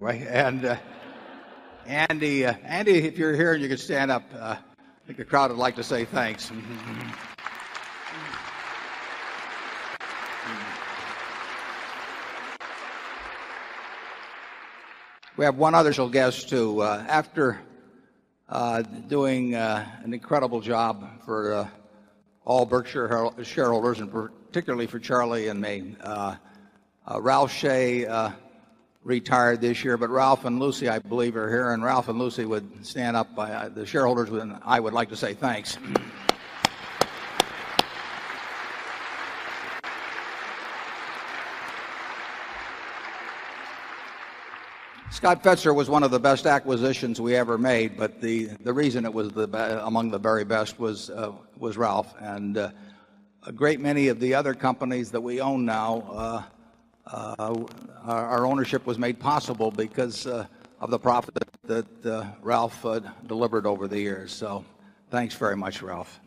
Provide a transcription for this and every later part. And Andy, Andy, if you're here and you could stand up, I think the crowd would like to say, thanks. We have one other shall guess to, after, doing an incredible job for all Berkshire shareholders and particularly for Charlie and me. Ralph Shea retired this year, but Ralph and Lucy, I believe, are here and Ralph and Lucy would stand up. The shareholders would then I would like to say thanks. Scott Fitzer was one of the best acquisitions we ever made, but the reason it was among the very best was Ralph. And a great many of the other companies that we own now, our ownership was made possible because of the profit that Ralph delivered over the years. So thanks very much Ralph.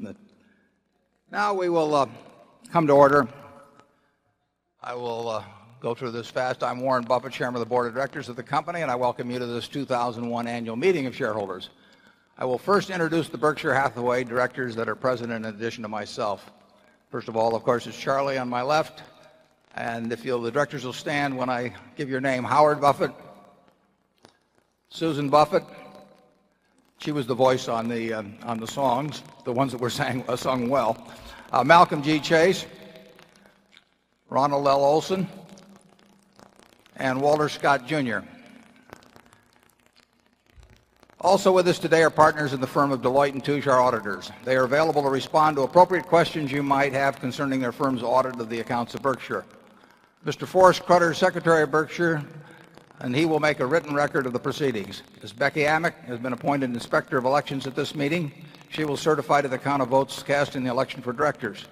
Now we will come to order. I will go through this fast. I'm Warren Buffett, Chairman of the Board of Directors of the company and I welcome you to this 2,001 annual meeting of shareholders. I will first introduce the Berkshire Hathaway directors that are present in addition to myself. First of all, of course, is Charlie on my left and if you'll the directors will stand when I give your name, Howard Buffett. Susan Buffett. She was the voice on the, on the songs, the ones that were sang sung well. Malcolm G Chase, Ronald L. Olson, and Walter Scott Junior. Also with us today are partners in the firm of Deloitte and Touche are auditors. They are available to respond to appropriate questions you might have concerning their firm's audit of the accounts of Berkshire. Mister Forrest Cruthers, secretary of Berkshire, and he will make a written record of the proceedings. Miss Becky Amick has been appointed inspector of elections at this meeting. She will certify to the count of votes cast in the election for directors.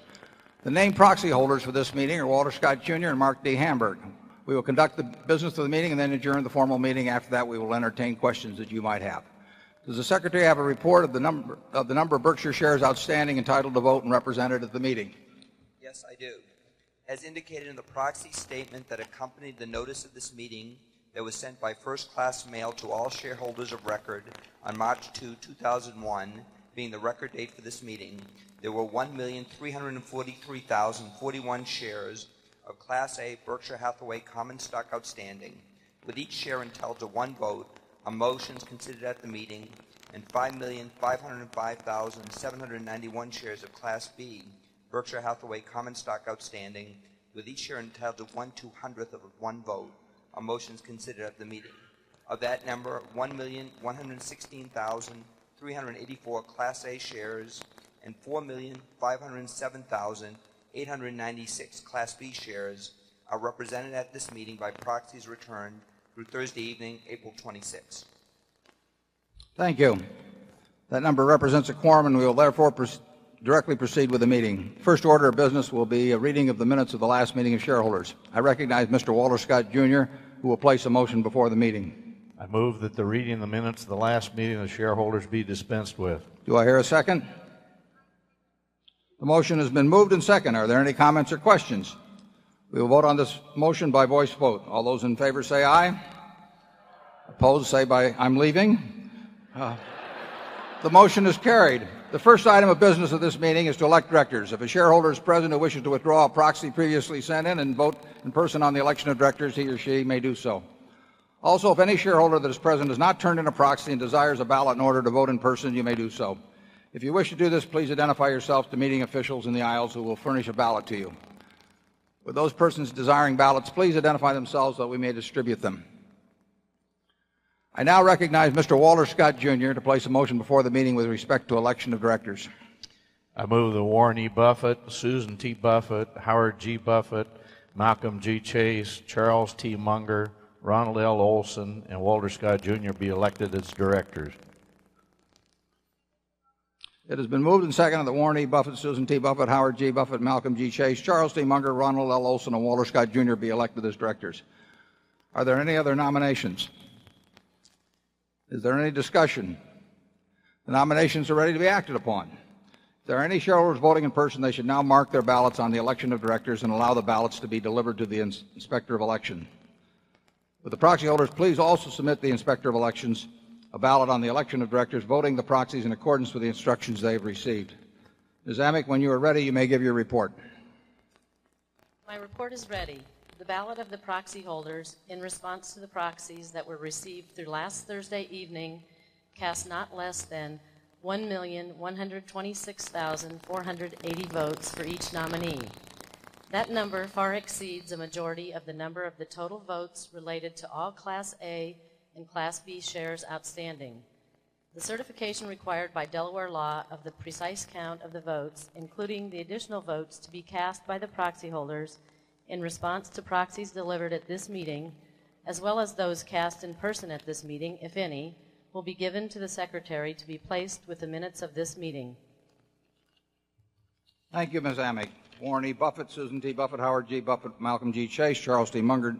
The named proxy holders for this meeting are Walter Scott Junior and Mark D. Hamburg. We will conduct the business of the meeting and then adjourn the formal meeting. After that, we will entertain questions that you might have. Does the secretary have a report of the number of the number of Berkshire shares outstanding entitled to vote and represented at the meeting? Yes, I do. As indicated in the proxy statement that accompanied the notice of this meeting that was sent by 1st class mail to all shareholders of record on March 2, 2001, being the record date for this meeting, there were 1,343,041 shares of Class A Berkshire Hathaway common stock outstanding with each share intelled to 1 vote, a motion is considered at the meeting, and 5,505,791 shares of Class B Berkshire Hathaway common stock outstanding, with each share entitled 1 200th of 1 vote. Our motion is considered at the meeting. Of that number, 1,116,000 384 Class A Shares and 4,507,896 Class B Shares are represented at this meeting by proxies returned through Thursday evening, April 26. Thank you. That number represents a quorum and we will therefore directly proceed with the meeting. First order of business will be a reading of the minutes of the last meeting of shareholders. I recognize Mr. Walter Scott Junior who will place a motion before the meeting. I move that the reading of the minutes of the last meeting of shareholders be dispensed with. Do I hear a second? The motion has been moved and seconded. Are there any comments or questions? We will vote on this motion by voice vote. All those in favor, say aye. Aye. Opposed, say aye, I'm leaving. The motion is carried. The first item of business of this meeting is to elect directors. If a shareholder is President who wishes to withdraw previously sent in and vote in person on the election of directors, he or she may do so. Also, if any shareholder that is present has not turned in a proxy and desires a ballot in order to vote in person, you may do so. If you wish to do this, please identify yourself to meeting officials in the aisles who will furnish a ballot to you. With those persons desiring ballots, please identify themselves that we may distribute them. I now recognize mister Walter Scott Junior to place a motion before the meeting with respect to election of directors. I move that Warren E. Buffet, Susan T. Buffet, Howard G. Buffet, Malcolm G. Chase, Charles T. Munger, Ronald L. Olson, and Walter Scott Junior be elected as directors. It has been moved and seconded under the Warren Buffett, Susan T. Buffet, Howard G. Buffet, Malcolm G. Chase, Charles T. Munger, Ronald L. Olson, and Walter Scott Jr. Be elected as directors. Are there any other nominations? Is there any discussion? The nominations are ready to be acted upon. If there are any shareholders voting in person, they should now mark their ballots on the election of directors and allow the ballots to be delivered to the inspector of election. The proxy holders please also submit the Inspector of Elections, a ballot on the election of directors voting the proxies in accordance with the instructions they have received. Ms. Amik, when you are ready, you may give your report. My report is ready. The ballot of the proxy holders in response to the proxies that were received through last Thursday evening, cast not less than 1,126,480 votes for each nominee. That number far exceeds the majority of the number of the total votes related to all Class A and Class B shares outstanding. The certification required by Delaware law of the precise count of the votes, including the additional votes to be cast by the proxy holders in response to proxies delivered at this meeting, as well as those cast in person at this meeting, if any, will be given to the secretary to be placed with the minutes of this meeting. Thank you, miss Amie. Warren E. Buffet, Susan D. Buffet, Howard G. Buffet, Malcolm G. Chase, Charles D. Munger,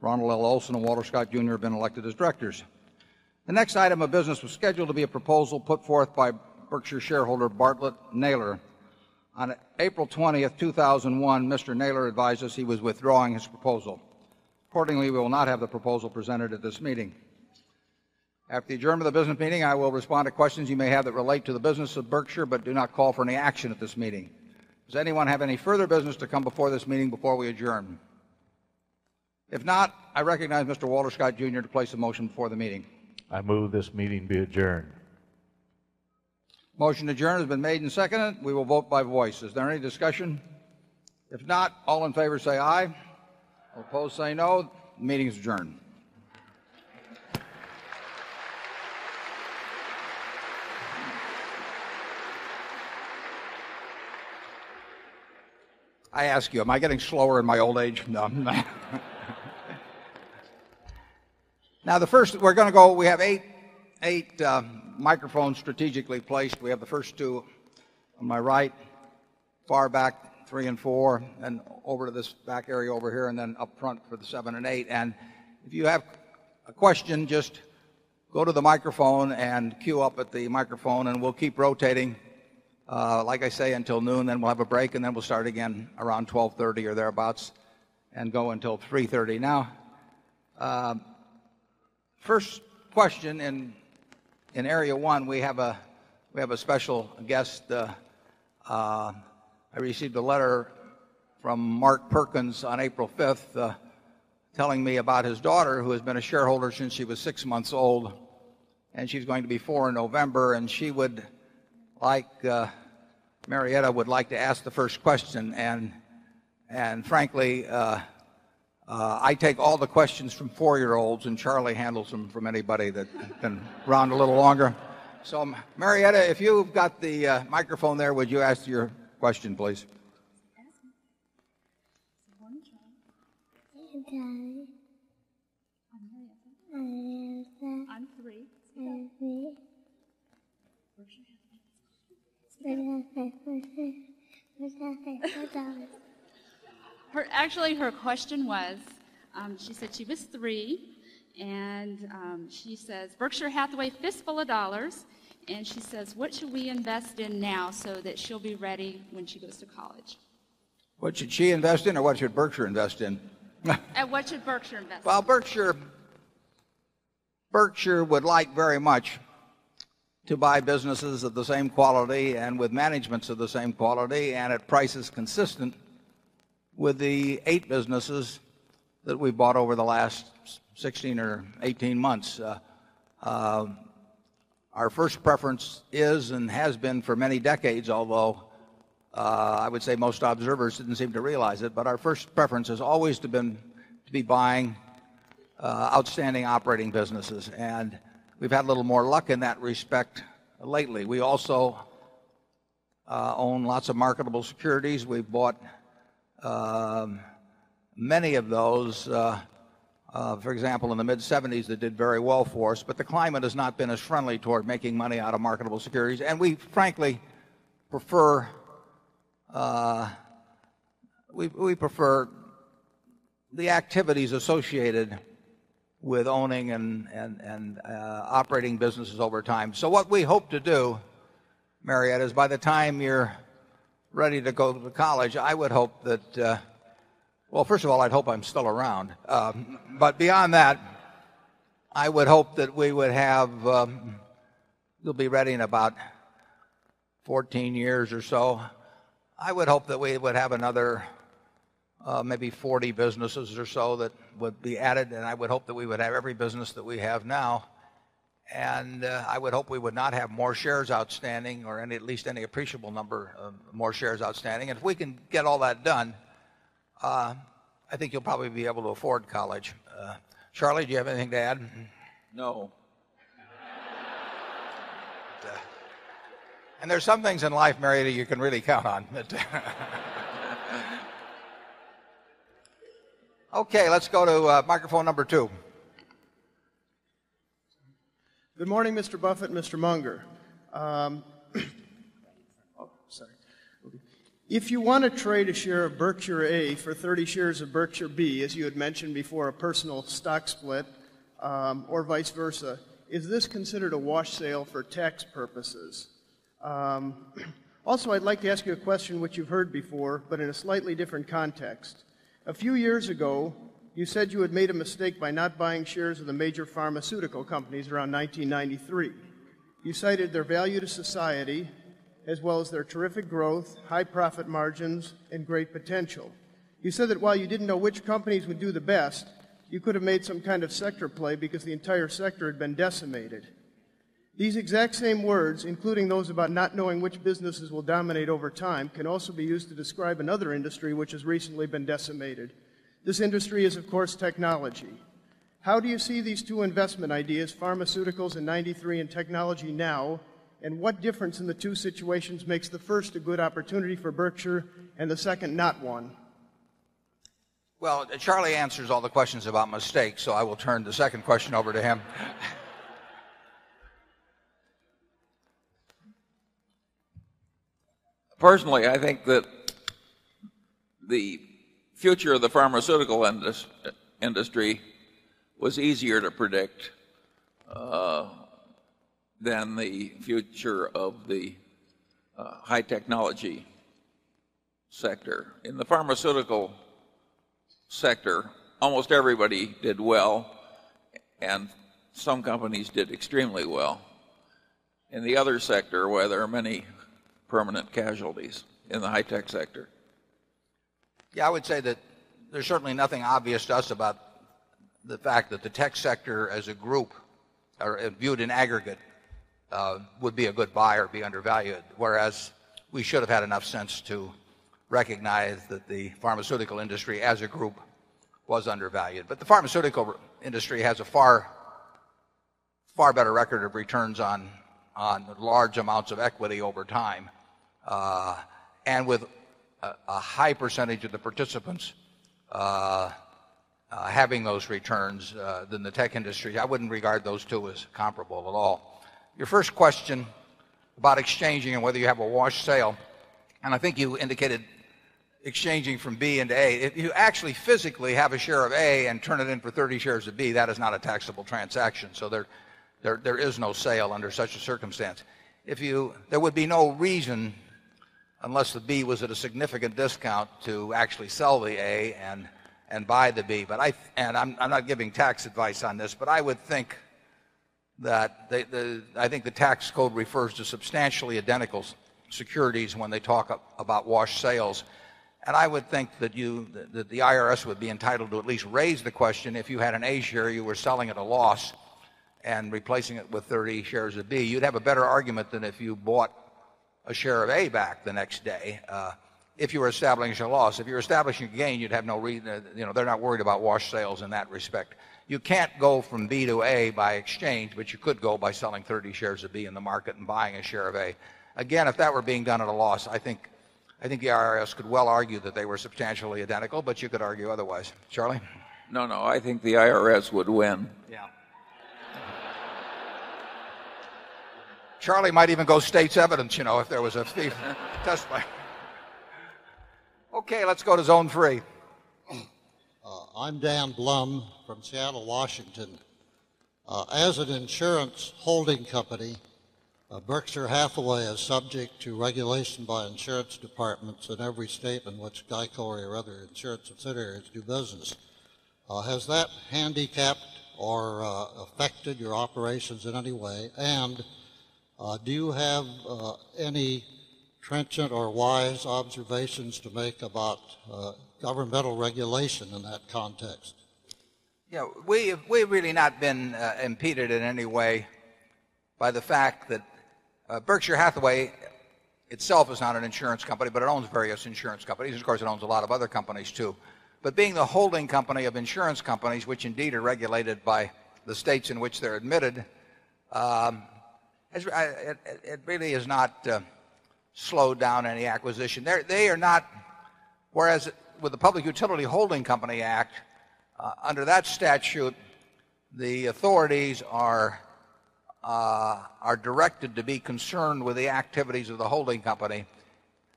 Ronald L. Olson, and Walter Scott Junior have been elected as directors. The next item of business was scheduled to be a proposal put forth by Berkshire shareholder Bartlett Naylor. On April 20, 2001, mister Naylor advised us he was withdrawing his proposal. Accordingly, we will not have the proposal presented at this meeting. After the adjournment of the business meeting, I will respond to questions you may have that relate to the business of Berkshire but do not call for any action at this meeting. Does anyone have any further business to come before this meeting before we adjourn? If not, I recognize mister Walter Scott Junior to place a motion before the meeting. I move this meeting be adjourned. Motion to adjourn has been made and seconded. We will vote by voice. Is there any discussion? If not, all in favor, say aye. Opposed, say no. Meeting is adjourned. I ask you, am I getting slower in my old age? Now the first we're going to go we have 8 8 microphones strategically placed. We have the first 2 on my right, far back 34 and over to this back area over here and then upfront for the 7 and 8. And if you have a question, just go to the microphone and queue up at the microphone and we'll keep rotating, like I say until noon then we'll have a break and then we'll start again around 12:30 or thereabouts and go until 3:30 now. First question in in area 1, we have a we have a special guest. I received a letter from Mark Perkins on April 5th telling me about his daughter who has been a shareholder since she was 6 months old. And she's going to be 4 in November and she would like, Marietta would like to ask the first question and and frankly, I take all the questions from 4 year olds and Charlie handles them from anybody that can round a little longer. So, Marietta, if you've got the microphone there, would you ask your question, please? Actually, her question was, she said she was 3, and, she says, Berkshire Hathaway fistful of dollars. And she says, what should we invest in now so that she'll be ready when she goes to college? What should she invest in or what should Berkshire invest in? What should Berkshire invest in? Well, Berkshire Berkshire would like very much to buy businesses of the same quality and with managements of the same quality and at prices consistent with the 8 businesses that we bought over the last 16 or 18 months. Our first preference is and has been for many decades, although I would say most observers didn't seem to realize it. But our first preference has always been to be buying outstanding operating businesses. And we've had a little more luck in that respect lately. We also own lots of marketable securities. We bought many of those, for example in the mid seventies that did very well for us. But the climate has not been as friendly toward making money out of marketable the the activities associated with owning and and operating businesses over time. So what we hope to do, Marietta is by the time you're ready to go to college, I would hope that, well first of all I hope I'm still around. But beyond that, I would hope that we would have, you'll be ready in about 14 years or so. I would hope that we would have another maybe 40 businesses or so that would be added and I would hope that we would have every business that we have now And I would hope we would not have more shares outstanding or at least any appreciable number of more shares outstanding. If we can get all that done, I think you'll probably be able to afford college. Charlie, do you have anything to add? No. And there's some things in life, Mary, that you can really count on. Okay. Let's go to microphone number 2. Good morning, mister Buffet and mister Munger. If you want to trade a share of Berkshire A for 30 shares of Berkshire B, as you had mentioned before, a personal stock split or vice versa. Is this considered a wash sale for tax purposes? Also I'd like to ask you a question which you've heard before, but in a slightly different context. A few years ago, you said you had made a mistake by not buying shares of the major pharmaceutical companies around 1993. You cited their value to society as well as their terrific growth, high profit margins and great potential. You said that while you didn't know which companies would do the best, you could have made some kind of sector play because the entire sector had been decimated. These exact same words including those about not knowing which businesses will dominate over time can also be used to describe another industry which has recently been decimated. This industry is of course technology. How do you see these two investment ideas, Pharmaceuticals and 93 in technology now? And what difference in the two situations makes the first a good opportunity for Berkshire and the second not one? Well, Charlie answers all the questions about mistakes. So I will turn the second question over to him. Personally, I think that the future of the pharmaceutical industry was easier to predict than the future of the high technology sector. In the pharmaceutical sector, almost everybody did well and some companies did extremely well. In the other sector where there are many permanent casualties in the high-tech sector. Yeah. I would say that there's certainly nothing obvious to us about the fact that the tech sector as a group, or viewed in aggregate, would be a good buyer, be undervalued. Whereas we should have had enough sense to recognize that the pharmaceutical industry as a group was undervalued. But the pharmaceutical industry has a far, far better record of returns on large amounts of equity over time. And with a high percentage of the participants having those returns than the tech industry. I wouldn't regard those 2 as comparable at all. Your first question about exchanging and whether you have a wash sale, and I think you indicated exchanging from B and A, if you actually physically have a share of A and turn it in for 30 shares of B, that is not a taxable transaction. So there there is no sale under such a circumstance. If you there would be no reason unless the B was at a significant discount to actually sell the A and buy the B. But I'm not giving tax advice on this, but I would think that the I think the tax code refers to substantially identical securities when they talk about wash sales and I would think that you that the IRS would be entitled to at least raise the question if you had an A share you were selling at a loss and replacing it with 30 shares of B. You'd have a better argument than if you bought a share of A back the next day, if you were establishing a loss. If you're establishing gain, you'd have no reason, you know, they're not worried about wash sales in that respect. You can't go from B to A by exchange but you could go by selling 30 shares of B in the market and buying a share of A. Again, if that were being done at a loss, I think the IRS could well argue that they were substantially identical, but you could argue otherwise. Charlie? No, no. I think the IRS would win. Yeah. Charlie might even go state's evidence you know if there was a test. Okay. Let's go to zone 3. I'm Dan Blum from Seattle Washington. As an insurance holding company, Berkshire Hathaway is subject to regulation by insurance departments in every state in which GEICO or other insurance subsidiaries do business. Has that handicapped or affected your operations in any way? And do you have any trenchant or wise observations to make about governmental regulation in that context? Yeah. We've we've really not been, impeded in any way by the fact that Berkshire Hathaway itself is not an insurance company but it owns various insurance companies. Of course, it owns a lot of other companies too. But being the holding company of insurance companies, which indeed are regulated by the states in which they're admitted, has it really has not slowed down any acquisition. They're they are not whereas with the Public Utility Holding Company Act, under that statute, the authorities are are directed to be concerned with the activities of the holding company.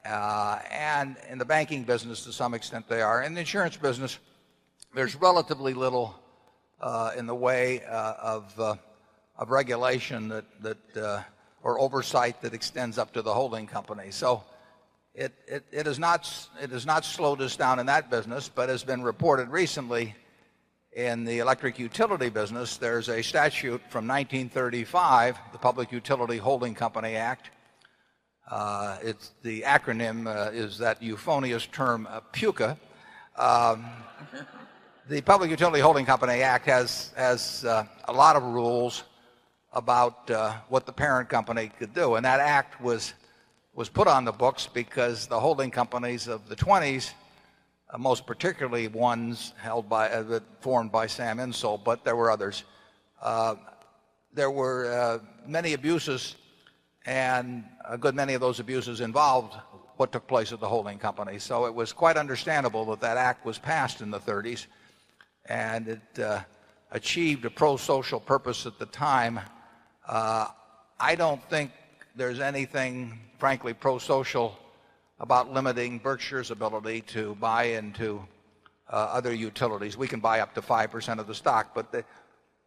And in the banking business, to some extent, they are. In the insurance business, there's relatively little in the way of regulation that or oversight that extends up to the holding company. So it it it is not it is not slowed us down in that business but has been reported recently in the electric utility business. There's a statute from 1935, the Public Utility Holding Company Act. It's the acronym is that euphonious term puka. The public utility holding company act has has a lot of rules about what the parent company could do and that act was was put on the books because the holding companies of the twenties, most particularly ones held by formed by Sam Insull but there were others. There were many abuses and a good many of those abuses involved what took place at the holding company. So it was quite understandable that that act was passed in the thirties and it achieved a pro social purpose at the time. I don't think there's anything frankly pro social about limiting Berkshire's ability to buy into other utilities. We can buy up to 5% of the stock but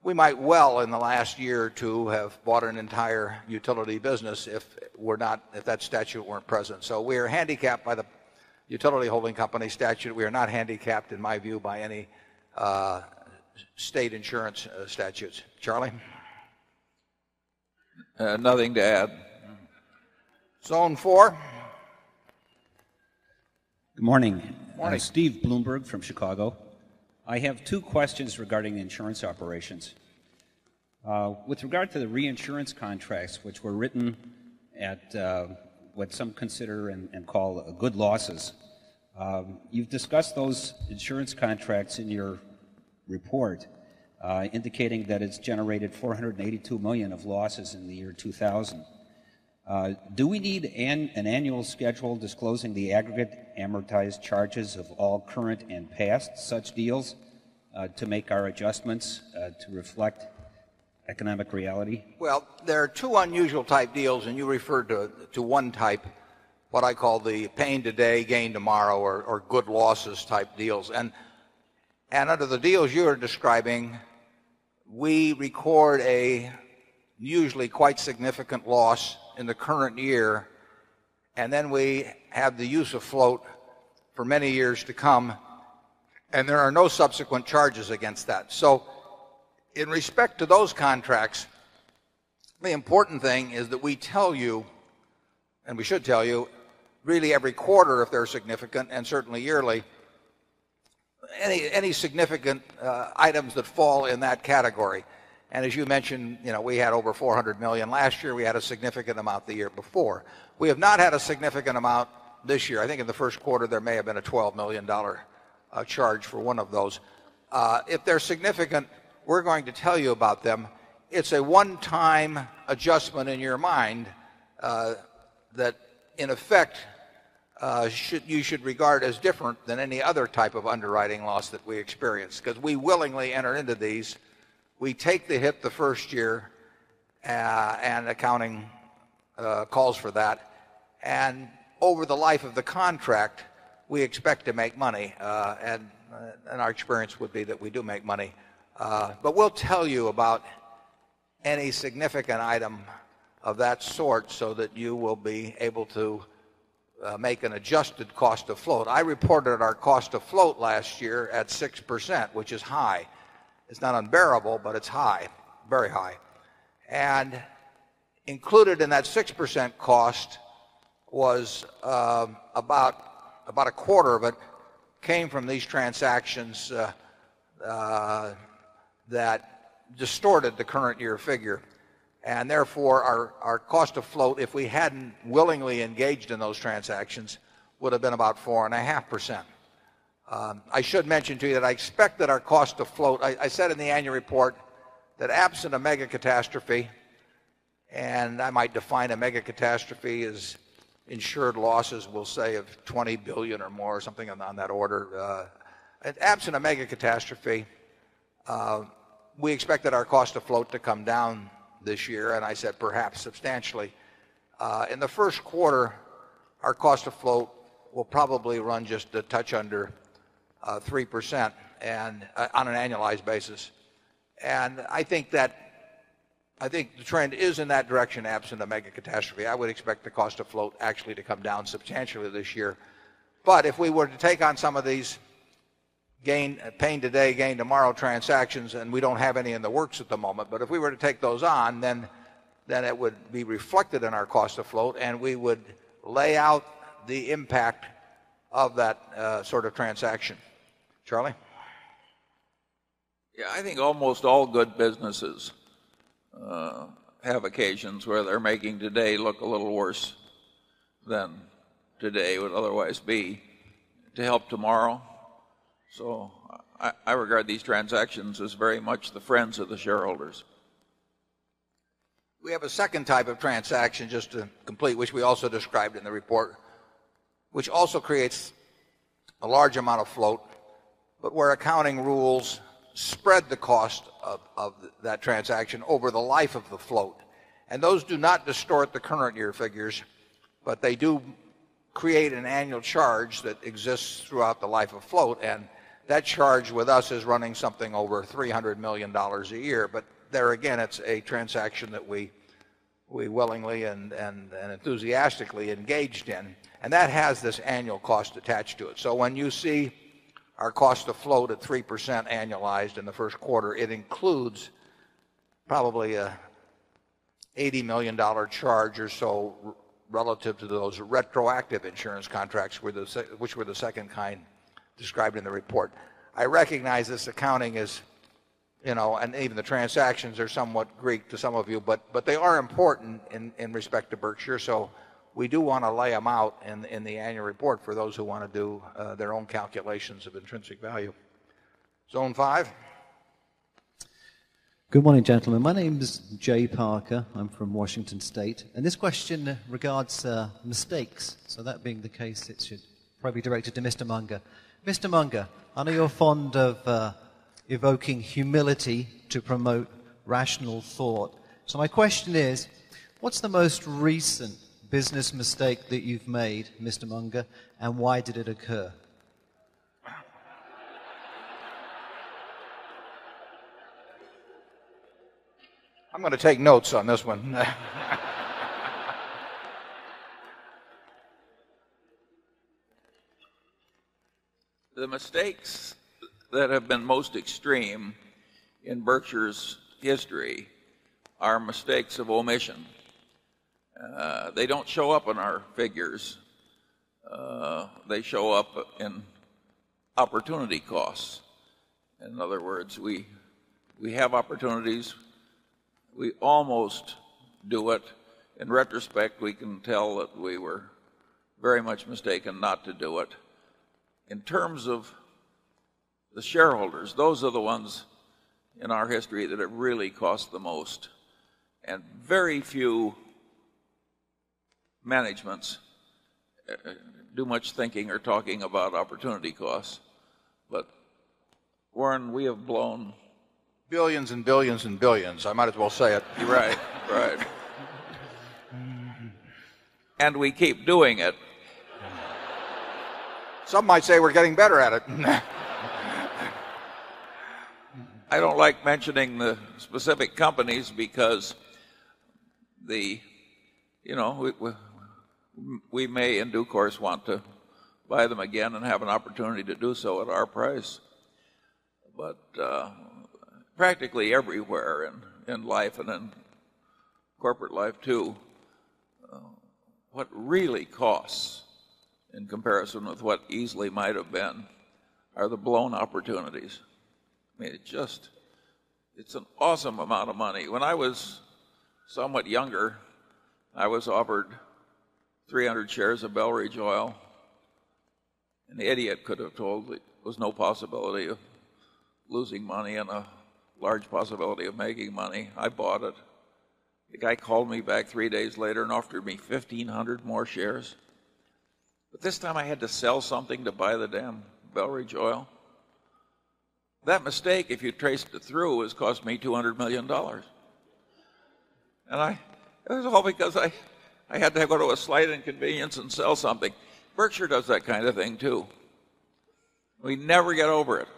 we might well in the last year or 2 have bought an entire utility business if we're not if that statute weren't present. So we're handicapped by the utility holding company statute. We are not handicapped in my view by any state insurance statutes. Charlie? Nothing to add. Song 4. Good morning. Steve Bloomberg from Chicago. I have two questions regarding insurance operations. With regard to the reinsurance contracts, which were written at what some consider and call good losses. You've discussed those insurance contracts in your report indicating that it's generated $482,000,000 of losses in the year 2000. Do we need an annual schedule disclosing the aggregate amortized charges of all current and past such deals to make our adjustments to reflect economic reality? Well, there are 2 unusual type deals and you referred to one type, what I call the pain today, gain tomorrow or or good losses type deals. And and under the deals you are describing, we record a usually quite significant loss in the current year and then we have the use of float for many years to come and there are no subsequent charges against that. So in respect to those contracts, the important thing is that we tell you, and we should tell you, really every quarter if they're significant and certainly yearly, any any significant items that fall in that category. And as you mentioned, you know, we had over $400,000,000 last year. We had a significant amount the year before. We have not had a significant amount this year. I think in the Q1 there may have been a $12,000,000 charge for one of those. If they're significant, we're going to tell you about them. It's a one time adjustment in your mind that in effect should you should regard as different than any other type of underwriting loss that we experienced because we willingly enter into these. We take the hit the 1st year and accounting calls for that. And over the life of the contract, we expect to make money and and our experience would be that we do make money. But we'll tell you about any significant item of that sort so that you will be able to make an adjusted cost of float. I reported our cost of float last year at 6%, which is high. It's not unbearable but it's high, very high. And included in that 6% cost was about a quarter of it came from these transactions that distorted the current year figure and therefore our cost of float, if we hadn't willingly engaged in those transactions, would have been about 4.5%. I should mention to you that I expect that our cost to float. I said in the annual report that absent a mega catastrophe and I might define a mega catastrophe is insured losses we'll say of $20,000,000,000 or more or something on that order. Absent a mega catastrophe, we expect that our cost of float to come down this year and I said perhaps substantially. In the Q1 our cost of float will probably run just a touch under 3% and on an annualized basis. And I think that I think the trend is in that direction absent the mega catastrophe. I would expect the cost of float actually to come down substantially this year. But if we were to take on some of these gain pain today, gain tomorrow transactions and we don't have any in the works at the moment, but if we were to take those on then it would be reflected in our cost of float and we would lay out the impact of that sort of transaction. Charlie? Yeah, I think almost all good businesses have occasions where they're making today look a little worse than today would otherwise be to help tomorrow. So I regard these transactions as very much the friends of the shareholders. We have a second type of transaction just to complete, which we also described in the report, which also creates a large amount of float, but where accounting rules spread the cost of of that transaction over the life of the float. And those do not distort the current year figures, but they do create an annual charge that exists throughout the life of float. And that charge with us is running something over $300,000,000 a year. But there again, it's a transaction that we we willingly and enthusiastically engaged in and that has this annual cost attached to it. So when you see our cost to flow to 3% annualized in the Q1, it includes probably $80,000,000 charge or so relative to those retroactive insurance contracts which were the second kind described in the report. I recognize this accounting is you know and even the transactions are somewhat Greek to some of you, but they are important in respect to Berkshire. So we do want to lay them out in the annual report for those who want to do their own calculations of intrinsic value. Zone 5? Good morning, gentlemen. My name is Jay Parker. I'm from Washington State. And this question regards mistakes. So that being the case, it should probably be directed to Mr. Munger. Mr. Munger, I know you're fond of, evoking humility to promote rational thought. So my question is, what's the most recent business mistake that you've made, Mr. Munger? And why did it occur? I'm gonna take notes on this one. The mistakes that have been most extreme in Berkshire's history are mistakes of omission. They don't show up in our figures. They show up in opportunity costs. In other words, we have opportunities. We almost do it. In retrospect, we can tell that we were very much mistaken not to do it. In terms of the shareholders, those are the ones in our history that have really cost the most and very few managements do much thinking or talking about opportunity costs. But Warren, we have blown 1,000,000,000 and 1,000,000,000 and 1,000,000,000. I might as well say it. Right. Right. And we keep doing it. Some might say we're getting better at it. I don't like mentioning the specific companies because the, you know, we may in due course want to buy them again and have an opportunity to do so at our price, but practically everywhere in life and in corporate life too, what really costs in comparison with what easily might have been are the blown opportunities. I mean, it just it's an awesome amount of money. When I was somewhat younger, I was offered 300 shares of Belleridge Oil. An idiot could have told that there was no possibility of losing money and a large possibility of making money. I bought it. The guy called me back 3 days later and offered me 1500 more shares. But this time, I had to sell something to buy the damn Bellridge oil. That mistake, if you traced it through, has cost me $200,000,000 And I, it was all because I had to go to a slight inconvenience and sell something. Berkshire does that kind of thing too. We never get over it.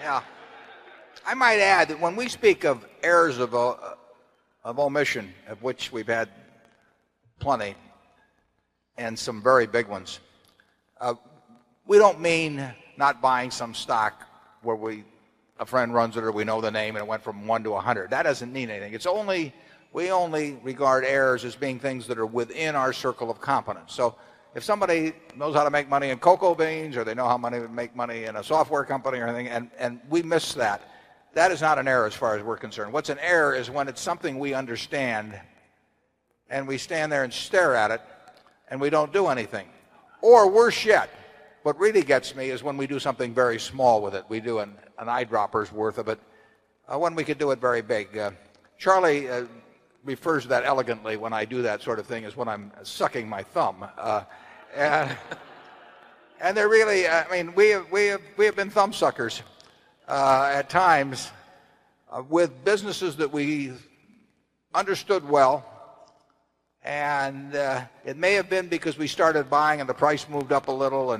Yeah. I might add that when we speak of errors of of omission, of which we've had plenty and some very big ones, We don't mean not buying some stock where we, a friend runs it or we know the name and it went from 1 to a 100. That doesn't mean anything. It's only, we only regard errors as being things that are within our circle of competence. So if somebody knows how to make money in cocoa beans or they know how money to make money in a software company or anything and and we miss that. That is not an error as far as we're concerned. What's an error is when it's something we understand and we stand there and stare at it and we don't do anything. Or worse yet, what really gets me is when we do something very small with it. We do an eyedroppers worth of it. When we could do it very big. Charlie refers that elegantly when I do that sort of thing is when I'm sucking my thumb And they're really, I mean, we have been thumb suckers at times with businesses that we understood well and it may have been because we started buying and the price moved up a little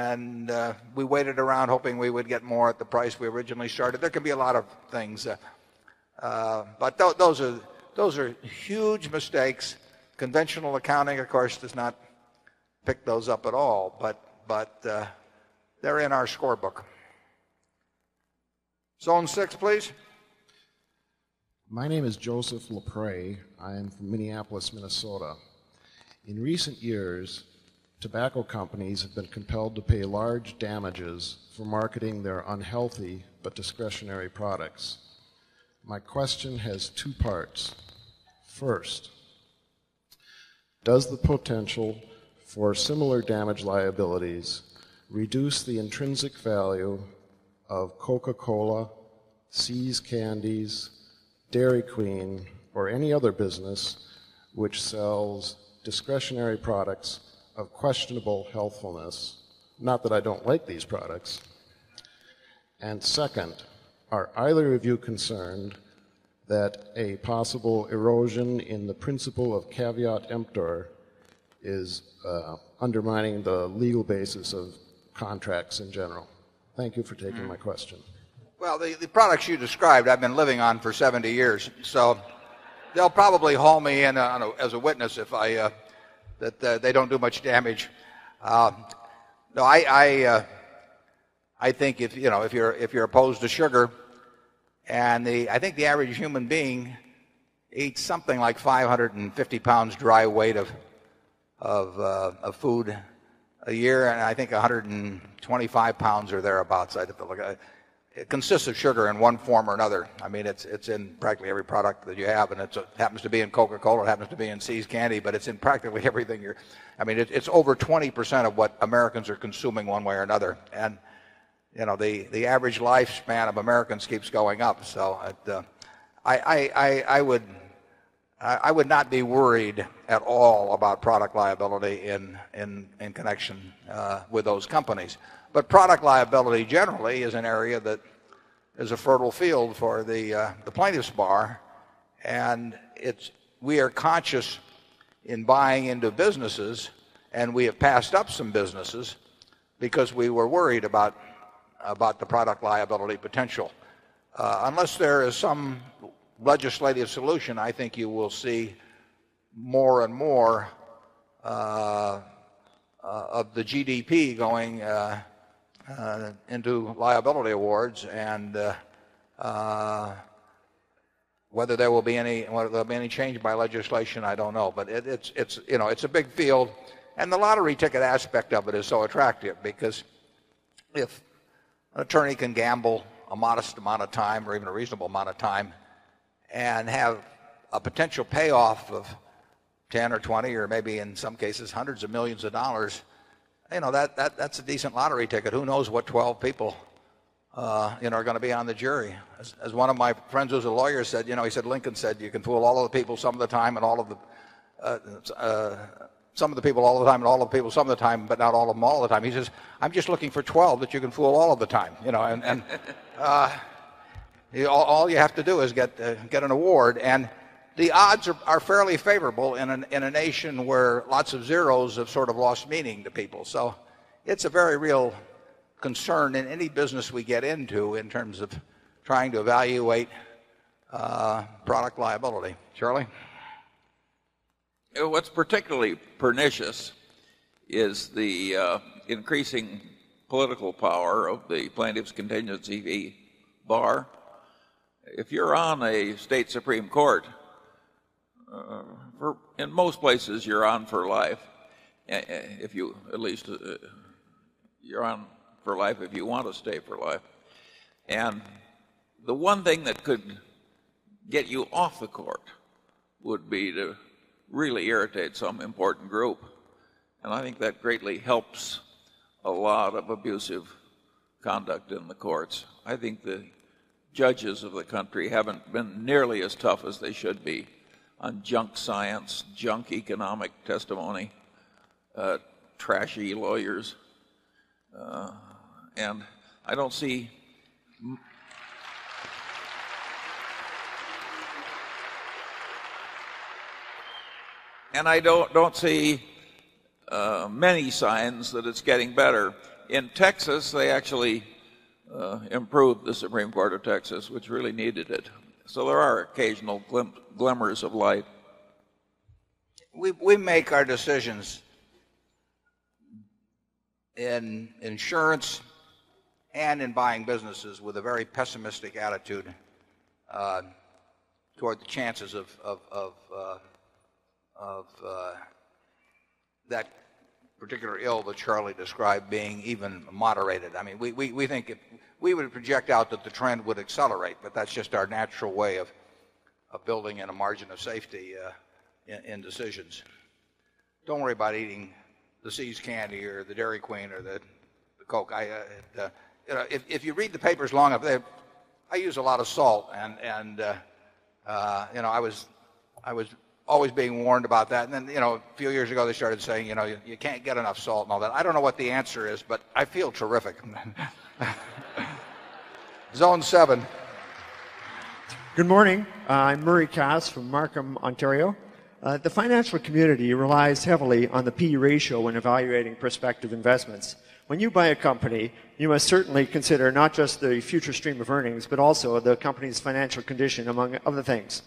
and we waited around hoping we would get more at the price we originally started. There could be a lot of things, but those are huge mistakes. Conventional accounting, of course, does not pick those up at all, but they're in our score book. Zone 6 please. My name is Joseph Lepre. I am from Minneapolis Minnesota. In recent years, tobacco companies have been compelled to pay large damages for marketing their unhealthy but discretionary products. My question has 2 parts. 1st, does the potential for similar damage liabilities reduce the intrinsic value of Coca Cola, See's Candies, Dairy Queen, or any other business which sells discretionary products of questionable healthfulness, not that I don't like these products? And second, are Eiler review concerned that a possible erosion in the principle of caveat emptor is, undermining the legal basis of contracts in general? Thank you for taking my question. Well the products you described, I've been living on for 70 years. So they'll probably haul me in as a witness if I that they don't do much damage. No I I think if you know, if you're opposed to sugar and the I think the average human being eats something like 550 pounds dry weight of of, of food a year and I think a £125 or thereabouts. It consists of sugar in one form or another. I mean it's in practically every product that you have and it's happens to be in Coca Cola, it happens to be in See's candy but it's in practically everything you're I mean it's over 20% of what Americans are consuming one way or another and you know the average life span of Americans keeps going up. So I would not be worried at all about product liability in connection with those companies. But product liability generally is an area that is a fertile field for the plaintiff's bar and it's we are conscious in buying into businesses and we have passed up some businesses because we were worried about the product liability potential. Unless there is some legislative solution, I think you will see more and more of the GDP going into liability awards and whether there will be any change by legislation, I don't know. But it's, you know, it's a big field and the lottery ticket aspect of it is so attractive because if an attorney can gamble a modest amount of time or even a reasonable amount of time and have a potential payoff of 10 or 20 or maybe in some cases 100 of 1,000,000 of dollars, you know that that's a decent lottery ticket. Who knows what 12 people are going to be on the jury. As one of my friends who is a lawyer said, you know he said Lincoln said you can pull all of the people some of the time and all of the the some of the people all the time and all of people some of the time, but not all of them all the time. He says, I'm just looking for 12 that you can fool all of the time. You know, and all you have to do is get get an award and the odds are fairly favorable in a nation where lots of zeros have sort of lost meaning to people. So it's a very real concern in any business we get into in terms of trying to evaluate product liability. Charlie? What's particularly pernicious is the increasing political power of the plaintiff's contingency v. Bar. If you're on a State Supreme Court, for in most places, you're on for life. If you at least, you're on for life, if you want to stay for life. And the one thing that could get you off the court would be to really irritate some important group. And I think that greatly helps a lot of abusive conduct in the courts. I think the judges of the country haven't been nearly as tough as they should be on junk science, junk economic testimony, trashy lawyers. And I don't see and I don't don't see many signs that it's getting better. In Texas, they actually, improved the Supreme Court of Texas, which really needed it. So there are occasional glimmers of life. We we make our decisions in insurance and in buying businesses with a very pessimistic attitude toward the chances of that particular ill that Charlie described being even moderated. I mean, we we think it we would project out that the trend would accelerate, but that's just our natural way of building in a margin of safety in decisions. Don't worry about eating the seized candy or the Dairy Queen or the Coke. I, you know, if if you read the papers long up there, I I use a lot of salt and and, you know, I was I was always being warned about that. And then, you know, few years ago they started saying, you know, you can't get enough salt and all that. I don't know what the answer is but I feel terrific. Zone 7. Good morning. I'm Murray Cass from Markham, Ontario. The financial community relies heavily on the PE ratio when evaluating perspective investments. When you buy a company, you must certainly consider not just the future stream of earnings, but also the company's financial condition among other things.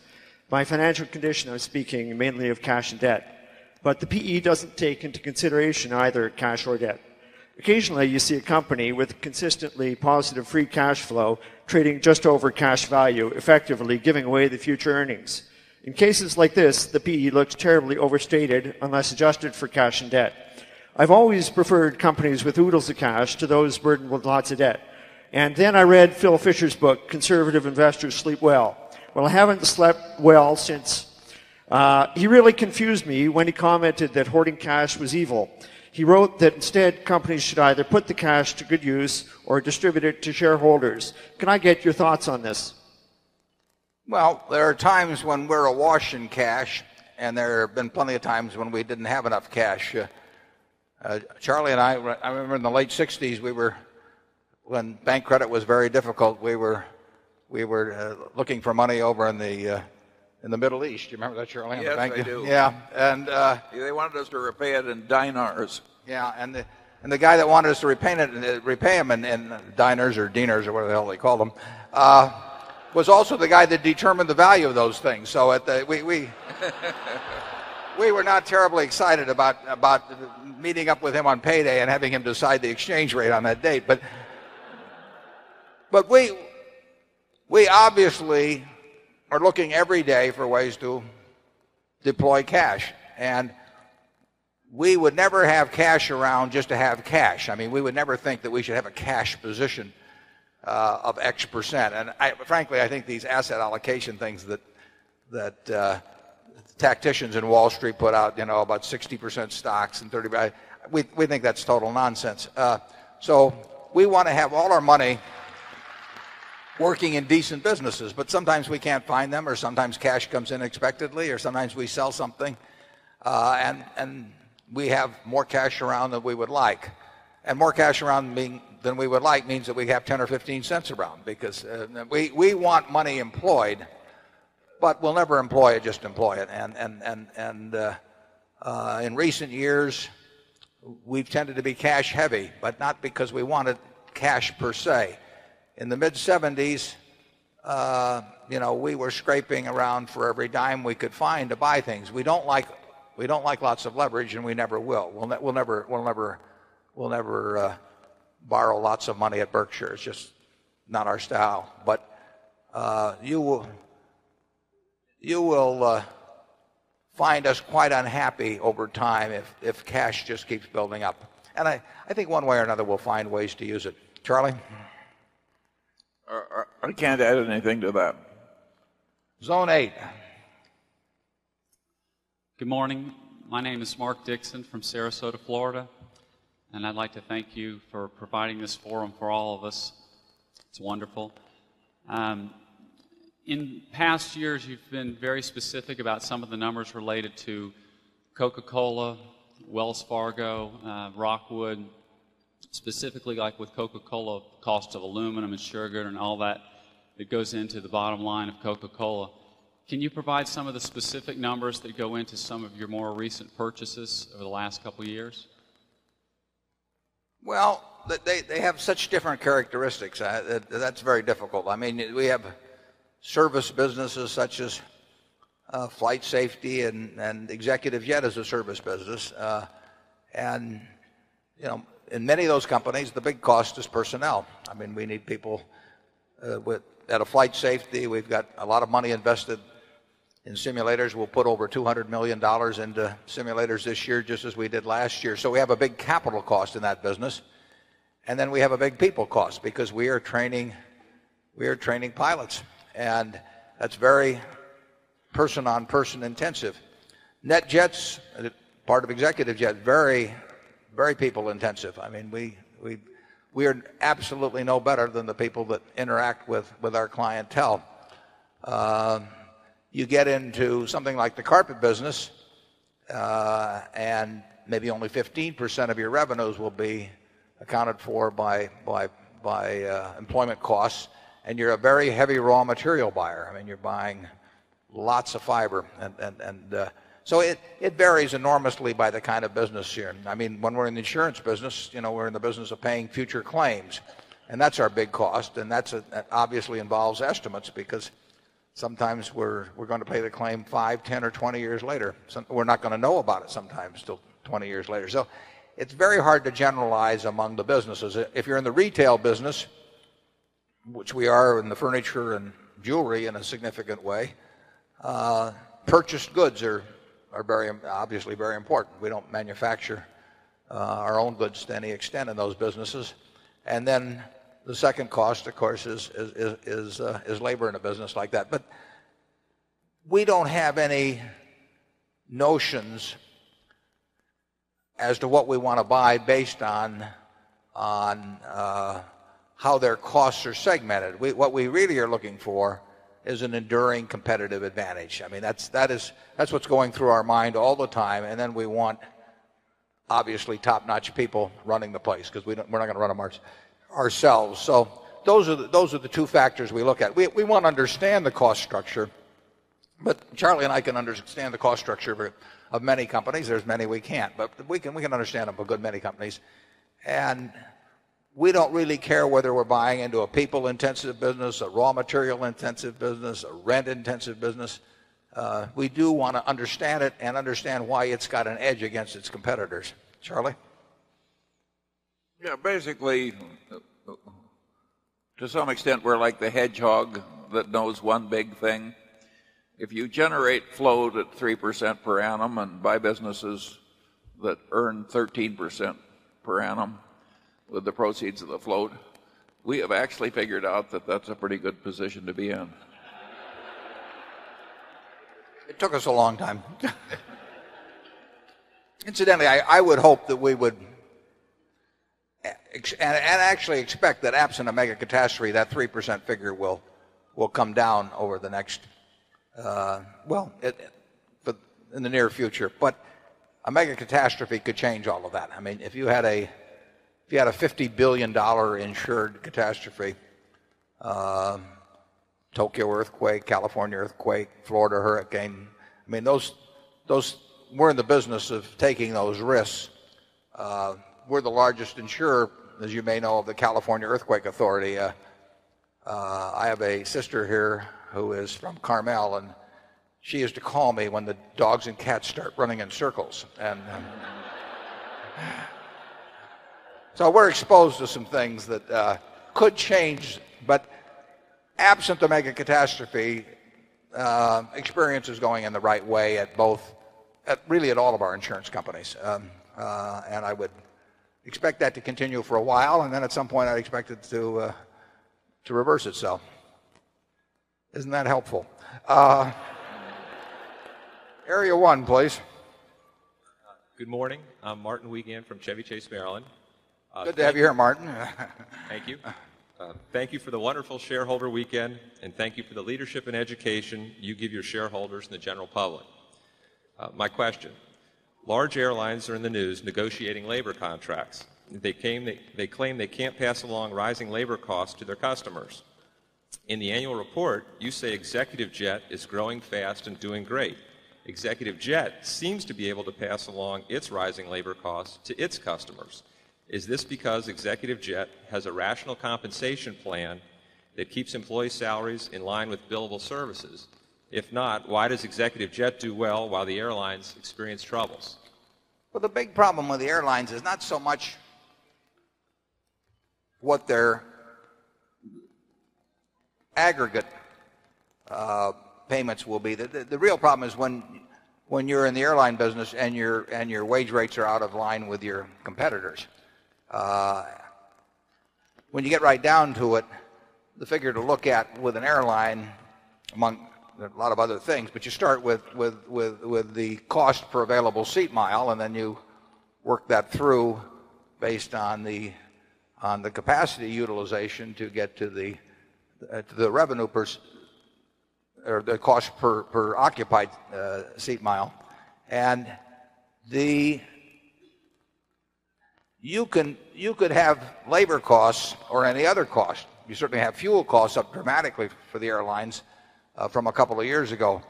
By financial condition I was speaking mainly of cash and debt. But the PE doesn't take into consideration either cash or debt. Occasionally, you see a company with consistently positive free cash flow trading just over cash value effectively giving away the future earnings. In cases like this, the PE looks terribly overstated unless adjusted for cash and debt. I've always preferred companies with oodles of cash to those burdened with lots of debt. And then I read Phil Fisher's book, Conservative Investors Sleep Well. Well, I haven't slept well since, he really confused me when he commented that hoarding cash was evil. He wrote that instead companies should either put the cash to good use or distribute it to shareholders. Can I get your thoughts on this? Well, there are times when we're awash in cash and there have been plenty of times when we didn't have enough cash. Charlie and I, I remember in the late sixties we were when bank credit was very difficult, we were looking for money over in the Middle East. Do you remember that, Sheryl? Yes, I do. Yeah. And they wanted us to repay it in diners. Yeah. And the and the guy that wanted us to repay it and repay them in diners or diners or whatever the hell they call them, was also the guy that determined the value of those things. So at the we we were not terribly excited about about meeting up with him on payday and having him decide the exchange rate on that date. But but we we obviously are looking every day for ways to deploy cash and we would never have cash around just to have cash. I mean we would never think that we should have a cash position, of X percent and frankly I think these asset allocation things that that tacticians and Wall Street put out you know about 60% stocks and 30 percent. We think that's total nonsense. So we want to have all our money working in decent businesses, but sometimes we can't find them or sometimes cash comes in unexpectedly or sometimes we sell something, and and we have more cash around than we would like. And more cash around than we would like means that we have 10 or 15¢ around because we want money employed, but we'll never employ it, just employ it. And in recent years we've tended to be cash heavy, but not because we wanted cash per se. In the mid seventies, we were scraping around for every dime we could find to buy things. We don't like we don't like lots of leverage and we never will. We'll never we'll never we'll never borrow lots of money at Berkshire, it's just not our style. But, you will find us quite unhappy over time if cash just keeps building up. And I think one way or another we'll find ways to use it. Charlie? I can't add anything to that. Zone 8. Good morning. My name is Mark Dixon from Sarasota, Florida. And I'd like to thank you for providing this forum for all of us. It's wonderful. In past years, you've been very specific about some of the numbers related to Coca Cola, Wells Fargo, Rockwood, specifically like with Coca Cola, cost of aluminum and sugar and all that, it goes into the bottom line of Coca Cola. Can you provide some of the specific numbers that go into some of your more recent purchases over the last couple years? Well, they have such different characteristics. That's very difficult. I mean, we have service businesses such as flight safety and executive jet as a service business. And in many of those companies, the big cost is personnel. I mean we need people with, at a flight safety, we've got a lot of money invested in simulators, we'll put over $200,000,000 into simulators this year just as we did last year. So we have a big capital cost in that business and then we have a big people cost because we are training, we are training pilots and that's very person on person intensive. Netjets, part of executive jet, very, very people intensive. I mean we are absolutely no better than the people that interact with our clientele. You get into something like the carpet business and maybe only 15% of your revenues will be accounted for by employment costs and you're a very heavy raw material buyer. I mean you're buying lots of fiber and so it varies enormously by the kind of business here. I mean, when we're in the insurance business, you know, we're in the business of paying future claims and that's our big cost and that's obviously involves estimates because sometimes we're going to pay the claim 5, 10 or 20 years later. We're not going to know about it sometimes till 20 years later. So it's very hard to generalize among the businesses. If you're in the retail business, which we are in the furniture and jewelry in a significant way, purchased goods are obviously very important. We don't manufacture our own goods to any extent in those businesses. And then the second cost of course is labor in a business like that. But, we don't have any notions as to what we want to buy based on how their costs are segmented. What we really are looking for is an enduring competitive advantage. I mean that's what's going through our mind all the time and then we want obviously top notch people running the place because we're not going to run them ourselves. So those are the two factors we look at. We want to understand the cost structure, but Charlie and I can understand the cost structure of many companies, there's many we can't, but we can understand them a good many companies. And we don't really care whether we're buying into a people intensive business, a raw material intensive business, a rent intensive business. We do want to understand it and understand why it's got an edge against its competitors. Charlie? Yeah. Basically, to some extent, we're like the hedgehog that knows one big thing. If you generate flowed at 3% per annum and buy businesses that earn 13% per annum with the proceeds of the float, we have actually figured out that that's a pretty good position to be in. It took us a long time. Incidentally, I would hope that we would and actually expect that absent a mega catastrophe that 3% figure will come down over the next, well in the near future. But I'll make a catastrophe could change all of that. I mean if you had a you had a $50,000,000,000 insured catastrophe, Tokyo earthquake, California earthquake, Florida hurricane, I mean those, we're in the business of taking those risks. We're the largest insurer, as you may know of the California earthquake authority. I have a sister here who is from Carmel and she used to call me when the dogs and cats start running in circles and So we're exposed to some things that could change but absent to make a catastrophe, experience is going in the right way at both, really at all of our insurance companies. And I would expect that to continue for a while and then at some point I expected to reverse itself. Isn't that helpful? Area 1, please. Good morning. I'm Martin Wiegand from Chevy Chase Maryland. Good to have you here Martin. Thank you. Thank you for the wonderful shareholder weekend and thank you for the leadership and education you give your shareholders and the general public. My question, large airlines are in the news negotiating labor contracts. They claim they can't pass along rising labor costs to their customers. In the annual report, you say Executive Jet is growing fast and doing great. Executive Jet seems to be able to pass along its rising labor costs to its customers. Is this because ExecutiveJet has a rational compensation plan that keeps employee salaries in line with billable services? If not, why does executive jet do well while the airlines experience troubles? Well, the big problem with the airlines is not so much what their aggregate, payments will be. The the real problem is when when you're in the airline business and your and your wage rates are out of line with your competitors. When you get right down to it, the figure to look at with an airline, among a lot of other things, but you start with with with with the cost per available seat mile and then you work that through based on the on the capacity utilization to get to the revenue per the cost per occupied seat mile. And the you can you could have labor costs or any other cost. You certainly have fuel costs up dramatically for the airlines from a couple of years ago.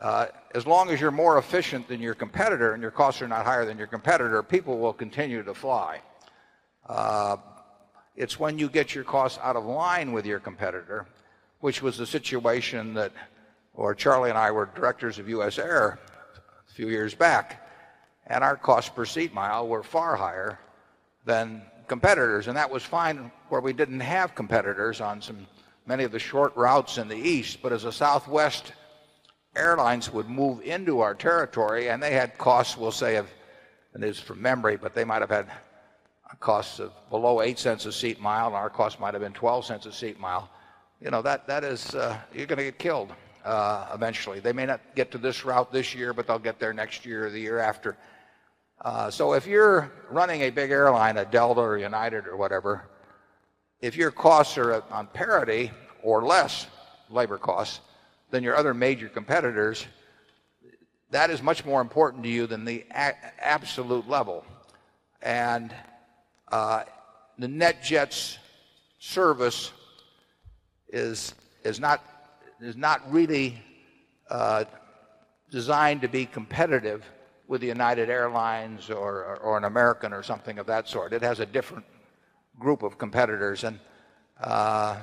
As long as you're more efficient than your competitor and your costs are not higher than your competitor, people will continue to fly. It's when you get your costs out of line with your competitor which was the situation that or Charlie and I were directors of US Air a few years back and our cost per seat mile were far higher than competitors and that was fine where we didn't have competitors on some many of the short routes in the east but as a Southwest airlines would move into our territory and they had costs will say, and this is from memory, but they might have had a cost of below $8 a seat mile and our cost might have been $0.12 a seat mile. You know that that is, you're going to get killed eventually. They may not get to this route this year but they'll get there next year or the year after. So if you're running a big airline at Delta or United or whatever, if your costs are on parity or less labor costs than your other major competitors, that is much more important to you than the absolute level. And the NetJets service is not really designed to be competitive with the United Airlines or an American or something of that sort. It has a different group of competitors and I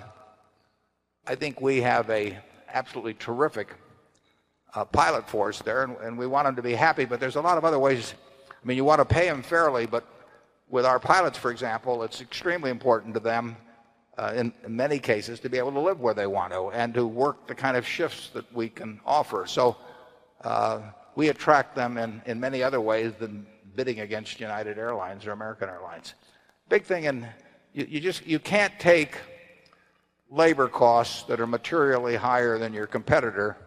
think we have a absolutely terrific pilot force there and we want them to be happy but there's a lot of other ways. I mean you want to pay them fairly but with our pilots for example, it's extremely important to them, in many cases to be able to live where they want to and to work the kind of shifts that we can offer. So, we attract them in many other ways than bidding against United Airlines or American Airlines. Big thing and you just, you can't take labor costs that are materially higher than your competitor,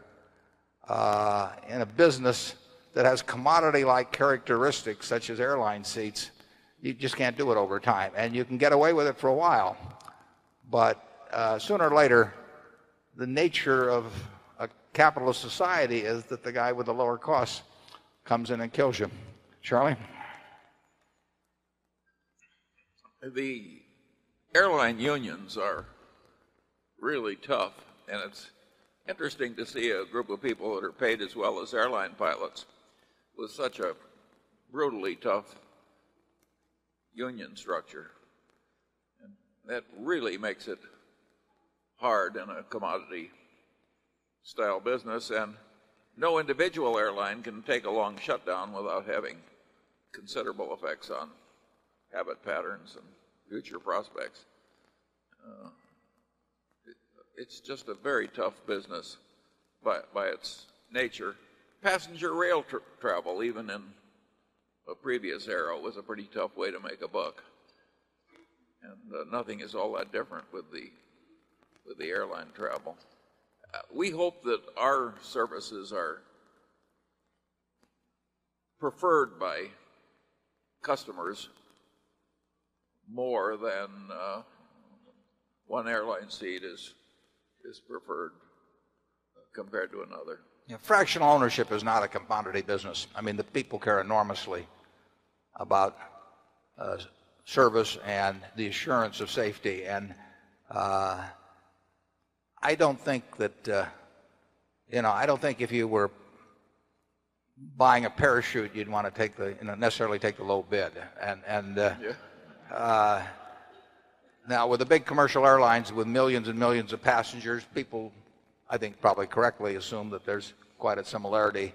in a business that has commodity like characteristics such as airline seats, you just can't do it over time and you can get away with it for a while. But sooner or later the nature of a capitalist society is that the guy with the lower cost comes in and kills you. Charlie? The airline unions are really tough, and it's interesting to see a group of people that are paid as well as airline pilots with such a brutally tough union structure. And that really makes it hard in a commodity style business and no individual airline can take a long shutdown without having considerable effects on habit patterns and future prospects. It's just a very tough business by its nature. Passenger rail travel, even in a previous era, was a pretty tough way to make a buck. And nothing is all that different with the airline travel. We hope that our services are preferred by customers more than one airline seat is preferred compared to another. Fractional ownership is not a compounded business. I mean, the people care enormously about service and the assurance of safety and I don't think that, you know, I don't think if you were buying a parachute you'd want to take the necessarily take the low bid and and now with the big commercial airlines with millions and millions of passengers, people I think probably correctly assume that there's quite a similarity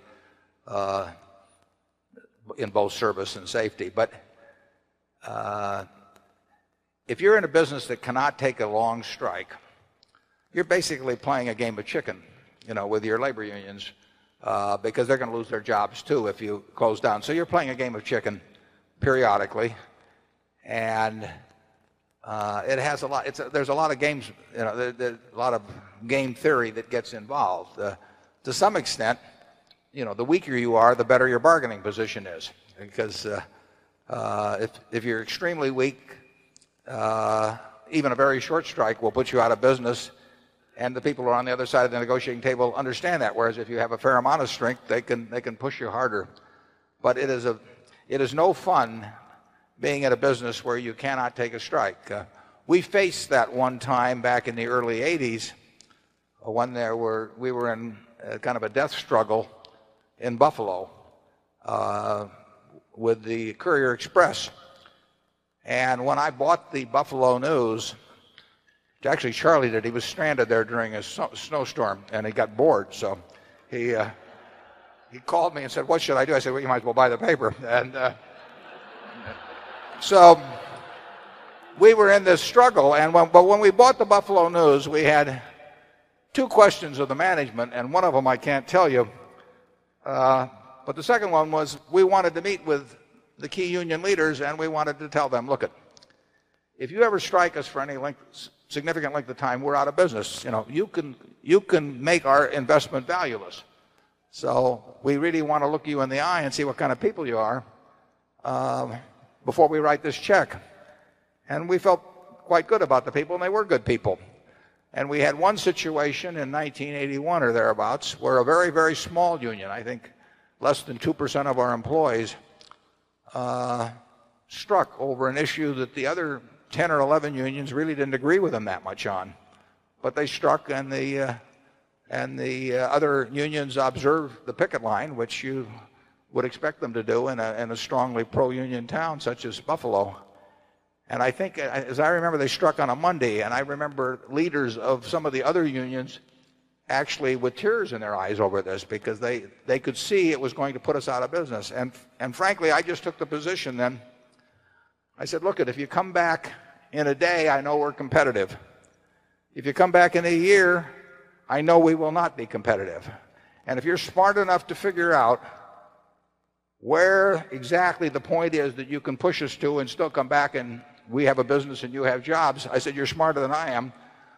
in both service and safety but, if you're in a business that cannot take a long strike, you're basically playing a game of chicken, you know, with your labor unions, because they're gonna lose their jobs too if you close down. So you're playing a game of chicken periodically and, it has a lot there's a lot of games, you know, there's a lot of game theory that gets involved. To some extent, you know, the weaker you are the better your bargaining position is, because if you're extremely weak, even a very short strike will put you out of business and the people who are on the other side of the negotiating table understand that whereas if you have a fair amount of strength they can push you harder. But it is a it is no fun being at a business where you cannot take a strike. We faced that one time back in the early eighties when there were, we were in kind of a death struggle in Buffalo, with the Courier Express And when I bought the Buffalo News, it's actually Charlie that he was stranded there during a snowstorm and he got bored. So he he called me and said what should I do. I said, well you might as well buy the paper. And so we were in this struggle and when but when we bought the Buffalo News, we had 2 questions of the management and one of them I can't tell you. But the second one was, we wanted to meet with the key union leaders and we wanted to tell them, look it, if you ever strike us for any length significant length of time, we're out of business, you know, you can make our investment valueless. So, we really want to look you in the eye and see what kind of people you are before we write this check. And we felt quite good about the people and they were good people. And we had one situation in 1981 or thereabouts where a very very small union, I think less than 2% of our employees, struck over an issue that the other 10 or 11 unions really didn't agree with them that much on. But they struck and the and the other unions observed the picket line which you would expect them to do in a strongly pro union town such as Buffalo. And I think as I remember they struck on a Monday and I remember leaders of some of the other unions actually with tears in their eyes over this because they could see it was going to put us out of business. And frankly, I just took the position then. I said: look it, if you come back in a day, I know we're competitive. If you come back in a year, I know we will not be competitive. And if you're smart enough to figure out where exactly the point is that you can push us to and still come back and we have a business and you have jobs. I said you're smarter than I am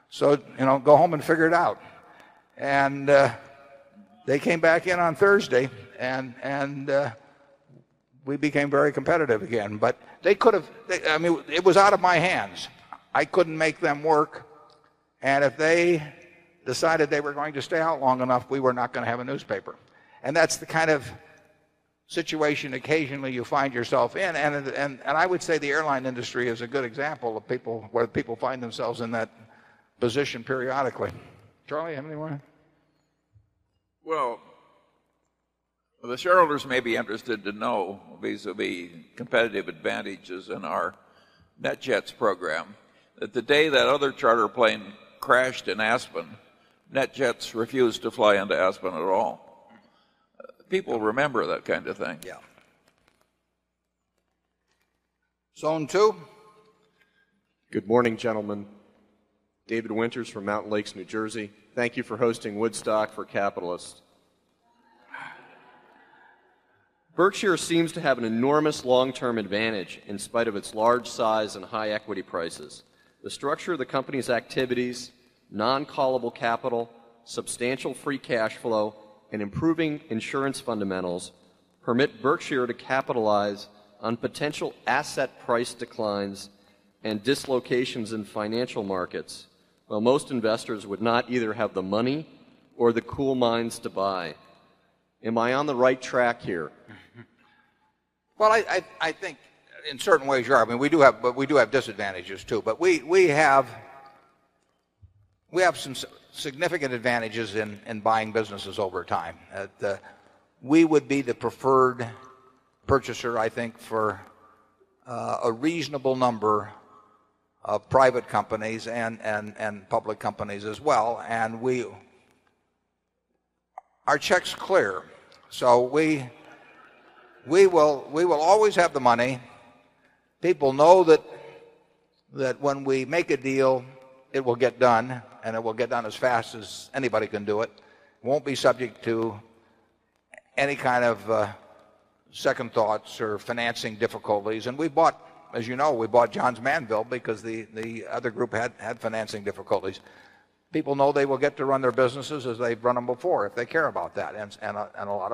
so go home and figure it out. And they came back in on Thursday and we became very competitive again. But they could have, I mean, it was out of my hands. I couldn't make them work and if they decided they were going to stay out long enough, we were not going to have a newspaper. And that's the kind of situation occasionally you find yourself in and and I would say the airline industry is a good example of people where people find themselves in that position periodically. Charlie, have you any way? Well, the shareholders may be interested to know vis a vis competitive advantages in our NetJets program that the day that other charter plane crashed in Aspen, net jets refused to fly into Aspen at all. People remember that kind of thing. Zone 2. Good morning, gentlemen. David Winters from Mountain Lakes, New Jersey. Thank you for hosting Woodstock for Capitalist. Berkshire seems to have an enormous long term advantage in spite of its large size and high equity prices. The structure of the company's activities, non callable capital, substantial free cash flow and improving insurance fundamentals permit Berkshire to capitalize on potential asset price declines and dislocations in financial markets. Well, most investors would not either have the money or the cool minds to buy. Am I on the right track here? Well, I think in certain ways, you are. I mean, we do have, but we do have disadvantages too. But we we have we have some significant advantages in in buying businesses over time. We would be the preferred purchaser I think for a reasonable number of private companies and and and public companies as well and we our checks clear. So we we will we will always have the money. People know that that when we make a deal it will get done and it will get done as fast as anybody can do it. Won't be subject to any kind of second thoughts or financing difficulties and we bought, as you know, we bought Johns Manville because the other group had financing difficulties. People know they will get to run their businesses as they've run them before if they care about that and a lot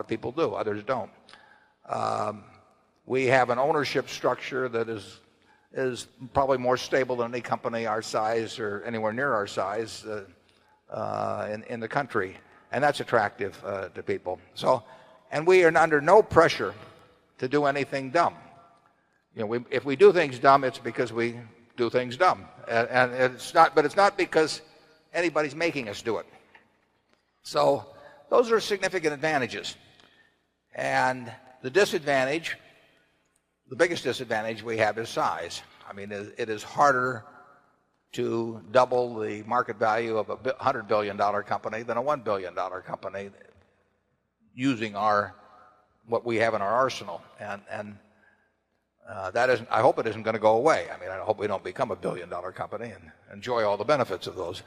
of people do, others don't. We have an ownership structure that is probably more stable than any company our size or anywhere near our size in the country and that's attractive to people. So, and we are under no pressure to do anything dumb. You know, if we do things dumb, it's because we do things dumb. And and it's not but it's not because anybody's making us do it. So those are significant advantages. And the disadvantage, the biggest disadvantage we have is size. I mean, it is harder to double the market value of a $100,000,000,000 company than a $1,000,000,000 company using our what we have in our arsenal. And that is I hope it isn't going to go away. I mean, I hope we don't become a $1,000,000,000 company and enjoy all the benefits of those.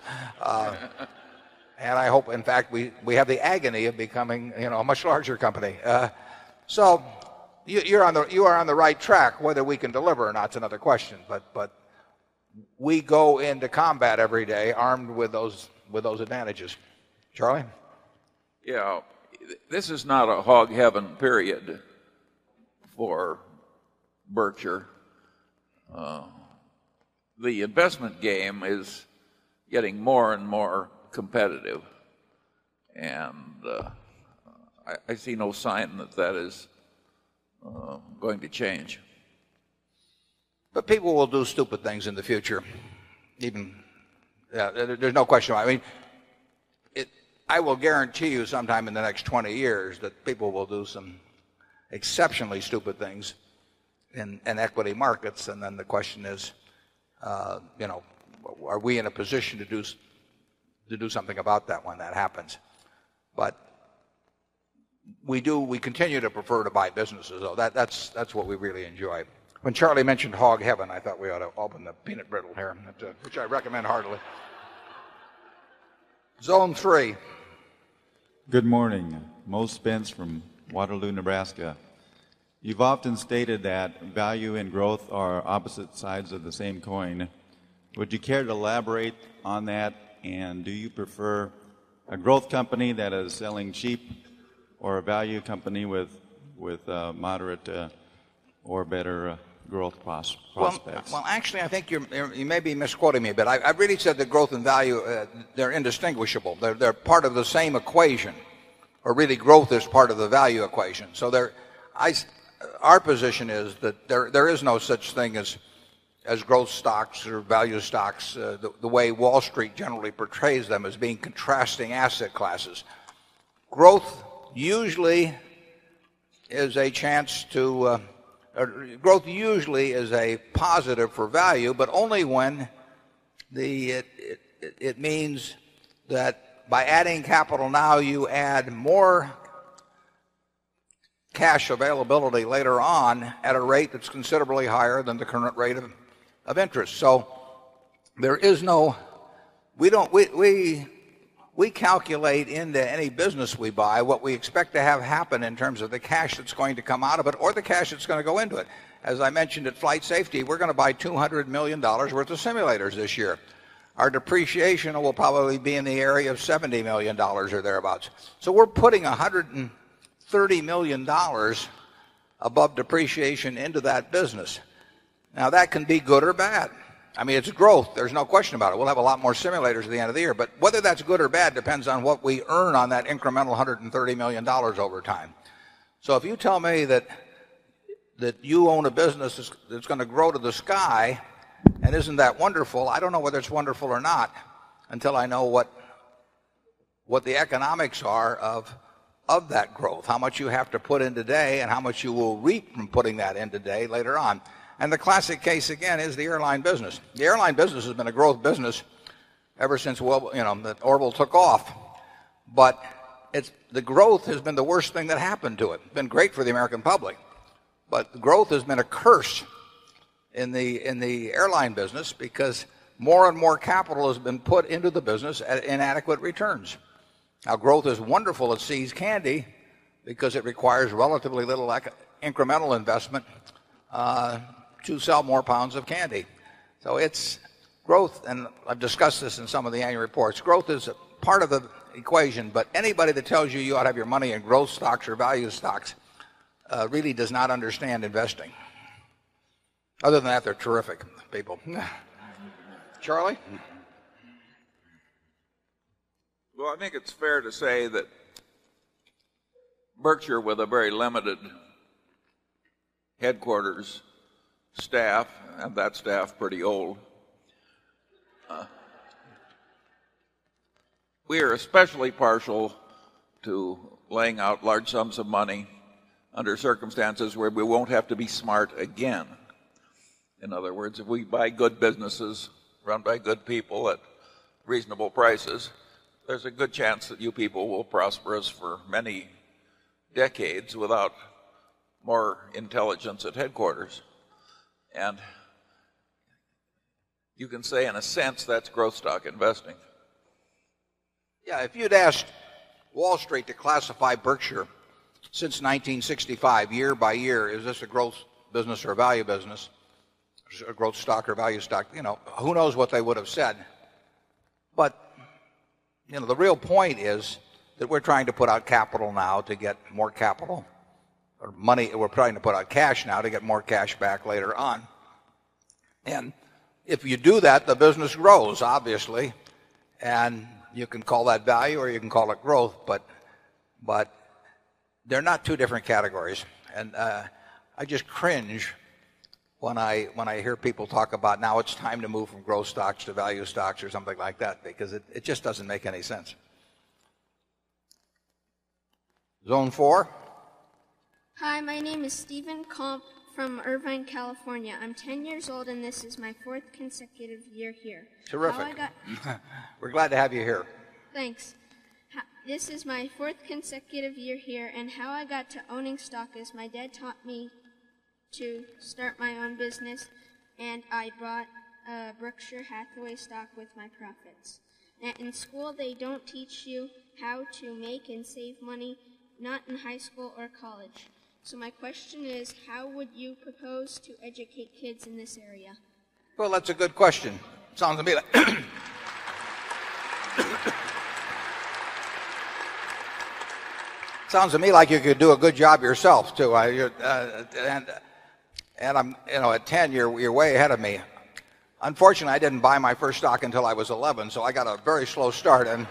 And I hope in fact we we have the agony of becoming, you know, a much larger company. So you're on the you are on the right track whether we can deliver or not, it's another question but but we go into combat every day armed with those with those advantages. Charlie? Yeah. This is not a hog heaven period for Berkshire. The investment game is getting more and more competitive and I see no sign that that is going to change. But people will do stupid things in the future even there's no question. I mean, I will guarantee you sometime in the next 20 years that people will do some exceptionally stupid things in equity markets and then the question is, are we in a position to do something about that when that happens. But we do we continue to prefer to buy businesses. That's what we really enjoy. When Charlie mentioned hog heaven, I thought we ought to open the peanut brittle here, which I recommend heartily. Zone 3. Good morning. Moe Spence from Waterloo, Nebraska. You've often stated that value and growth are opposite sides of the same coin. Would you care to elaborate on that? And do you prefer a growth company that is selling cheap or a value company with moderate or better growth prospects? Well, actually, I think you may be misquoting me, but I've really said the growth and value, they're indistinguishable. They're part of the same equation or really growth is part of the value equation. So there I our position is that there is no such thing as as growth stocks or value stocks. The way Wall Street generally portrays them as being contrasting asset classes. Growth usually is a chance to growth usually is a positive for value, but only when the it means that by adding capital now, you add more cash availability later on at a rate that's considerably higher than the current rate of interest. So there is no we don't we we calculate into any business we buy what we expect to have happen in terms of the cash that's going to come out of it or the cash that's going to go into it. As I mentioned at flight safety, we're going to buy $200,000,000 worth of simulators this year. Our depreciation will probably be in the area of $70,000,000 or thereabouts. So we're putting $130,000,000 above depreciation into that business. Now that can be good or bad. I mean, it's a growth. There's no question about it. We'll have a lot more simulators at the end of the year. But whether that's good or bad depends on what we earn on that incremental $130,000,000 over time. So if you tell me that that you own a business that's going to grow to the sky and isn't that wonderful, I don't know whether it's wonderful or not until I know what what the economics are of of that growth. How much you have to put in today and how much you will reap from putting that in today later on. And the classic case again is the airline business. The airline business has been a growth business ever since, well, you know, that Orbital took off But it's the growth has been the worst thing that happened to it. It's been great for the American public. But growth has been a curse in the airline business because more and more capital has been put into the business at inadequate returns. Our growth is wonderful at See's Candy because it requires relatively little incremental investment to sell more pounds of candy. So it's growth and I've discussed this in some of the annual reports. Growth is a part of the equation, but anybody that tells you you ought to have your money in growth stocks or value stocks really does not understand investing. Other than that, they're terrific people. Charlie? Well, I think it's fair to say that Berkshire with a very limited headquarters staff, and that staff pretty old. We are especially partial to laying out large sums of money under circumstances where we won't have to be smart again. In other words, if we buy good businesses run by good people at reasonable prices, there's a good chance that you people will prosper us for many decades without more intelligence at headquarters. And you can say, in a sense, that's growth stock investing. Yeah. If you'd asked Wall Street to classify Berkshire since 1965 year by year, is this a growth business or value business? Is it a growth stock or value stock? You know, who knows what they would have said. But, you know, the real point is that we're trying to put out capital now to get more capital. Or money, we're trying to put out cash now to get more cash back later on. And if you do that, the business grows obviously. And you can call that value or you can call it growth, but but they're not 2 different categories and I just cringe when I hear people talk about now it's time to move growth stocks to value stocks or something like that because it just doesn't make any sense. Zone 4. Hi. My name is Steven Komp from Irvine, California. I'm 10 years old and this is my 4th consecutive year here. Terrific. We're glad to have you here. Thanks. This is my 4th consecutive year here. And how I got to owning stock is my dad taught me to start my own business and I bought, Brookshire Hathaway stock with my profits. And in school, they don't teach you how to make and save money, not in high school or college. So my question is, how would you propose to educate kids in this area? Well, that's a good question. Sounds to me like you could do a good job yourself too. Adam, at 10 you're way ahead of me. Unfortunately, I didn't buy my first stock until I was 11, so I got a very slow start and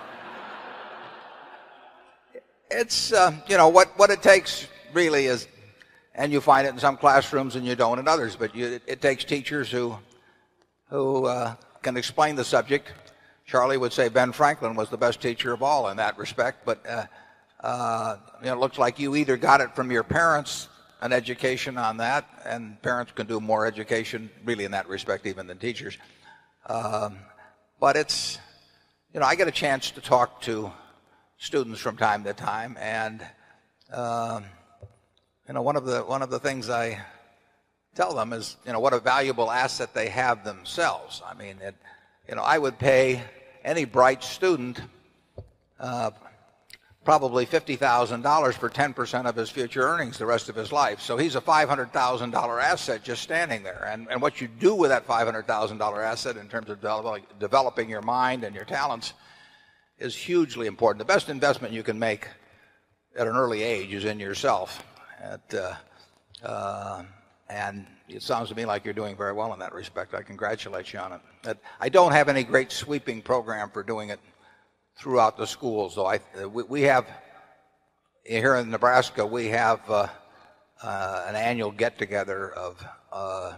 it's, you know, what what it takes really is and you find it in some classrooms and you don't in others, but you it takes teachers who who, can explain the subject. Charlie would say Ben Franklin was the best teacher of all in that respect, but it looks like you either got it from your parents an education on that and parents can do more education really in that respect even than teachers. But it's know, I get a chance to talk to students from time to time and, you know, one of the one of the things I tell them is, you know, what a valuable asset they have themselves. I mean, you know, I would pay any bright student probably $50,000 for 10% of his future earnings the rest of his life. So he's a $500,000 asset just standing there and what you do with that $500,000 asset in terms of developing your mind and your talents is hugely important. The best investment you can make at an early age is in yourself. And it sounds to me like you're doing very well in that respect. I congratulate you on it. I don't have any great sweeping program for doing it throughout the school. So I we have here in Nebraska, we have an annual get together of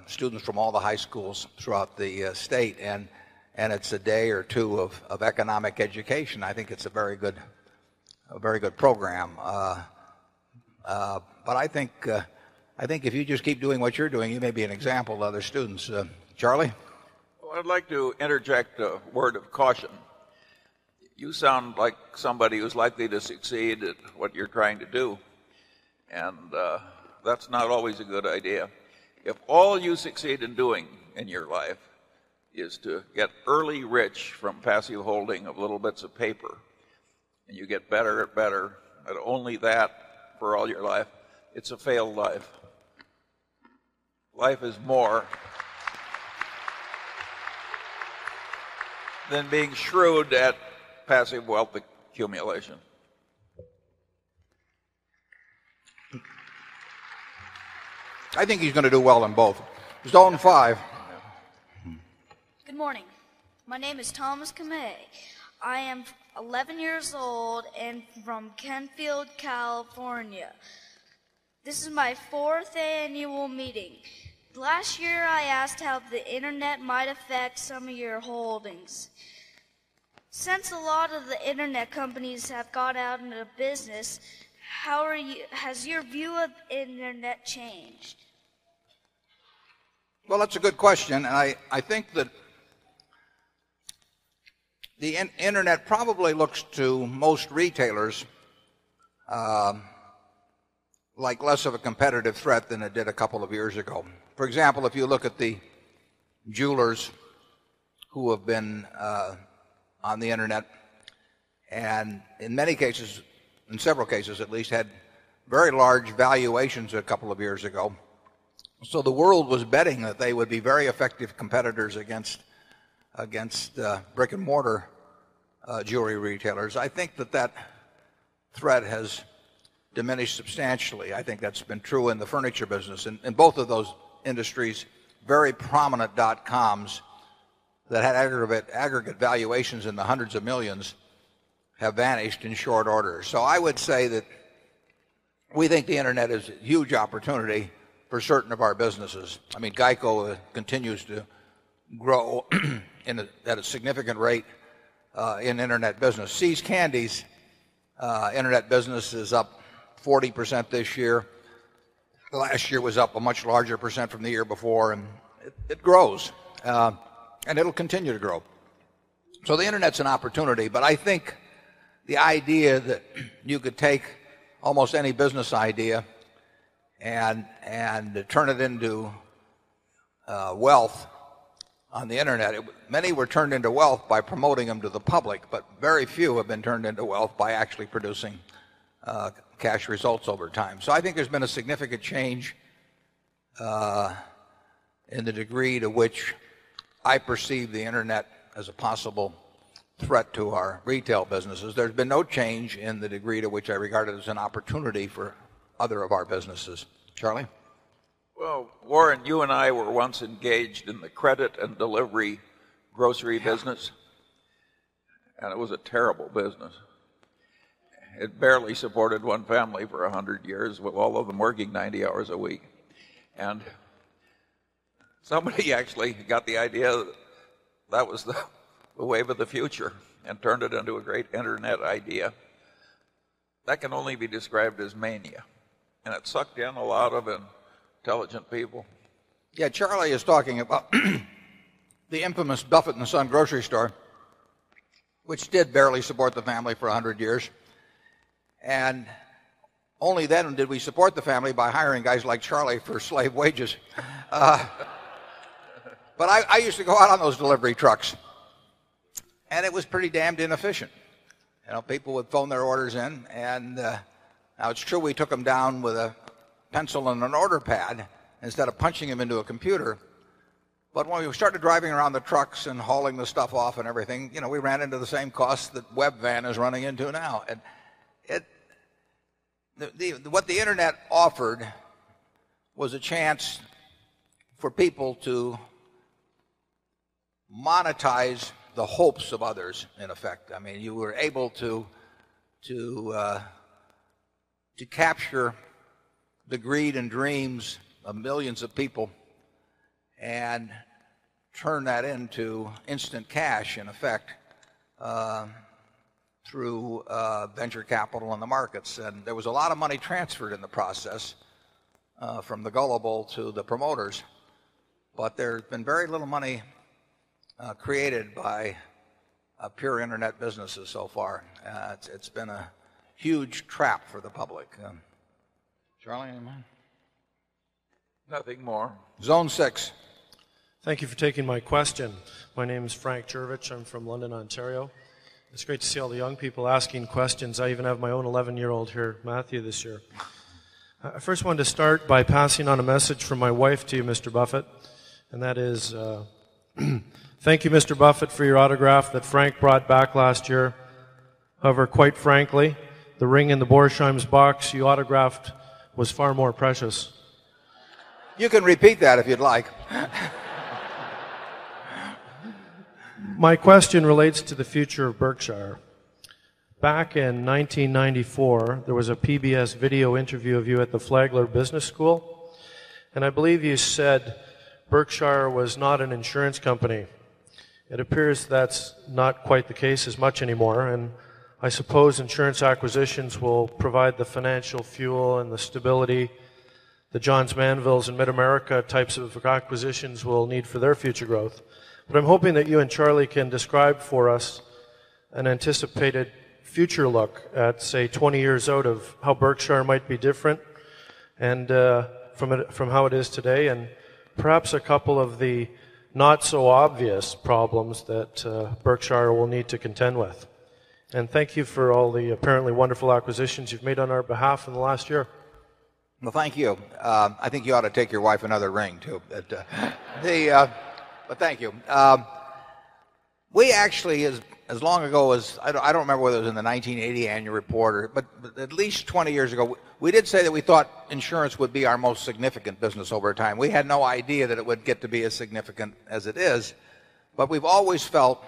students from all the high schools throughout the state and and it's a day or 2 of of economic education. I think it's a very good program. But I think think if you just keep doing what you're doing, you may be an example to other students. Charlie? I'd like to interject a word of caution. You sound like somebody who's likely to succeed at what you're trying to do. And that's not always a good idea. If all you succeed in doing in your life is to get early rich from passive holding of little bits of paper and you get better and better at only that for all your life, it's a failed life. Life is more than being shrewd at passive wealth accumulation. I think he's going to do well in both. Zone 5. Good morning. My name is Thomas Kamay. I am 11 years old and from Kenfield, California. This is my 4th annual meeting. Last year, I asked how the Internet might affect some of your holdings. Since a lot of the Internet companies have gone out in the business, how are you has your view of Internet changed? Well, that's a good question. And I think that the Internet probably looks to most retailers like less of a competitive threat than it did a couple of years ago. For example, if you look at the jewelers who have been on the internet and in many cases, in several cases at least, had very large valuations a couple of years ago. So the world was betting that they would be very effective competitors against against brick and mortar jewelry retailers. I think that that threat has diminished substantially. I think that's been true in the furniture business. And both of those industries, very prominent dotcoms that had aggregate valuations in the 100 of 1,000,000 have vanished in short order. So I would say that we think the internet is a huge opportunity for certain of our businesses. I mean, GEICO continues to grow at a significant rate in Internet business. See's Candies, Internet business is up 40% this year. Last year was up a much larger percent from the year before and it grows. And it will continue to grow. So the Internet is an opportunity, but I think the idea that you could take almost any business idea and and turn it into wealth on the Internet. Many were turned into wealth by promoting them to the public, but very few have been turned into wealth by actually producing cash results over time. So I think there's been a significant change in the degree to which I perceive the internet as a possible threat to our retail businesses. There's been no change in the degree to which I regard as an opportunity for other of our businesses. Charlie? Well, Warren, you and I were once engaged in the credit and delivery grocery business and it was a terrible business. It barely supported 1 family for 100 years with all of them working 90 hours a week And somebody actually got the idea that was the wave of the future and turned it into a great Internet idea. That can only be described as mania. And it sucked in a lot of intelligent people. Yeah, Charlie is talking about the infamous 'Buffett and the Son' grocery store, which did barely support the family for a 100 years. And only then did we support the family by hiring guys like Charlie for slave wages. But I used to go out on those delivery trucks and it was pretty damned inefficient. You know, people would phone their orders in and, it's true we took them down with a pencil and an order pad instead of punching them into a computer. But when we started driving around the trucks and hauling the stuff off and everything, you know, we ran into the same cost that web van is running into now. And it the the what the internet offered was a chance for people to monetize the hopes of others in effect. I mean, you were able to to capture the greed and dreams of millions of people and turn that into instant cash in effect through venture capital markets. And there was a lot of money transferred in the process from the gullible to the promoters. But there has been very little money created by pure internet businesses so far. It's been a huge trap for the public. Charlie, any of you mind? Nothing more. Zone 6. Thank you for taking my question. My name is Frank Jurovich. I'm from London, Ontario. It's great to see all the young people asking questions. I even have my own 11 year old here, Matthew, this year. I first want to start by passing on a message from my wife to you, Mr. Buffett. And that is, thank you, Mr. Buffet for your autograph that Frank brought back last year. However, quite frankly, the ring in the Borsheim's box you autographed was far more precious. You can repeat that if you'd like. My question relates to the future of Berkshire. Back in 1994, there was a PBS video interview of you at the Flagler Business School And I believe you said Berkshire was not an insurance company. It appears that's not quite the case as much anymore and I suppose insurance acquisitions will provide the financial fuel and the stability the Johns Manvilles and Mid America types of acquisitions will need for their future growth. But I'm hoping that you and Charlie can describe for us an anticipated future look at say 20 years out of how Berkshire might be different and from it from how it is today and perhaps a couple of the not so obvious problems that Berkshire will need to contend with. And thank you for all the apparently wonderful acquisitions you've made on our behalf in the last year. Well, thank you. I think you ought to take your wife another ring too. But thank you. We actually as long ago as I don't remember whether it was in the 1980 annual report or but at least 20 years ago, we did say that we thought insurance would be our most significant business over time. We had no idea that it would get to be as significant as it is, but we've always felt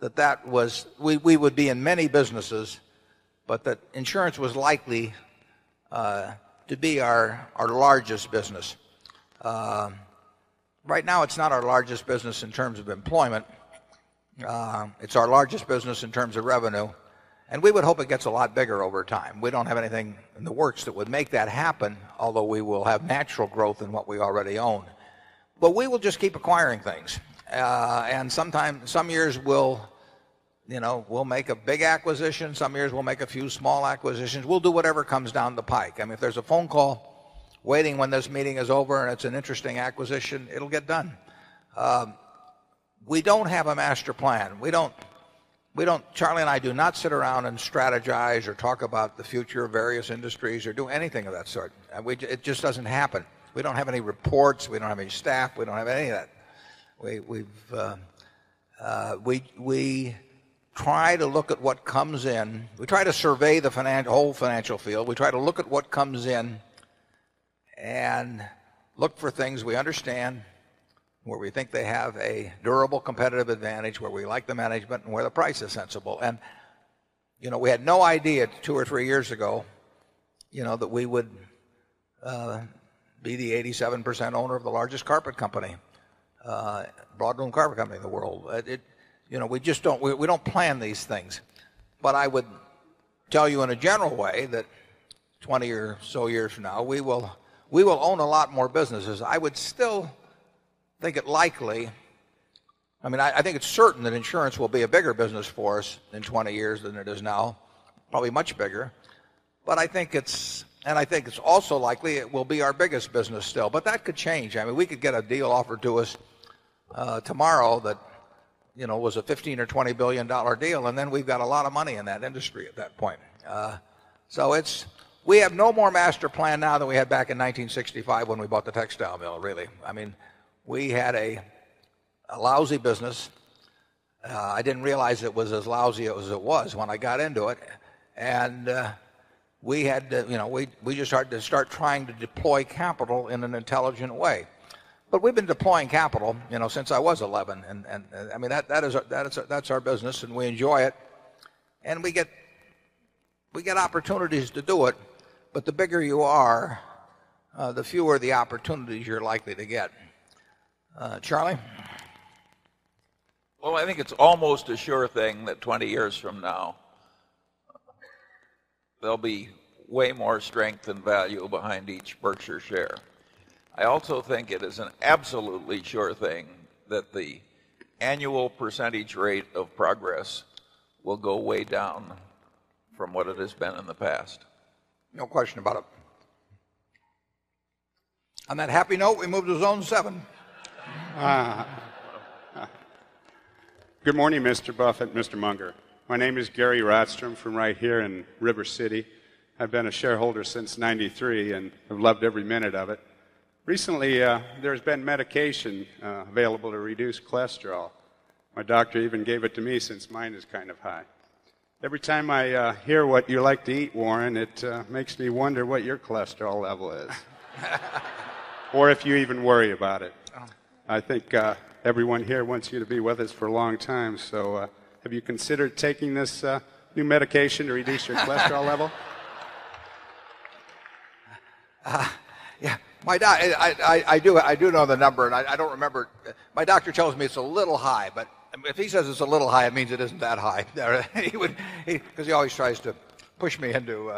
that that was, we would be in many businesses, but that insurance was likely to be our largest business. Right now it's not our largest business in terms of employment, it's our largest business in terms of revenue and we would hope it gets a lot bigger over time. We don't have anything in the works that would make that happen, although we will have natural growth in what we already own. But we will just keep acquiring things. And sometime some years we'll make a big acquisition, some years we'll make few small acquisitions. We'll do whatever comes down the pike. I mean, if there's a phone call waiting when this meeting is over and it's an interesting acquisition, it'll get done. We don't have a master plan. We don't we don't Charlie and I do not sit around and strategize or talk about the future of various industries or do anything of that sort. It just doesn't happen. We don't have any reports. We don't have any staff. We don't have any of that. We've, we try to look at what comes in. We try to survey the financial field. We try to look at what comes in and look for things we understand, where we think they have a durable competitive advantage, where we like the management and where the price is sensible. And we had no idea 2 or 3 years ago that we would be the 87% owner of the largest carpet company. Broad owned carpet company in the world. We just don't we don't plan these things. But I would tell you in a general way that 20 or so years from now, we will we will own a lot more businesses. I would still think it likely I mean, I think it's certain that insurance will be a bigger business for us in 20 years than it is now, probably much bigger. But I think it's and I think it's also likely it will be our biggest business still. But that could change. I mean we could get a deal offered to us tomorrow that you know was a $15,000,000,000 or $20,000,000,000 deal and then we've got a lot of money in that industry at that point. So it's we have no more master plan now than we had back in 1960 5 when we bought the textile mill really. I mean, we had a lousy business. I didn't realize it was as lousy as it was when I got into it. And we had you know, we just started to start trying to deploy capital in an intelligent way. But we have been deploying capital since I was 11. And I mean that is our business and we enjoy it and we get opportunities to do it, but the bigger you are, the fewer the opportunities you're likely to get. Charlie? Well, I think it's almost a sure thing that 20 years from now, there'll be way more strength and value behind each Berkshire share. I also think it is an absolutely sure thing that the annual percentage rate of progress will go way down from what it has been in the past. No question about it. On that happy note, we move to zone 7. Good morning Mr. Buffet and Mr. Munger. My name is Gary Rotstrom from right here in River City. I've been a shareholder since 93 and I've loved every minute of it. Recently, there's been medication available to reduce cholesterol. My doctor even gave it to me since mine is kind of high. Every time I hear what you like to eat Warren it makes me wonder what your cholesterol level is. Or if you even worry about it. I think everyone here wants you to be with us for a long time. So, have you considered taking this new medication to reduce your cholesterol level? Yeah. My doctor I do know the number and I don't remember. My doctor tells me it's a little high, but if he says it's a little high, it means it isn't that high. He would because he always tries to push me into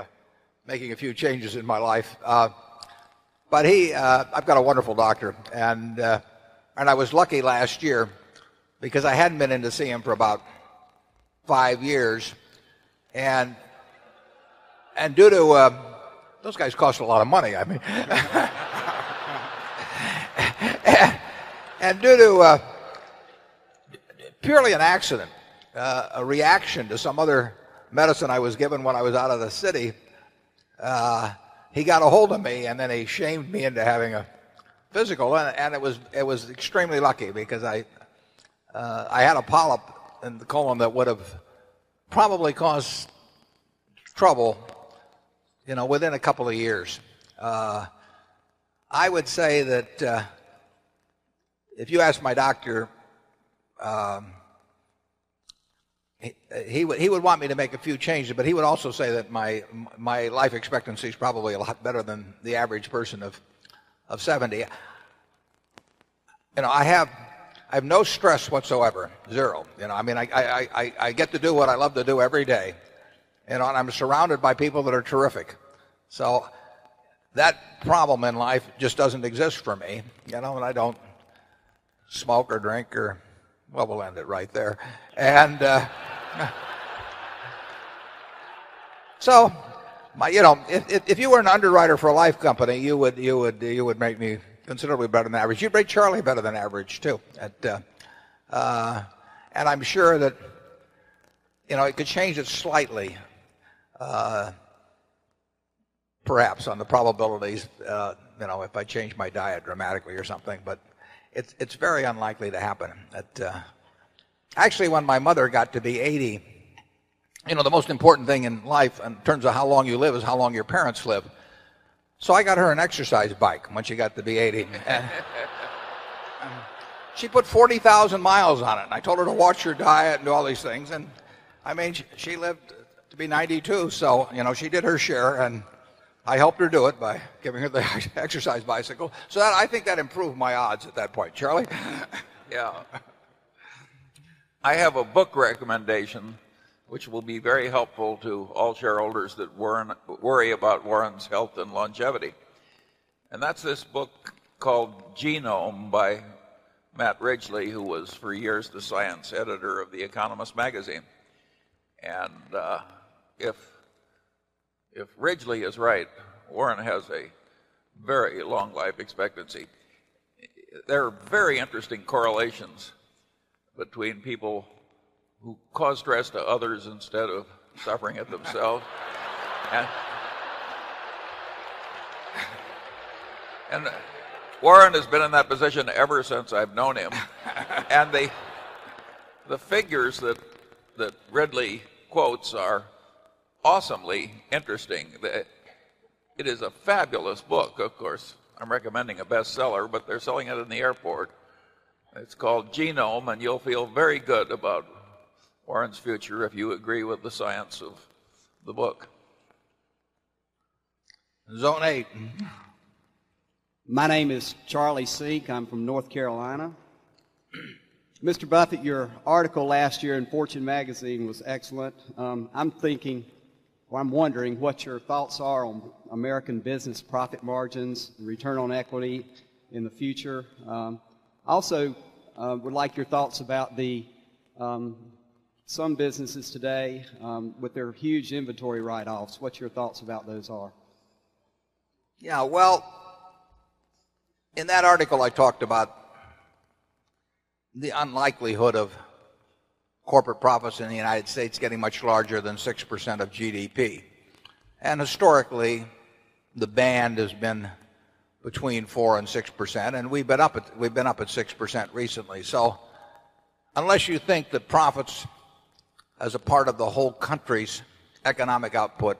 making a few changes in my life. But he, I've got a wonderful doctor and and I was lucky last year because I hadn't been in to see him for about 5 years and and due to, those guys cost a lot of money, I mean. And due to purely an accident, a reaction to some other medicine I was given when I was out of the city. He got a hold of me and then he shamed me into having a physical and it was it was extremely lucky because I, I had a polyp in the column that would have probably caused trouble, you know, within a couple of years. I would say that if you ask my doctor, he would want me to make a few changes, but he would also say that my life expectancy is probably a lot better than the average person of 70. You know, I have I have no stress whatsoever, 0. You know, I mean I get to do what I love to do every day and I'm surrounded by people that are terrific. So that problem in life just doesn't exist for me, you know, and I don't smoke or drink or well we'll end it right there, and, so, my, you know, if you were an underwriter for a life company, you would make me considerably better than average, you'd make Charlie better than average too, at And I'm sure that, you know, it could change it slightly, perhaps on the probabilities, you know, if I change my diet dramatically or something, but it's it's very unlikely to happen. But Actually, when my mother got to be 80, you know, the most important thing in life in terms of how long you live is how long your parents live. So I got her an exercise bike when she got to be 80. She put 40,000 miles on it. I told her to watch her diet and all these things and I mean she lived to be 92. So you know she did her share and I helped her do it by giving her the exercise bicycle. So I think that improved my odds at that point, Charlie. Yeah. I have a book recommendation, which will be very helpful to all shareholders that Warren worry about Warren's health and longevity. And that's this book called Genome by Matt Ridgely, who was for years the science editor of The Economist Magazine. And, if if Ridgely is right, Warren has a very long life expectancy. There are very interesting correlations between people who cause stress to others instead of suffering it themselves. And Warren has been in that position ever since I've known him. And the the figures that that Ridley quotes are awesomely interesting. It is a fabulous book, of course. I'm recommending a bestseller, but they're selling it in the airport. It's called Genome and you'll feel very good about Warren's future if you agree with the science of the book. Zone 8. My name is Charlie Seak. I'm from North Carolina. Mr. Buffet, your article last year in Fortune Magazine was excellent. I'm thinking or I'm wondering what your thoughts are on American business profit margins, return on equity in the future. Also, would like your thoughts about the some businesses today, with their huge inventory write offs. What's your thoughts about those are? Yeah. Well, in that article, I talked about the unlikelihood of corporate profits in the United States getting much larger than 6% of GDP. And historically, the band has been between 4% 6% and we've been up at 6% recently. So unless you think that profits as a part of the whole country's economic output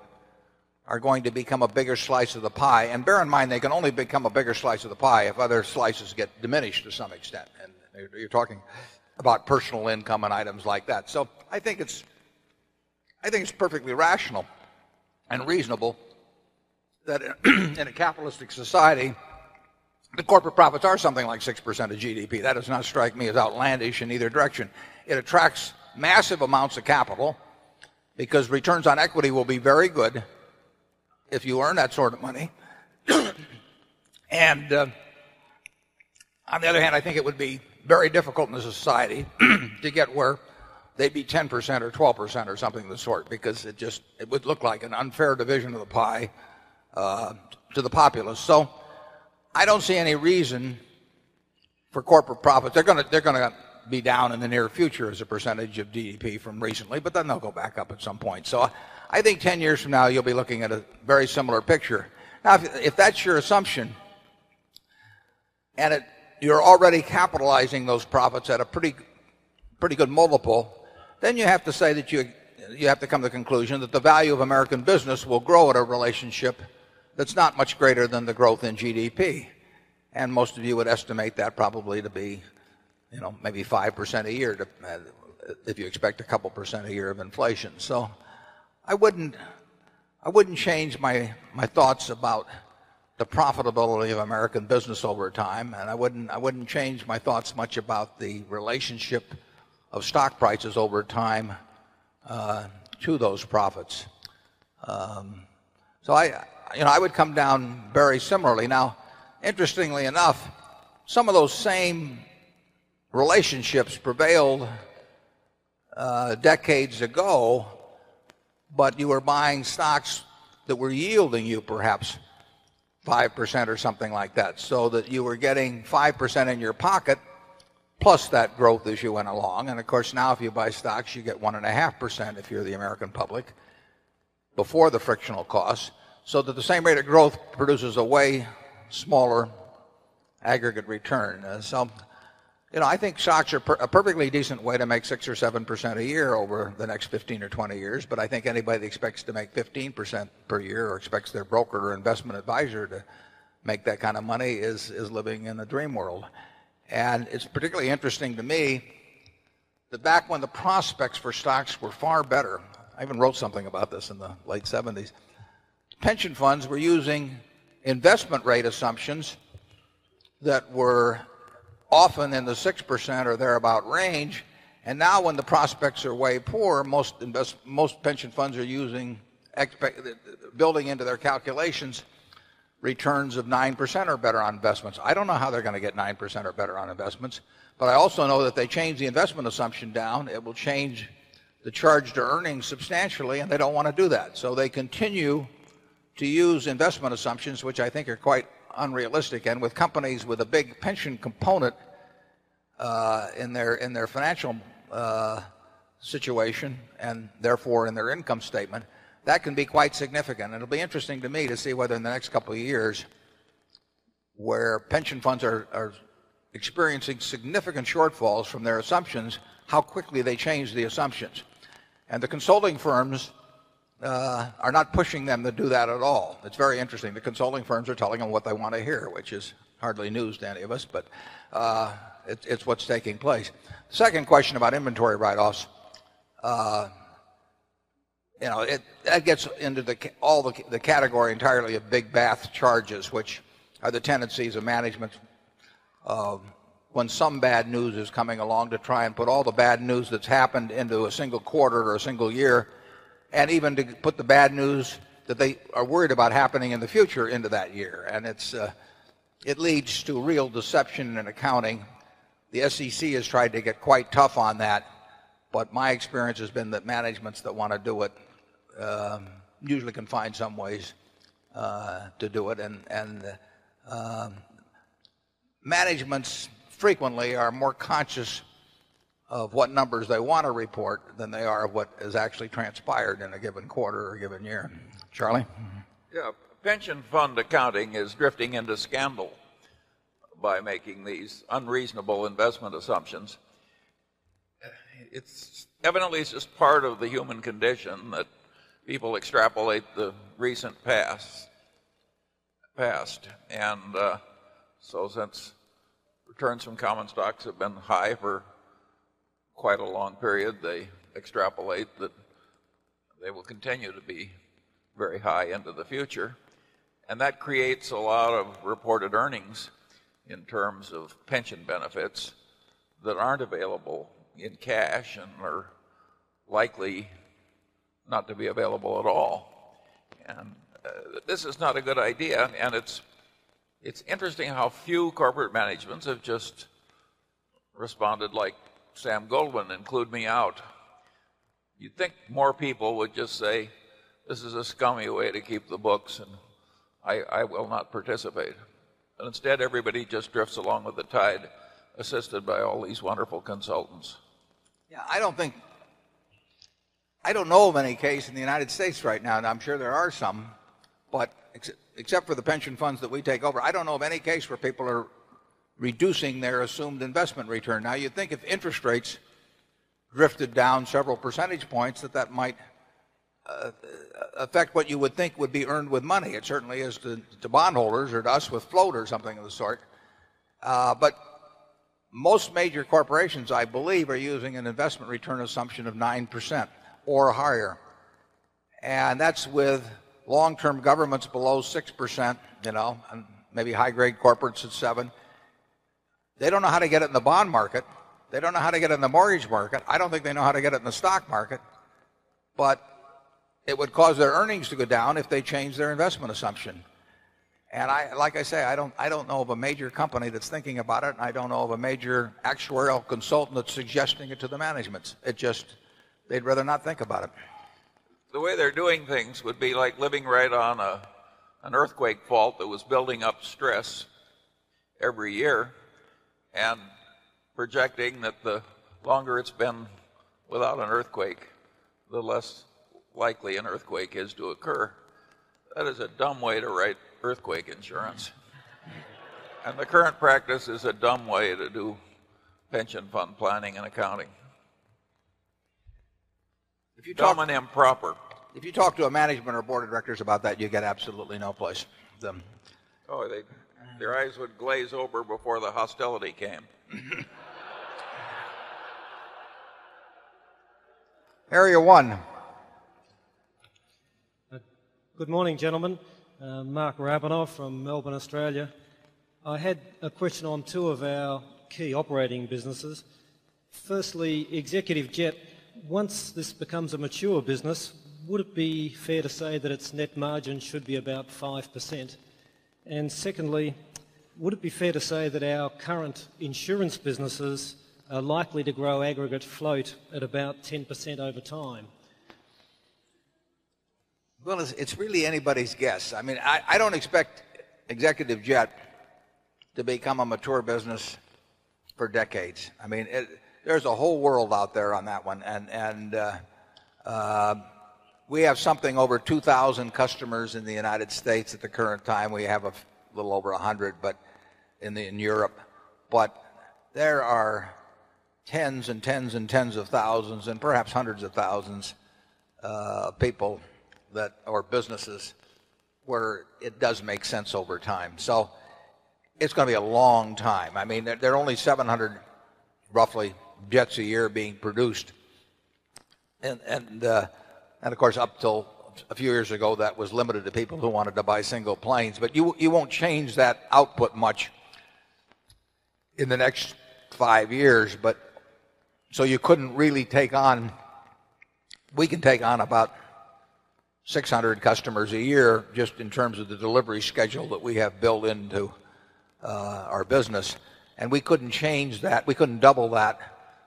are going to become a bigger slice of pie and bear in mind they can only become a bigger slice of the pie if other slices get diminished to some extent. And you're talking about personal income and items like that. So I think it's, I think it's perfectly rational and reasonable that in a capitalistic society, the corporate profits are something like 6% of GDP. That does not strike me as outlandish in either direction. It attracts massive amounts of capital because returns on equity will be very good if you earn that sort of money. And on the other hand, I think it would be very difficult in the society to get where they'd be 10% or 12% or something of the sort because it just would look like an unfair division of the pie to the populace. So I don't see any reason for corporate profits. They're going to be down in the near future as a percentage of DEP from recently but then they'll go back up at some point. So I think 10 years from now you'll be looking at a very similar picture. Now if that's your assumption and you're already capitalizing those profits at a pretty, pretty good multiple, then you have to say that you have to come to conclusion that the value of American business will grow at a relationship that's not much greater than the growth in GDP. And most of you would estimate that probably to be maybe 5% a year, if you expect a couple percent a year of inflation. So I wouldn't change my thoughts about the profitability of American business over time and I wouldn't change my thoughts much about the relationship of stock prices over time to those profits. So I would come down very similarly. Now interestingly enough, some of those same relationships prevailed, decades ago, but you were buying stocks that were yielding you perhaps 5% or something like that. So that you were getting 5% in your pocket plus that growth as you went along and of course now if you buy stocks, you get 1.5% if you're the American public before the frictional costs. So that the same rate of growth produces a way smaller aggregate return. So you know I think shocks are a perfectly decent way to make 6% or 7% a year over the next 15 or 20 years, but I think anybody that expects to make 15% per year or expects their broker or investment advisor to make that kind of money is living in the dream world. And it's particularly interesting to me that back when the prospects for stocks were far better, I even wrote something about this in the late 70s, pension funds were using investment rate assumptions that were often in the 6% or thereabout range and now when the prospects are way poor, most pension funds are using expect building into their calculations returns of 9% or better on investments. I don't know how they're going to get 9% or better on investments, but I also know that they change the investment assumption down, it will change the charge to earnings substantially and they don't want to do that. So they continue to use investment assumptions which I think are quite unrealistic and with companies with a big pension component in their financial situation and therefore in their income statement, that can be quite significant. It'll be interesting to me to see whether in the next couple of years, where pension funds are experiencing significant shortfalls from their assumptions, how quickly they change the assumptions. And the consulting firms are not pushing them to do that at all. It's very interesting. The consulting firms are telling them what they want to hear, which is hardly news to any of us, but but it's what's taking place. 2nd question about inventory write offs, that gets into the all the category entirely of big bath charges which are the tendencies of management. When some bad news is coming along to try and put all the bad news that's happened into a single quarter or a single year and even to put the bad news that they are worried about happening in the future into that year. And it's, it leads to real deception in accounting. The SEC has tried to get quite tough on that, but my experience has been that management's that want to do it, usually can find some ways to do it. And managements frequently are more conscious of what numbers they want to report than they are what has actually transpired in a given quarter or a given year. Charlie? Pension fund accounting is drifting into scandal by making these unreasonable investment assumptions. It's evidently, it's just part of the human condition that people extrapolate the recent past past. And so since returns from common stocks have been high for quite a long period. They extrapolate that they will continue to be very high into the future and that creates a lot of reported earnings in terms of pension benefits that aren't available in cash and are likely not to be available at all. And this is not a good idea and it's interesting how few corporate managements have just responded like Sam Goldman, include me out. You'd think more people would just say, this is a scummy way to keep the books and I will not participate And instead, everybody just drifts along with the tide assisted by all these wonderful consultants. Yeah. I don't think I don't know of any case in the United States right now, and I'm sure there are some. But except for the pension funds that we take over, I don't know of any case where people are reducing their assumed investment return. Now you think if interest rates drifted down several percentage points that that might affect what you would think would be earned with money. It certainly is to bond holders or to us with float or something of the sort. But most major corporations, I believe, are using an investment return assumption of 9% or higher. And that's with long term governments below 6%, you know, and maybe high grade corporates at 7. They don't know how to get it in the bond market. They don't know how to get in the mortgage market. I don't think they know how to get it in the stock market. But it would cause their earnings to go down if they change their investment assumption. And I like I say, I don't know of a major company that's thinking about it. I don't know of a major actuarial consultant that's suggesting it to the management. It just they'd rather not think about it. The way they're doing things would be like living right on an earthquake fault that was building up stress every year and projecting that the longer it's been without an earthquake, the less likely an earthquake is to occur. That is a dumb way to write earthquake insurance And the current practice is a dumb way to do pension fund planning and accounting. If you talk to a management or board of directors about that, you get absolutely no place them. Their eyes would glaze over before the hostility came. Area 1. Good morning, gentlemen. Mark Rabenov from Melbourne, Australia. I had a question on 2 of our key operating businesses. Firstly, Executive Jet, once this becomes a mature business, would it be fair to say that its net margin should be about 5%? And secondly, would it be fair to say that our current insurance businesses are likely to grow aggregate float at about 10% over time? Well, it's really anybody's guess. I mean, I don't expect Executive Jet to become a mature business for decades. I mean, there's a whole world out there on that one. And we have something over 2,000 customers in the United States at current time. We have a little over a 100, but in Europe, but there are tens and tens and tens of thousands and perhaps 100 of thousands, people that or businesses, where it does make sense over time. So, it's going to be a long time. I mean, there are only 700 roughly jets a year being produced. And of course up till a few years ago that was limited to people who wanted to buy single planes. But you won't change that output much in the next 5 years, but so you couldn't really take on we can take on about 600 customers a year just in terms of the delivery schedule that we have built into our business, and we couldn't change that, we couldn't double that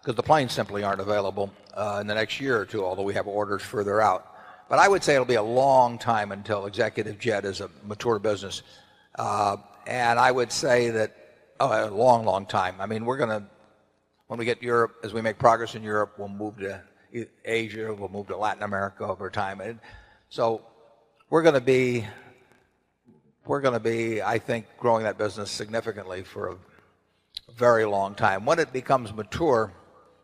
because the planes simply aren't available in the next year or 2, although we have orders further out. But I would say it will be a long time until Executive Jet is a mature business And I would say that a long, long time. I mean we're going to when we get Europe as we make progress in Europe, we'll move to Asia, we'll move to Latin America over time. So we're going to be I think growing that business significantly for very long time. When it becomes mature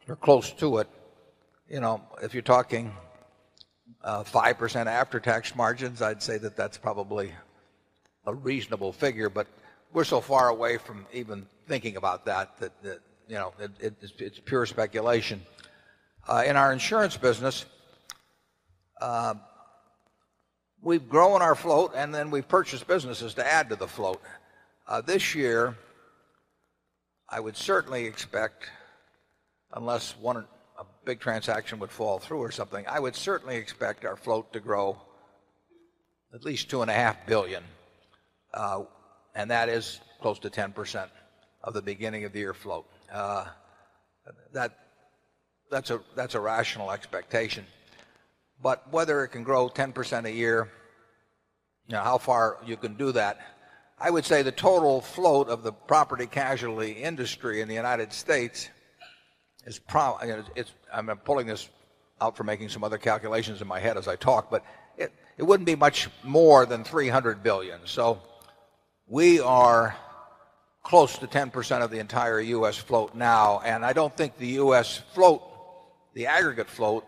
or close to it, you know if you're talking 5% after tax margins, I'd say that that's probably a reasonable figure, but we're so far away from even thinking about that, that you know, it's pure speculation. In our insurance business, we've grown our float and then we've purchased businesses to add to the float. This year, I would certainly expect, unless a big transaction would fall through or something, I would certainly expect our float to grow at least 2,500,000,000 dollars and that is close to 10% of the beginning of the year float. That's a rational expectation. But whether it can grow 10% a year, you know how far you can do that. I would say the total float of the property casualty industry in the United States is probably it's I'm pulling this out for making some other calculations in my head as I talk, but it wouldn't be much more than $300,000,000,000 So we are close to 10% of the entire U. S. Float now. And I don't think the U. S. Float, the aggregate float,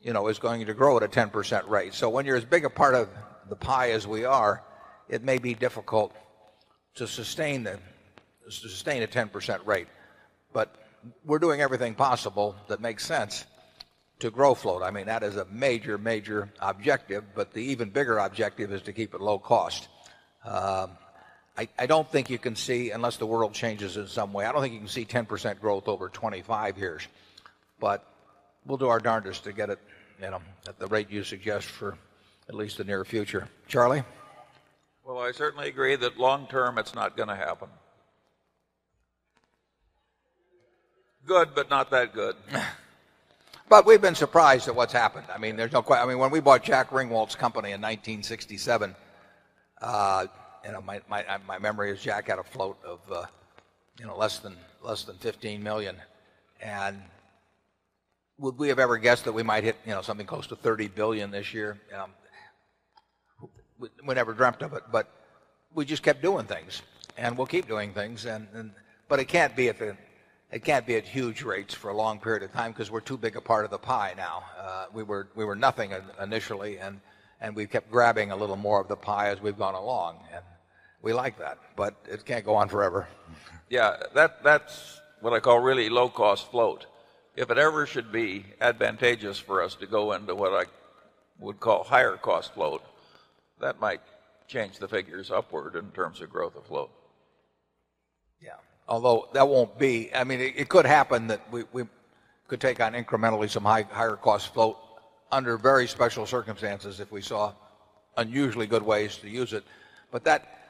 you know, is going to grow at a 10% rate. So you're as big a part of the pie as we are, it may be difficult to sustain a 10% rate. But we're doing everything possible that makes sense to grow float. I mean that is a major, major objective, but the even bigger objective is to keep it low cost. I don't think you can see unless the world changes in some way, I don't think you can see 10% growth over 25 years, but we'll do our darndest to get it at the rate you suggest for at least the near future. Charlie? Well, I certainly agree that long term it's not going to happen. Good, but not that good. But we've been surprised at what's happened. I mean, there's no quite I mean, when we bought Jack Ringwald's company in 1967, and my memory is Jack had a float of less than 15,000,000 and would we have ever guessed that we might hit something close to 30,000,000,000 this year. We never dreamt of it, but we just kept doing things and we'll keep doing things and but it can't be at it can't be at huge rates for a long period of time because we're too big a part of the pie now. We were nothing initially and we kept grabbing a little more of the pie as we've gone along. And we like that, but it can't go on forever. Yeah, that's what I call really low cost float. If it ever should be advantageous for us to go into what I would call higher cost float, that might change the figures upward in terms of growth of float. Yeah. Although that won't be, I mean, it could happen that we could take on incrementally some higher cost float under very special circumstances if we saw unusually good ways to use it. But that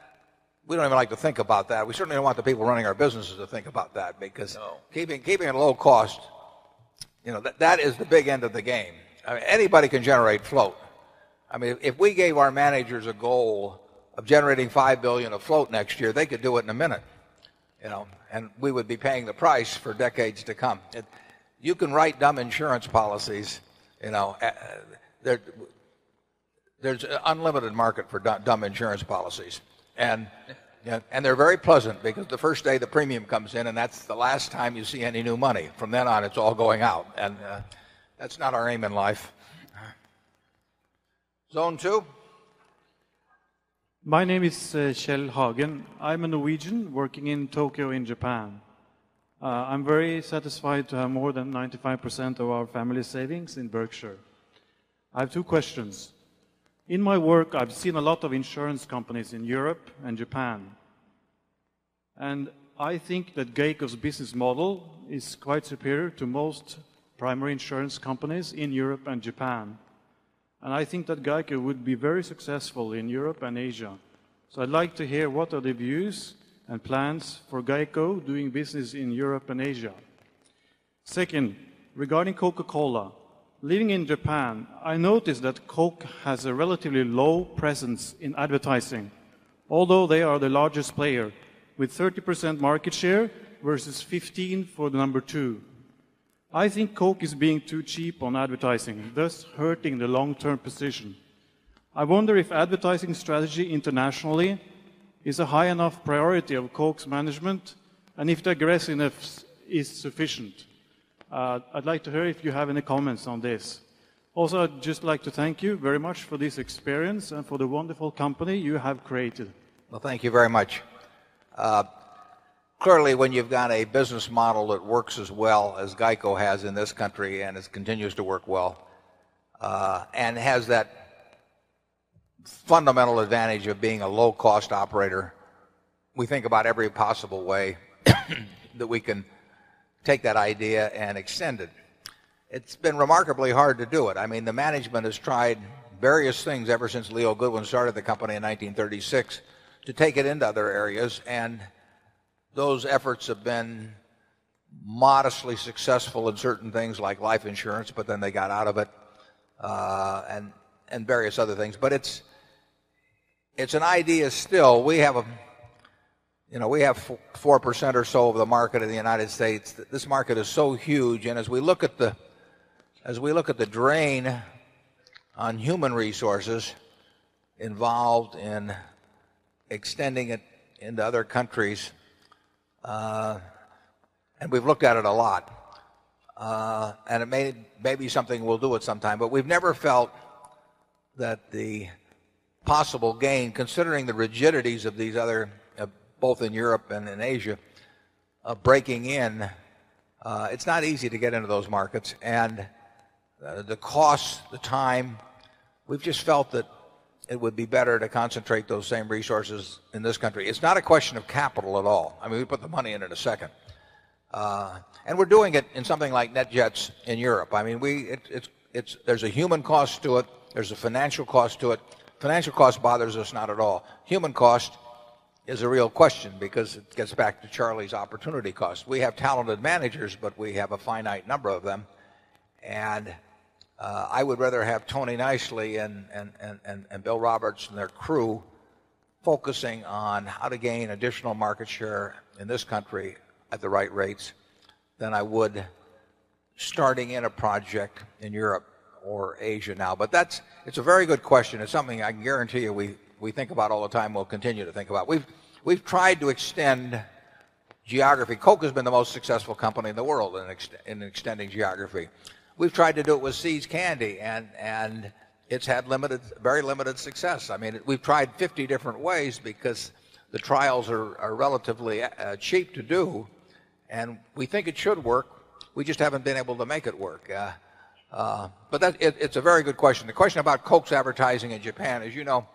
we don't even like to think about that. We certainly don't want the people running our businesses to think about that because keeping it low cost that is the big end of the game. Anybody can generate float. I mean, if we gave our managers a goal of generating $5,000,000,000 of float next year, they could do it in a minute, you know, and we would be paying the price for decades to come. You can write dumb insurance policies you know there's unlimited market for dumb insurance policies and and they're very pleasant because the 1st day the premium comes in and that's the last time you see any new money. From then on, it's all going out and that's not our aim in life. Zone 2. My name is Kjell Hagen. I'm a Norwegian working in Tokyo in Japan. I'm very satisfied to have more than 95% of our family savings in Berkshire. I have two questions. In my work, I've seen a lot of insurance companies in Europe and Japan, and I think that GEICO's business model is quite superior to most primary insurance companies in Europe and Japan. And I think that GEICO would be very successful in Europe and Asia. So I'd like to hear what are the views and plans for GEICO doing business in Europe and Asia. 2nd, regarding Coca Cola, living in Japan, I noticed that Coke has a relatively low presence in advertising, although they are the largest player with 30% market share versus 15% for the number 2. I think Coke is being too cheap on advertising, thus hurting the long term position. I wonder if advertising strategy internationally is a high enough priority of Coke's management and if the aggressiveness is sufficient. I'd like to hear if you have any comments on this. Also I'd just like to thank you very much for this experience and for the wonderful company you have created. Well, thank you very much. Clearly, when you've got a business model that works as well as GEICO has in this country and it continues to work well and has that fundamental advantage of being a low cost operator. We think about every possible way that we can take that idea and extend it. It's been remarkably hard to do it. I mean the management has tried various things ever since Leo Goodwin started the company in 19 6 to take it into other areas and those efforts have been modestly successful in certain things like life insurance, but then they got out of it and various other things. But it's an idea still. We have We have 4% or so of the market in the United States. This market is so huge and as we look at the drain on human resources involved in extending it into other countries and we've looked at it a lot. And it may be something we'll do it sometime, but we've never felt that the possible gain considering the rigidities of these other, both in Europe and in Asia, breaking in, it's not easy to get into those markets. And the cost, the time, we've just felt that it would be better to concentrate those same resources in this country. It's not a question of capital at all. I mean, we put the money in it a second. And we're doing it in something like NetJets in Europe. I mean, we it's there's a human cost to it. There's a financial cost to it. Financial cost bothers us not at all. Human cost is a real question because it gets back to Charlie's opportunity cost. We have talented managers, but we have a finite number of them And I would rather have Tony Nicely and Bill Roberts and their crew focusing on how to gain additional market share in this country at the right rates than I would starting in a project in Europe or Asia now. But that's a very good question. It's something I can guarantee you we think about all the time, we'll continue to think about. We've tried to extend geography. Coke has been the most successful company in the world in extending geography. We've tried to do it with See's Candy and it's had limited very limited success. I mean we've tried 50 different ways because the trials are relatively cheap to do and we think it should work. We just haven't been able to make it work. But that it's a very good question. The question about Coke's advertising in Japan as you know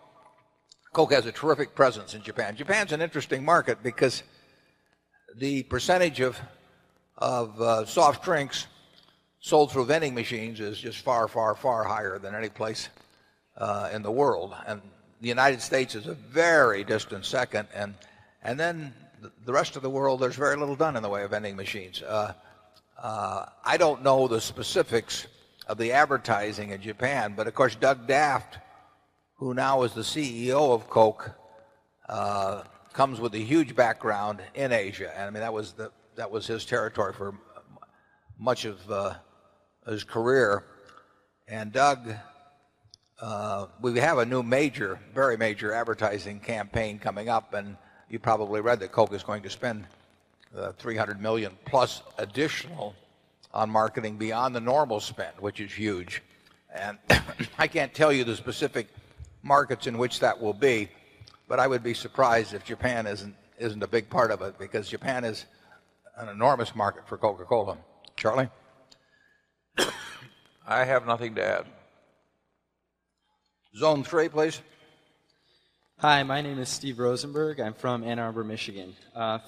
Coke has a terrific presence in Japan. Japan is an interesting market because the percentage of soft drinks sold through vending machines is just far, far, far higher than any place in the world. And the United States is a very distant second. And then the rest of the world, there's very little done in the way of vending machines. I don't know the specifics of the advertising in Japan, but of course, Doug Daft, who now is the CEO of Coke, comes with a huge background in Asia and I mean that was his territory for much of his career. And Doug, we have a new major, very major advertising campaign coming up and you probably read that Coke is going to spend $300,000,000 plus additional on marketing beyond the normal spend, which is huge. And I can't tell you the specific markets in which that will be, but I would be surprised if Japan isn't a big part of it because Japan is an enormous market for Coca Cola. Charlie? I have nothing to add. Zone 3, please. Hi. My name is Steve Rosenberg. I'm from Ann Arbor, Michigan.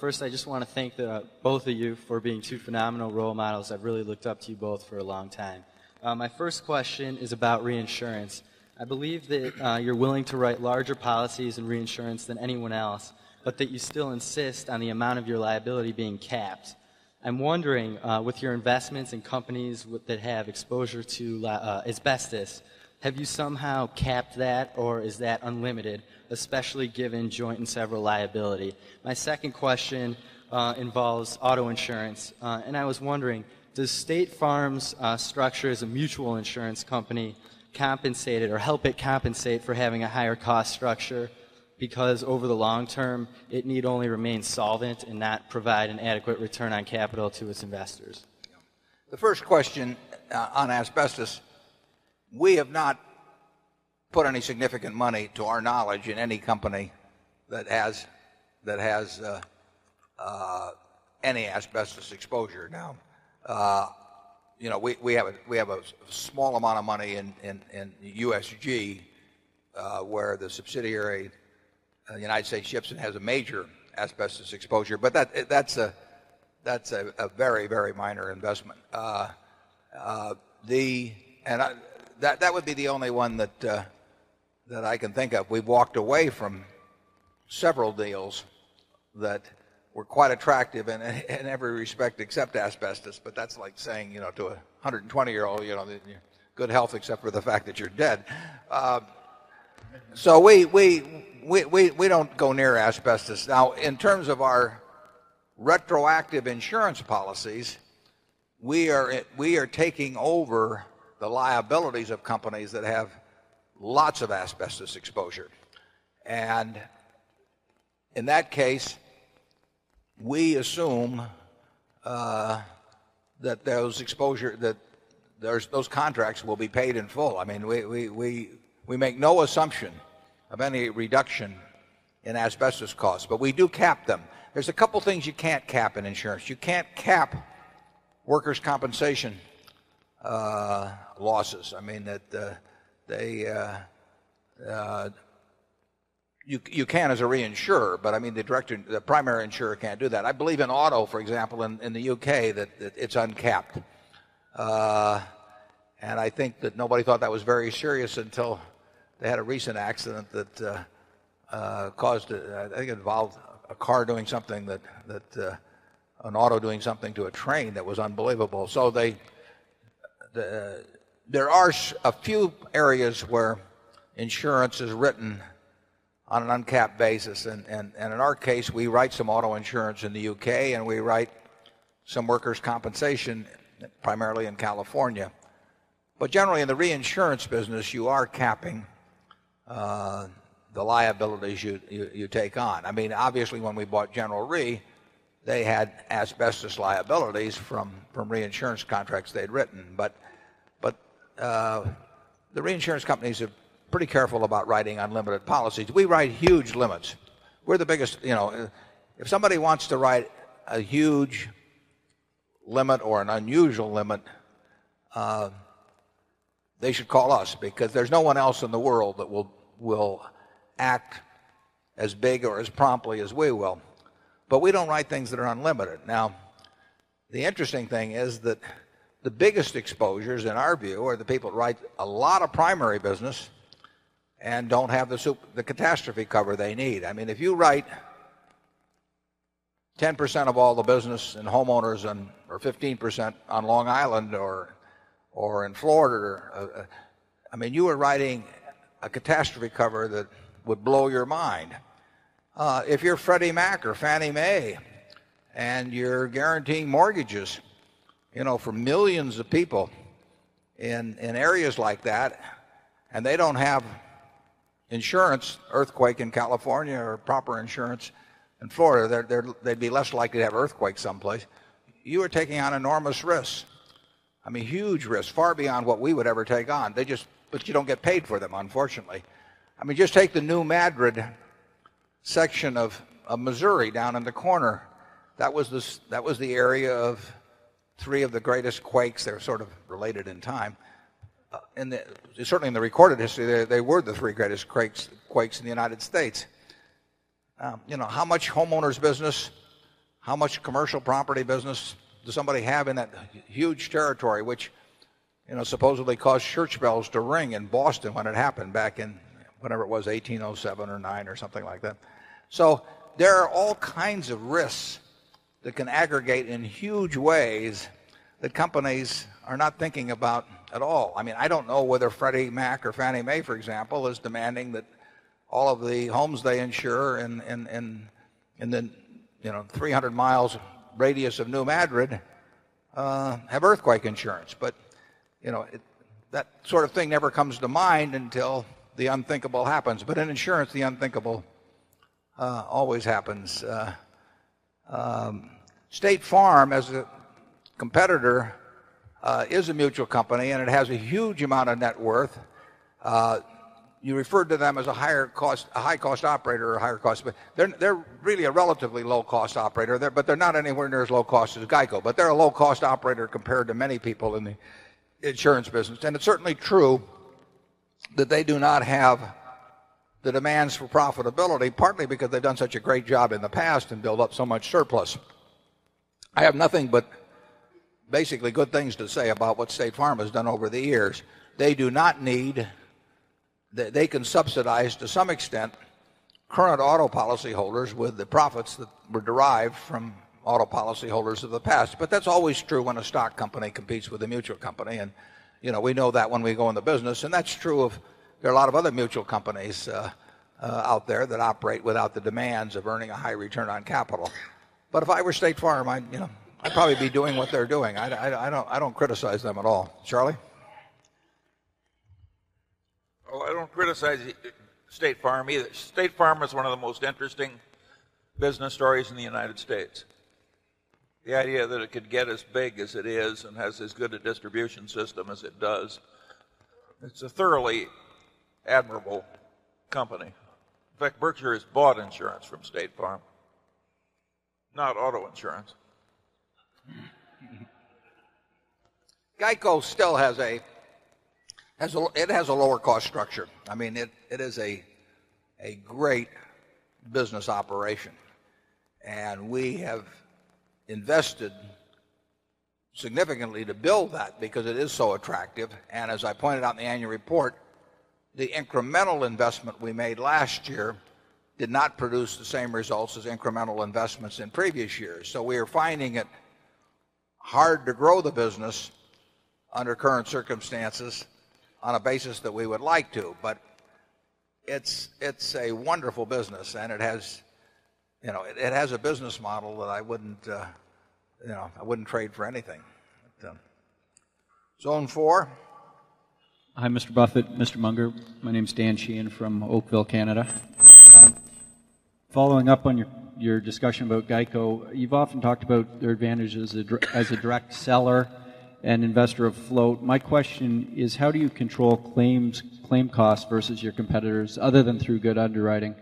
First, I just want to thank both of you for being 2 phenomenal role models. I've really looked up to you both for a long time. My first question is about reinsurance. I believe that you're willing to write larger policies and reinsurance than anyone else, but that you still insist on the amount of your liability being capped. I'm wondering, with your investments in companies that have exposure to asbestos, have you somehow capped that or is that unlimited, especially given joint and several liability? My second question, involves auto insurance and I was wondering does State Farm's, structure is a mutual insurance company compensated or help it compensate for having a higher cost structure because over the long term, it need only remain solvent and not provide an adequate return on capital to its investors? The first question, on asbestos. We have not put any significant money to our knowledge in any company that has any asbestos exposure. Now, we have a small amount of money in USG, where the subsidiary, of the United States ships and has a major asbestos exposure. But that's a very, very minor investment. The and that that would be the only one that that I can think of. We've walked away from several deals that were quite attractive in every respect except asbestos, but that's like saying you know to a 120 year old you know good health except for the fact that you're dead. So we don't go near asbestos. Now in terms of our retroactive insurance policies, we are taking over the liabilities of companies that have lots of asbestos exposure. And in that case, we assume that those exposure that those contracts will be paid in full. I mean, we make no assumption of any reduction in asbestos cost, but we do cap them. There's a couple of things you can't cap in insurance. You can't cap workers compensation losses. I mean that, they, you can as a reinsurer, but I mean the director the primary insurer can't do that. I believe in auto for example in the UK that it's uncapped. And I think that nobody thought that was very serious until they had a recent accident that caused, I think it involved a car doing something that an auto doing something to a train that was unbelievable. So there are a few areas where insurance is written on an uncapped basis and in our case, we write some auto insurance in the UK and we write some workers' compensation primarily in California. But generally in the reinsurance business, you are capping the liabilities you take on. I mean, obviously when we bought General Re, they had asbestos liabilities from reinsurance contracts they had written, but the reinsurance companies are pretty careful about writing unlimited policies. We write huge limits. We are the biggest you know, if somebody wants to write a huge limit or an unusual limit, they should call us, because there is no one else in the world that will act as big or as promptly as we will. But we don't write things that are unlimited. Now the interesting thing is that the biggest exposures in our view are the people who write a lot of primary business and don't have the soup the catastrophe cover they need. I mean if you write 10% of all the business and homeowners and or 15% on Long Island or or in Florida, I mean you were writing a catastrophe cover that would blow your mind. If you're Freddie Mac or Fannie Mae and you're guaranteeing mortgages, you know, for millions of people in in areas like that and they don't have insurance, earthquake in California or proper insurance in Florida, they'd be less likely to have earthquake some place, you are taking on enormous risks. I mean huge risks far beyond what we would ever take on. They just but you don't get paid for them unfortunately. I mean just take the New Madrid section of Missouri down in the corner, that was the area of 3 of the greatest quakes that are sort of related in time. And certainly in the recorded history they were the 3 greatest quakes in the United States. You know, how much homeowners business, how much commercial property business does somebody have in that huge territory which supposedly caused church bells to ring in Boston when it happened back in whenever it was 1807 or 9 or something like that. So there are all kinds of risks that can aggregate in huge ways that companies are not thinking about at all. I mean I don't know whether Freddie Mac or Fannie Mae for example is demanding that all of the homes they insure in in in in the 300 miles radius of New Madrid have earthquake insurance. But, you know, that sort of thing never comes to mind until the unthinkable happens. But in insurance, the unthinkable always happens. State Farm as a competitor is a mutual company and it has a huge amount of net worth. You referred to them as a higher cost a high cost operator or higher cost. They're really a relatively low cost operator there but they're not anywhere near as low cost as GEICO. But they're a low cost operator compared to many people in the insurance business and it's certainly true that they do not have the demands for profitability partly because they've done such a great job in the past and build up so much surplus. I have nothing but basically good things to say about what State Farm has done over the years. They do not need that they can subsidize to some extent current auto policy holders with the profits that were derived from auto policy holders of the past. But that's always true when a stock company competes with a mutual company and we know that when we go in the business and that's true of there are a lot of other mutual companies out there that operate without the demands of earning a high return on capital. But if I were State Farm, I'd probably be doing what they're doing. I don't criticize them at all. Charlie? Oh, I don't criticize State Farm either. State Farm is one of the most interesting business stories in the United States. The idea that it could get as big as it is and has as good a distribution system as it does. It's a thoroughly admirable company. In fact, Berkshire has bought insurance from State Farm, not auto insurance. GEICO still has a a it has a lower cost structure. I mean, it is a great business operation. And we have invested significantly to build that because it is so attractive. And as I pointed out in the annual report, the incremental investment we made last year did not produce the same results as incremental investments in previous years. So we are finding it hard to grow the business under current circumstances on a basis that we would like to. But it's a wonderful business and it has, you know, it has a business model that I wouldn't, you know, I wouldn't trade for anything. Zone 4. Hi, Mr. Buffet, Mr. Munger. My name is Dan Sheehan from Oakville, Canada. Following up on your discussion about GEICO, you've often talked about their advantages as a direct seller and investor of float. My question is how do you control claim costs versus your competitors other than through good underwriting?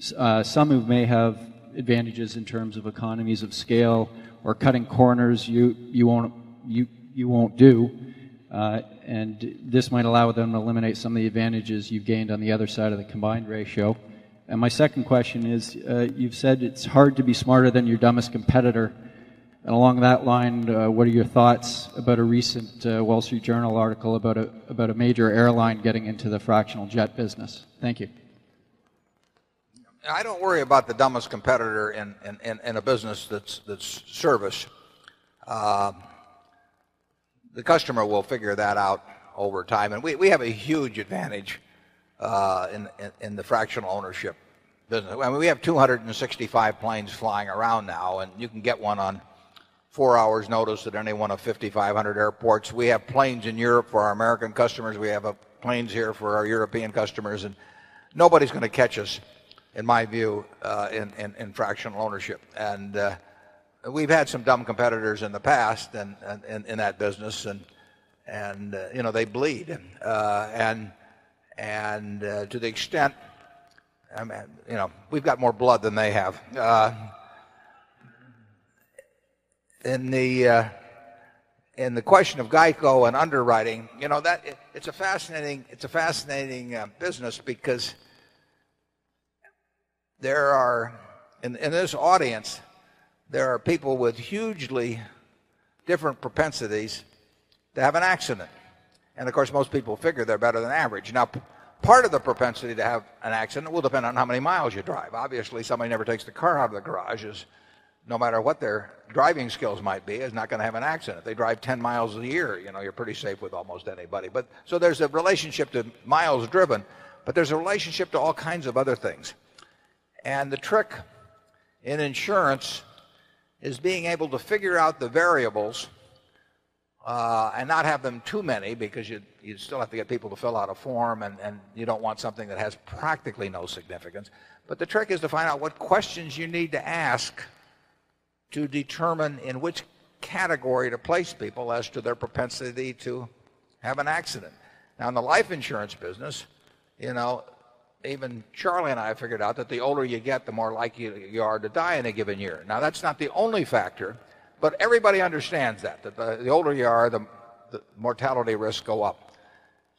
Some who may have advantages in terms of economies of scale or cutting corners you won't do and this might allow them to eliminate some of the advantages you've gained on the other side of the combined ratio. And my second question is, you've said it's hard to be smarter than your dumbest competitor. And along that line, what are your thoughts about a recent Wall Street Journal article about a major airline getting into the fractional jet business? Thank you. I don't worry about the dumbest competitor in a business that's service. The customer will figure that out over time and we have a huge advantage in the fractional ownership. We have 265 planes flying around now and you can get 1 on 4 hours notice at any one of 5,500 airports. We have planes in Europe for our American customers. We have planes here for our European customers and nobody's going to catch us in my view in fractional ownership. And we've had some dumb competitors in the past in that business and you know they bleed and to the extent, I mean, you know, we've got more blood than they have. In the in the question of GEICO and underwriting, you know that it's a fascinating it's a fascinating business because there are in this audience, there are people with hugely different propensities to have an accident. And of course most people figure they're better than average. Now, part of the propensity to have an accident will depend on how many miles you drive. Obviously somebody never takes the car out of the garage is, no matter what their driving skills might be is not going to have an accident. They drive 10 miles a year, you know, you're pretty safe with almost anybody. But, so there's a relationship to miles driven, but there's a relationship to all kinds of other things. And the trick in insurance is being able to figure out the variables and not have them too many because you'd still have to get people to fill out a form and you don't want something that has practically no significance. But the trick is to find out what questions you need to ask to determine in which category to place people as to their propensity to have an accident. Now in the life insurance business, you know, even Charlie and I figured out that the older you get the more likely you are to die in a given year. Now that's not the only factor, but everybody understands that. The older you are the mortality risk go up.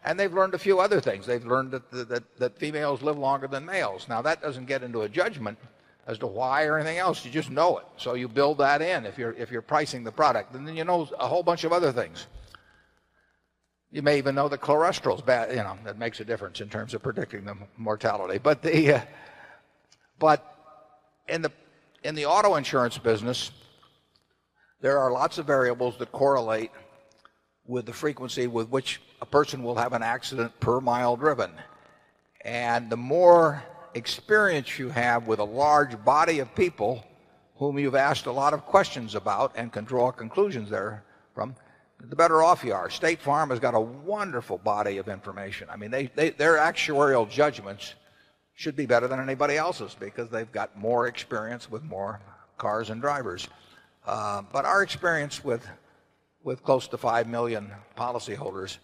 And they've learned a few other things. They've learned that females live longer than males. Now that doesn't get into a judgment as to why or anything else, you just know it. So you build that in if you're pricing the product and then you know a whole bunch of other things. You may even know the cholesterol is bad, you know, makes a difference in terms of predicting the mortality. But the, but in the auto insurance business, there are lots of variables that correlate with the frequency with which a person will have an accident per mile driven. And the more experience you have with a large body of people whom you've asked a lot of questions about and can draw conclusions there from, the better off you are. State Farm has got a wonderful body of information. I mean they their actuarial judgments should be better than anybody else's because they've got more experience with more cars and drivers. But our experience with close to 5,000,000 policyholders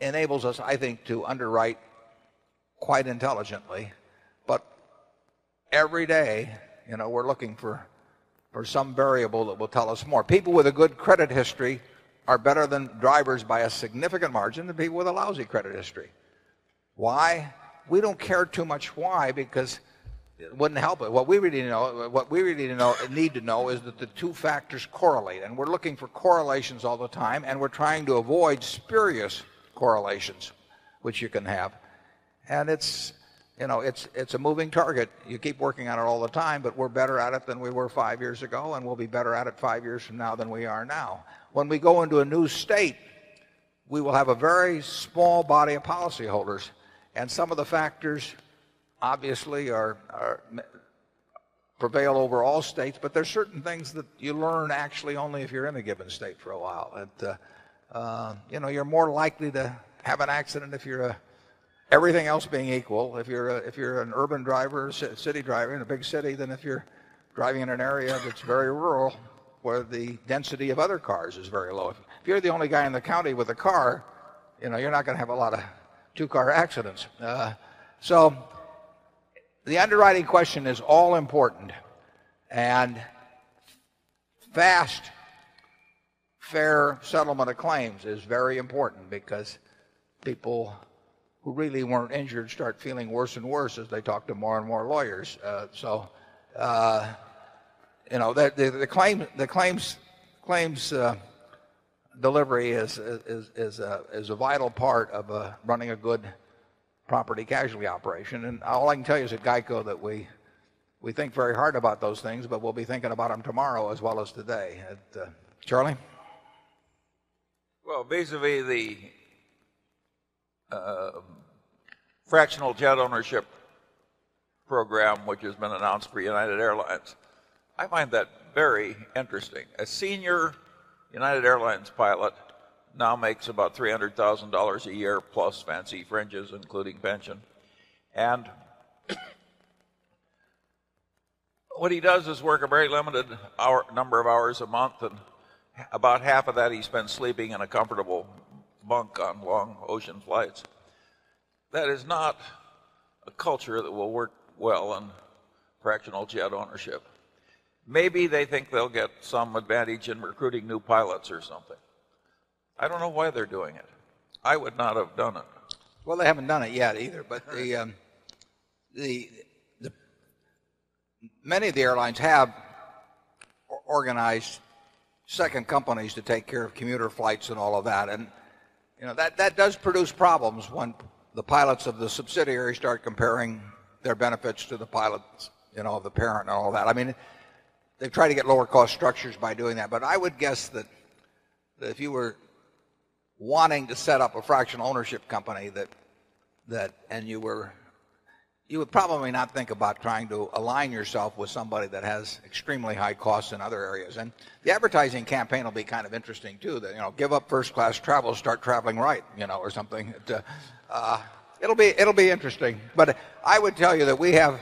enables us I think to underwrite quite intelligently, but every day you know we're looking for some variable that will tell us more. People with a good credit history are better than drivers by a significant margin than people with lousy credit history. Why? We don't care too much why because it wouldn't help it. What we really need to know correlate and we're looking for correlations all the time and we're trying to avoid spurious correlations which you can have. And it's a moving target. You keep working on it all the time but we're better at it than we were 5 years ago and we'll be better at it 5 years from now than we are now. When we go into a new state, we will have a very small body of policyholders and some of the factors obviously are prevail over all states, but there are certain things that you learn actually only if you are in a given state for a while. And, you know you are more likely to have an accident if you are, everything else being equal, if you are an urban driver, city driver in a big city than if you are driving in an area that is very rural where the density of other cars is very low. If you are the only guy in the county with a car, you know, you are not going to have a lot of 2 car accidents. So the underwriting question is all important and fast, fair settlement of claims is very important because people who really weren't injured start feeling worse and worse as they talk to more and more lawyers. So, you know, the claims claims delivery is a vital part of running a good property casualty operation and all I can tell you is at GEICO that we think very hard about those things, but we'll be thinking about them tomorrow as well as today. Charlie? Well, vis a vis the fractional jet ownership program, which has been announced for United Airlines. I find that very interesting. A senior United Airlines pilot now makes about $300,000 a year plus fancy fringes including pension And what he does is work a very limited number of hours a month and about half of that, he spends sleeping in a comfortable bunk on long ocean flights. That is not a culture that will work well on fractional jet ownership. Maybe they think they'll get some advantage in recruiting new pilots or something. I don't know why they're doing it. I would not have done it. Well, they haven't done it yet either. But the the the many of the airlines have organized second companies to take care of commuter flights and all of that. And that does produce problems when the pilots of the subsidiary start comparing their benefits to the pilots, the parent and all that. I mean, they try to get lower cost structures by doing that but I would guess that if you were wanting to set up a fraction ownership company that that and you were you would probably not think about trying to align yourself with somebody that has extremely high costs in other areas. And the advertising campaign will be kind of interesting too. Give up 1st class travel, start traveling right or something. It'll be interesting. But I would tell you that we have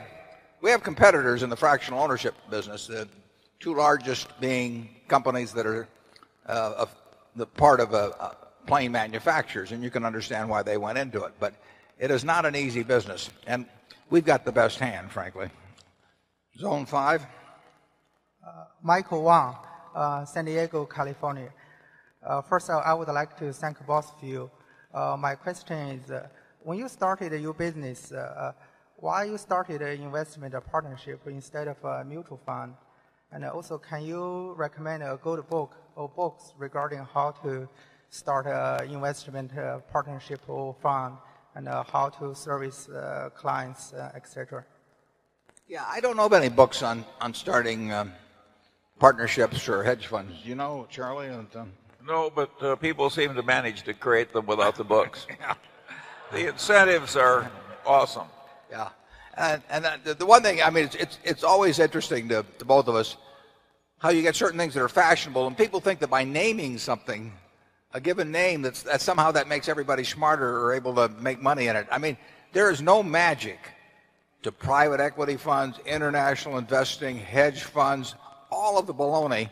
we have competitors in the fractional ownership business, the 2 largest being companies that are of the part of a plane manufacturers and you can understand why they went into it. But it is not an easy business and we've got the best hand frankly. Zone 5. Michael Wong, San Diego, California. First of all, I would like to thank both of you. My question is, when you started your business, why you started an investment partnership instead of a mutual fund? And also can you recommend a good book or books regarding how to start an investment partnership fund and how to service clients, etcetera. Yes, I don't know of any books on starting partnerships or hedge funds. You know, Charlie? No. But people seem to manage to create them without the books. The incentives are awesome. Yeah. And and the one thing I mean, it's it's always interesting to both of us. How you get certain things that are fashionable and people think that by naming something, a given name that's somehow that makes everybody smarter or able to make money in it. I mean there is no magic to private equity funds, international investing, hedge funds, all of the baloney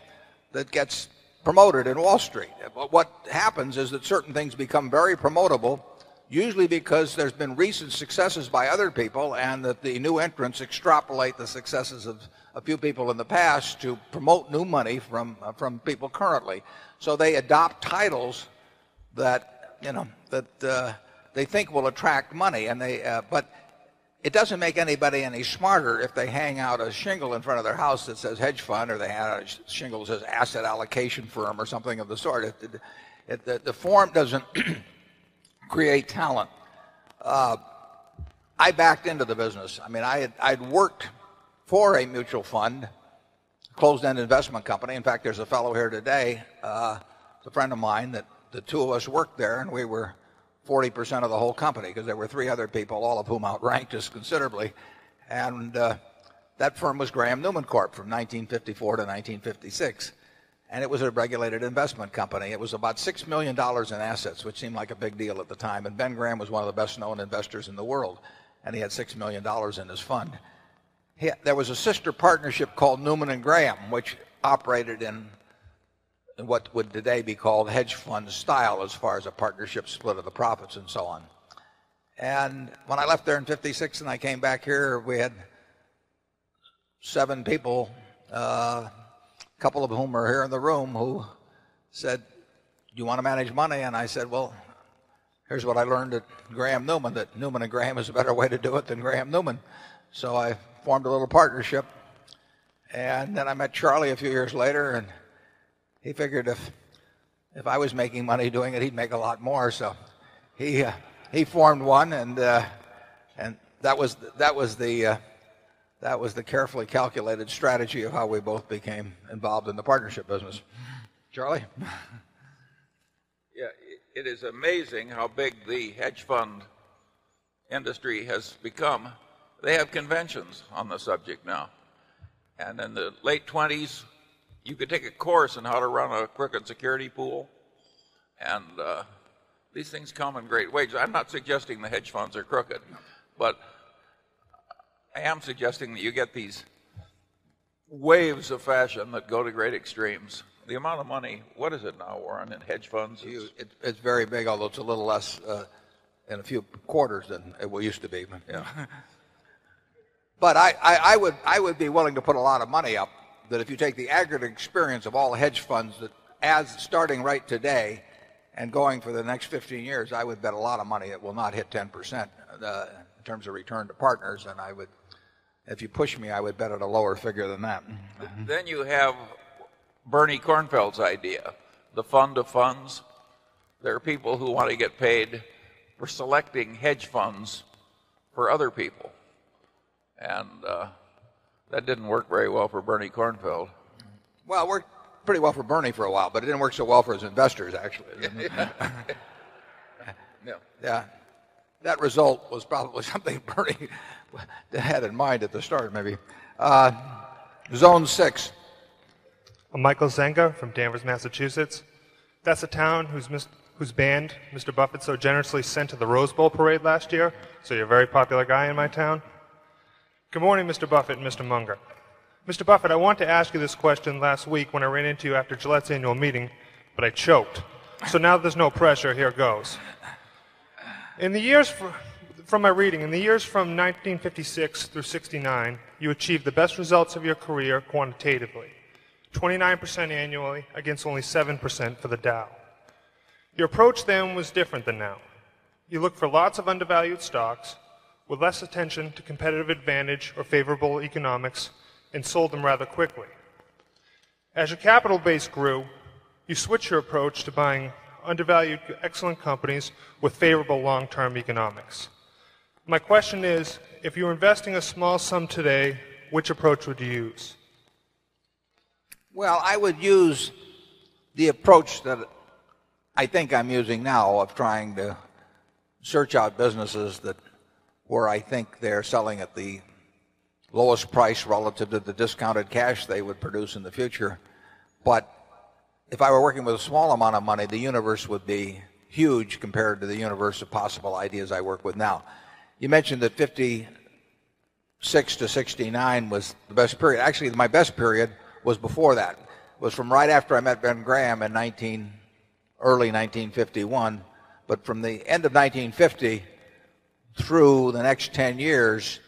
that gets promoted in Wall Street. But what happens is that certain things become very promotable usually because there's been recent successes by other people and that the new entrants extrapolate the successes of a few people in the past to promote new money from people currently. So they adopt titles that, you know, that they think will attract money and they, but it doesn't make anybody any smarter if they hang out a shingle in front of their house that says hedge fund or they had shingle says asset allocation firm or something of the sort. The form doesn't create talent. I backed into the business. I mean, I had worked for a mutual fund, closed end investment company. In fact, there's a fellow here today, a friend of mine that the 2 of us worked there and we were 40% of the whole company because there were 3 other people all of whom outranked us considerably. And that firm was Graham Newman Corp from 1954 to 1956. And it was a regulated investment company. It was about $6,000,000 in assets, which seemed like a deal at the time. And Ben Graham was one of the best known investors in the world, and he had $6,000,000 in his fund. There was a sister partnership called Newman and Graham, which operated in what would today be called hedge fund style as far as a partnership split of the profits and so on. And when I left there in 'fifty six and I came back here we had 7 people, a couple of whom are here in the room who said do you want to manage money and I said well here's what I learned at Graham Newman, that Newman and Graham has a better way to do it than Graham Newman. So I formed a little partnership and then I met Charlie a few years later and he figured if I was making money doing it, he'd make a lot more. So he formed 1 and that was the carefully calculated strategy of how we both became involved in the partnership business. Charlie? Yeah. It is amazing how big the hedge fund industry has become. They have conventions on the subject now. And in the late '20s, you could take a course on how to run a crooked security pool. And these things come in great ways. I'm not suggesting the hedge funds are crooked, but I am suggesting that you get these waves of fashion that go to great extremes. The amount of money, what is it now Warren, in hedge funds? It's very big, although it's a little less in a few quarters than it used to be. But I would be willing to put a lot of money up that if you take the aggregate experience of all hedge funds that as starting right today and going for the next 15 years, I would bet a lot of money that will not hit 10% in terms of return to partners and I would if you push me, I would bet at a lower figure than that. Then you have Bernie Kornfeld's idea, the fund of funds. There are people who want to get paid for selecting hedge funds for other people. And that didn't work very well for Bernie Kornfeld. Well, it worked pretty well for Bernie for a while, but it didn't work so well for his investors actually. Yeah, that result was probably something Bernie had in mind at the start maybe. Zone 6. I'm Michael Zenga from Danvers Massachusetts. That's a town who's missed whose band Mr. Buffett so generously sent to the Rose Bowl parade last year. So you're very popular guy in my town. Good morning, Mr. Buffett and Mr. Munger. Mr. Buffett, I want to ask you this question last week when I ran into you after Gillette's annual meeting, but I choked. So now there's no pressure here goes. In the years for from my reading in the years from 1956 through 69, you achieved the best results of your career quantitatively. 29% annually against only 7% for the Dow. Your approach then was different than now. You look for lots of undervalued stocks with less attention to competitive advantage or favorable economics and sold them rather quickly. As your capital base grew, you switch your approach to buying undervalued excellent companies with favorable long term economics. My question is if you're investing a small sum today, which approach would you use? Well, I would use the approach that I think I'm using now of trying to search out businesses that where I think they're selling at the lowest price relative to the discounted cash they would produce in the future, but if I were working with a small amount of money, the universe would be huge compared to the universe of possible ideas I work with now. You mentioned that 50 6 to 'sixty 9 was the best period, actually my best period was before that, was from right after I met Ben Graham in 19 early 1951, but from the end of 1950 through the next 10 years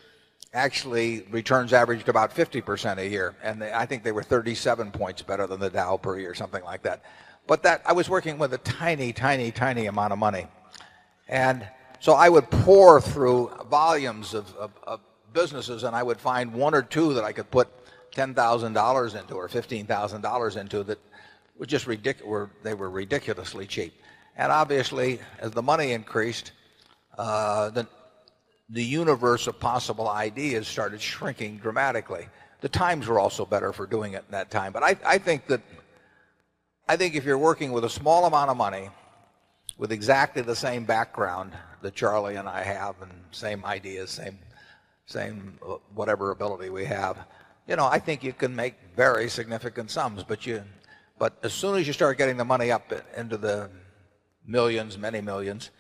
actually returns averaged about 50% a year and I think they were 37 points better than the Dow per year something like that. But that I was working with a tiny, tiny, tiny amount of money and so I would pour through volumes of businesses and I would find 1 or 2 that I could put $10,000 into or $15,000 into that which is ridiculous, they were ridiculously cheap And obviously as the money increased, the universe of possible ideas started shrinking dramatically. The times were also better for doing it in that time, but I think that I think if you're working with a small amount of money with exactly the same background that Charlie and I have and same ideas, same whatever ability we have, I think you can make very significant sums, but as soon as you start getting the money up into the millions, many millions,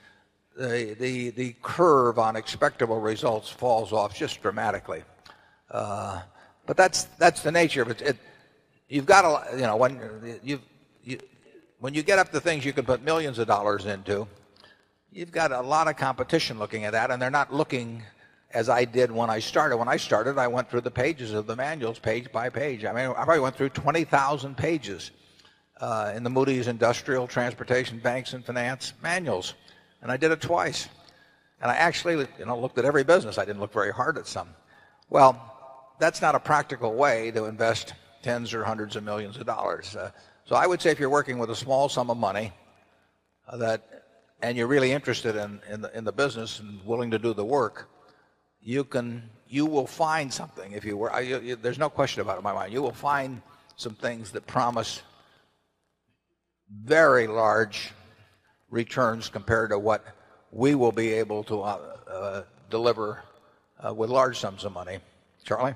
the curve on expectable results falls off just dramatically. But that's the nature of it. You've got a lot, you know, when you get up the things you could put 1,000,000 of dollars into, you've got a lot of competition looking at that and they're not looking as I did when I started. When I started, I went through the pages of the manuals page by page. I mean, I probably went through 20,000 pages in the Moody's Industrial Transportation Banks and Finance Manuals and I did it twice. And I actually looked at every business, I didn't look very hard at some. Well, that's not a practical way to invest tens or 100 of 1,000,000 of dollars. So I would say if you're working with a small sum of money that and you are really interested in the business and willing to do the work, you can you will find something if you were there is no question about my mind, you will find some things that promise very large returns compared to what we will be able to deliver with large sums of money. Charlie?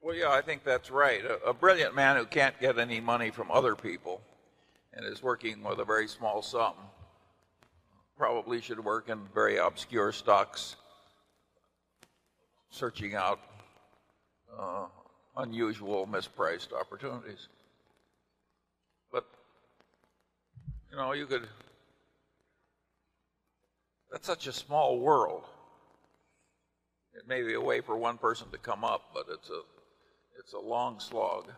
Well, yes, I think that's right. A brilliant man who can't get any money from other people and is working with a very small sum, probably should work in very obscure stocks, searching out unusual mispriced opportunities. But you could that's such a small world. It may be a way for one person to come up, but it's a it's a long slog.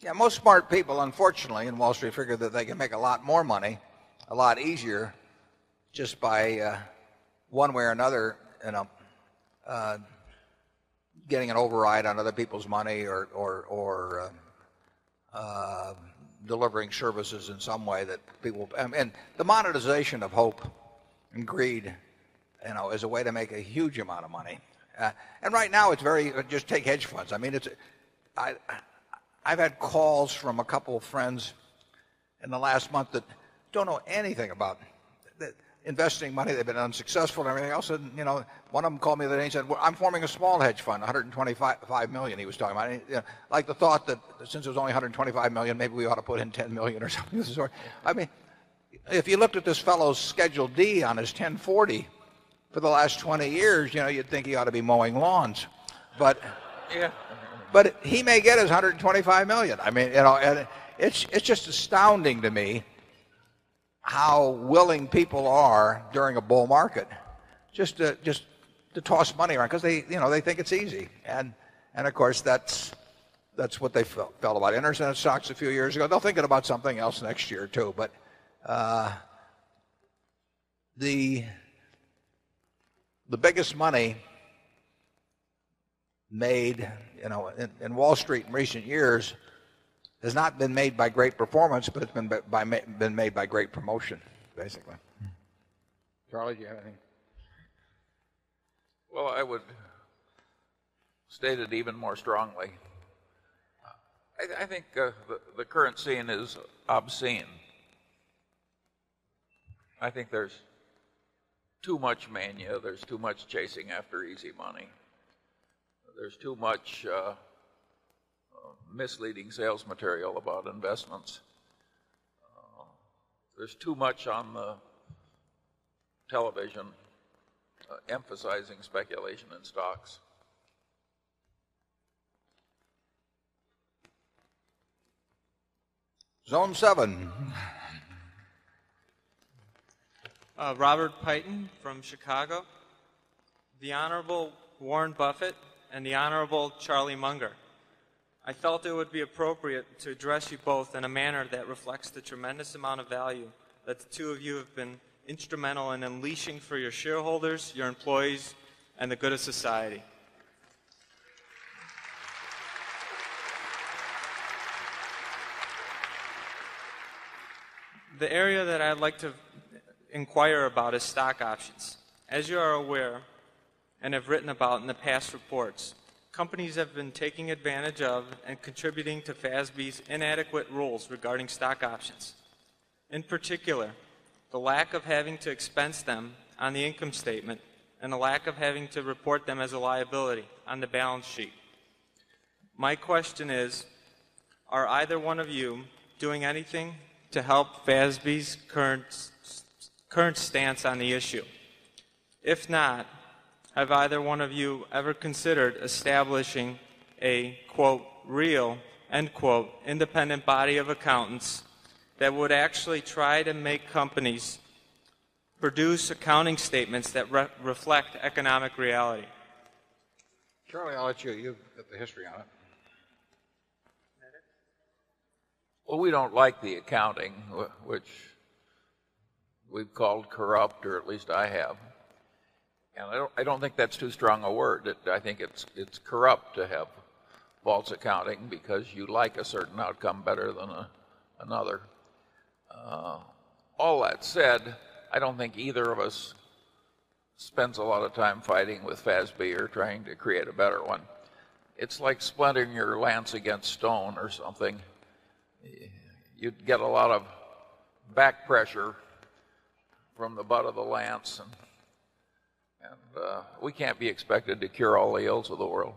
Yeah. Most smart people unfortunately in Wall Street figured that they can make a lot more money, a lot easier just by one way or another, you know, getting an override on other people's money or delivering services in some way that people and the monetization of hope and greed and now is a way to make a huge amount of money. And right now it's very just take hedge funds. I mean it's I've had calls from a couple of friends in the last month that don't know anything about investing money, they've been unsuccessful and everything else. And you know, one of them called me that he said, well, I'm forming a small hedge fund 125 he was talking about. Like the thought that since it's only 125,000,000 maybe we ought to put in 10,000,000 or something. I mean, if you looked at this fellow's schedule D on his 10.40 for the last 20 years, you know, you think he ought to be mowing lawns. But he may get his 125,000,000. I mean, you know, it's just astounding to me how willing people are during a bull market just to toss money around, because they think it's easy and of course that's what they felt about. In terms of stocks a few years ago, they're thinking about something else next year too, but the biggest money made in Wall Street in recent years has not been made by great performance, but it's been made by great promotion basically. Charlie, do you have anything? Well, I would state it even more strongly. I think the current scene is obscene. I think there's too much mania. There's too much chasing after easy money. There's too much misleading sales material about investments. There's too much on the television emphasizing speculation in stocks. Zone 7. Robert Peyton from Chicago. The Honorable Warren Buffett and the Honorable Charlie Munger. I felt it would be appropriate to address you both in a manner that reflects the tremendous amount of value that the 2 of you have been instrumental in unleashing for your shareholders, your employees and the good of society. The area that I'd like to inquire about is stock options. As you are aware and have written about in the past reports, companies have been taking advantage of and contributing to FASB's inadequate rules regarding stock options. In particular, the lack of having to expense them on the income statement and the lack of having to report them as a liability on the balance sheet. My question is, are either one of you doing anything to help FASB's current current stance on the issue? If not, have either one of you ever considered establishing a quote real end quote independent body of accountants that would actually try to make companies produce accounting statements that reflect economic reality? Charlie, I'll let you you've got the history on it. Well, we don't like the accounting, which we've called corrupt or at least I have. And I don't think that's too strong a word. I think it's corrupt to have false accounting because you like a certain outcome better than another. All that said, I don't think either of us spends a lot of time fighting with FASB or trying to create a better one. It's like splintering your lance against stone or something. You'd get a lot of back pressure from the butt of the lance and and we can't be expected to cure all the ills of the world.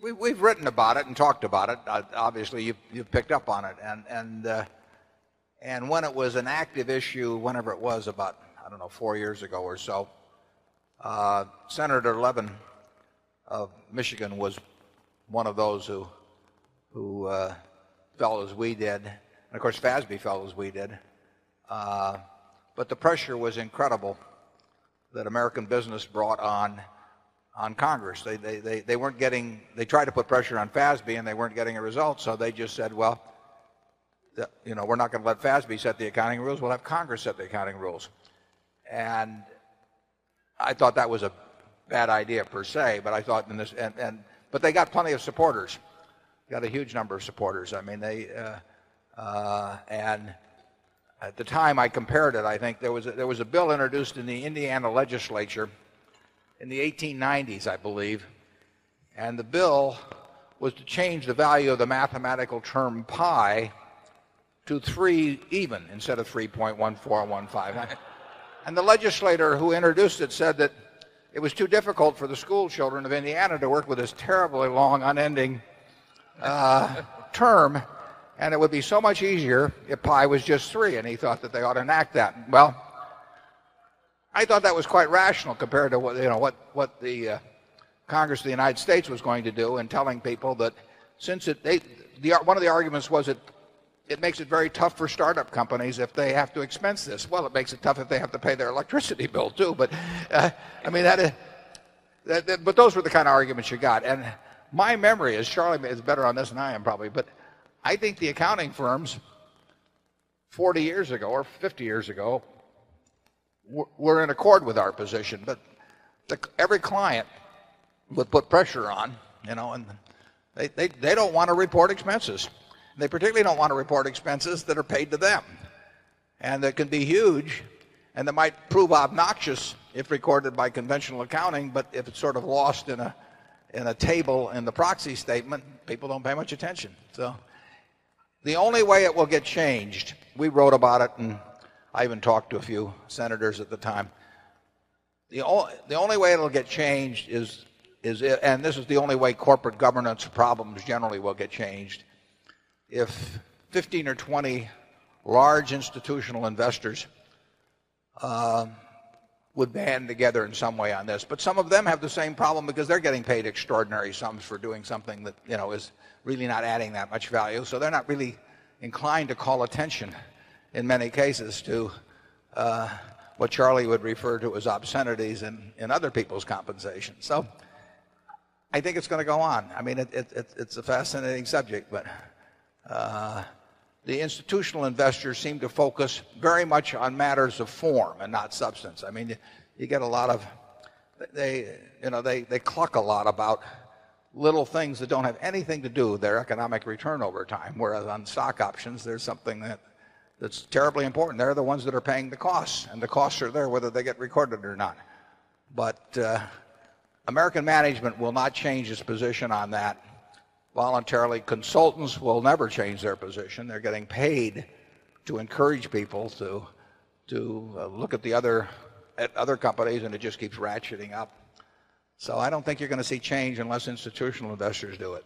We've written about it and talked about it. Obviously, you've picked up on it. And when it was an active issue, whenever it was about, I don't know, 4 years ago or so, Senator Levin of Michigan was one of those who fell as we did and of course FASB fell as we did. But the pressure was incredible that American business brought on on congress. They weren't getting they tried to put pressure on FASB and they weren't getting a result so they just said well, you know we're not going to let FASB set the accounting rules, we'll have Congress set the accounting rules. And I thought that was a bad idea per se, but I thought in this and but they got plenty of supporters, got a huge number of supporters. I mean they, and at the time I compared it, I think there was a bill introduced in the Indiana legislature in the 18 nineties I believe and the bill was to change the value of the mathematical term pi to 3 even instead of 3.1415. And the legislator who introduced it said that it was too difficult for the school children of Indiana to work with this terribly long unending term and it would be so much easier if pi was just 3 and he thought that they ought to enact that. Well, I thought that was quite rational compared to what, you know, what what the congress of the United States was going to do and telling people that since it they, the one of the arguments was it, it makes it very tough for start up companies if they have to expense this. Well it makes it tough if they have to pay their electricity bill too, but, I mean that but those were the kind of arguments you got. And my memory is, charlie is better on this than I am probably, but I think the accounting firms 40 years ago or 50 years ago were in accord with our position. But every client would put pressure on, you know, and they don't want to report expenses. They particularly don't want to report expenses that are paid to them And that can be huge and that might prove obnoxious if recorded by conventional accounting, but if it's sort of lost in a in a table in the proxy statement, people don't pay much attention. So the only way it will get changed, we wrote about it and I even talked to a few senators at the time, the only way it will get changed is and this is the only way corporate governance problems generally will get changed. If 15 or 20 large institutional investors would band together in some way on this. But some of them have the same problem because they're getting paid extraordinary sums for doing something that you know is really not adding that much value. So they're not really inclined to call attention in many cases to what Charlie would refer to as obscenities in other people's compensation. So I think it's going to go on. I mean it's a fascinating subject but the institutional investors seem to focus very much on matters of form and not substance. I mean you get a lot of they cluck a lot about little things that don't have anything to do their economic return over time, whereas on stock options there's something that's terribly important. They're the ones that are paying the costs and the costs are there whether they get recorded or not. But American management will not change its position on that Voluntarily, consultants will never change their position, they're getting paid to encourage people to look at the other at other companies and it just keeps ratcheting up. So I don't think you're going to see change unless institutional investors do it.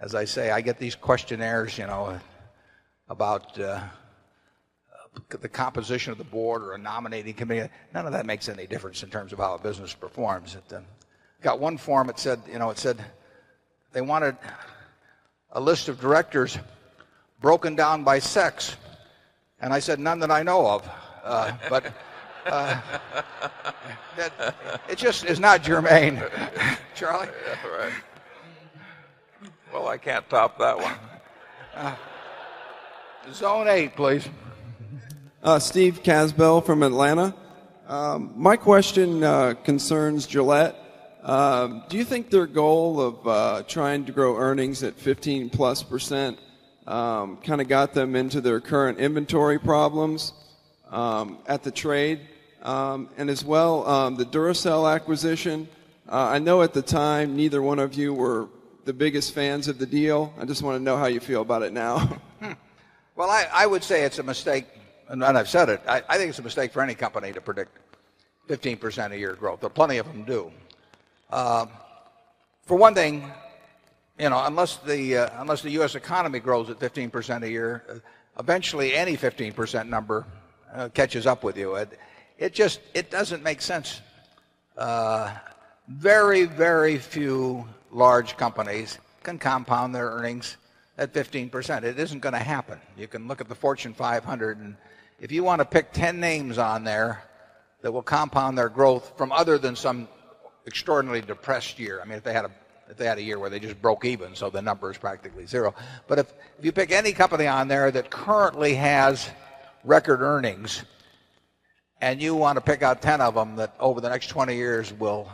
As I say, I get these questionnaires you know, about the composition of the board or a nominating committee. None of that makes any difference in terms of how a business performs. Got one form it said, they wanted a list of directors broken down by sex and I said none that I know of. But that it just is not germane. Charlie? That's right. Well, I can't top that one. Zone 8, please. Steve Casbell from Atlanta. My question concerns Gillette. Do you think their goal of trying to grow earnings at 15 plus percent kind of got them into their current inventory problems at the trade. And as well, the Duracell acquisition, I know at the time neither one of you were the biggest fans of the deal. I just want to know how you feel about it now. Well, I would say it's a mistake and I've said it, I think it's a mistake for any company to predict 15% a year growth, but plenty of them do. For one thing, you know, unless the U. S. Economy grows at 15% a year, eventually any 15% number catches up with you. It just it doesn't make sense. Very, very few large companies can compound their earnings at 15%. It isn't going to happen. You can look at the Fortune 500 and if you want to pick 10 names on there that will compound their growth from other than some extraordinarily depressed year. I mean, if they had a year where they just broke even, so the number is practically 0. But if you pick any company on there that currently has record earnings and you want to pick out 10 of them that over the next 20 years will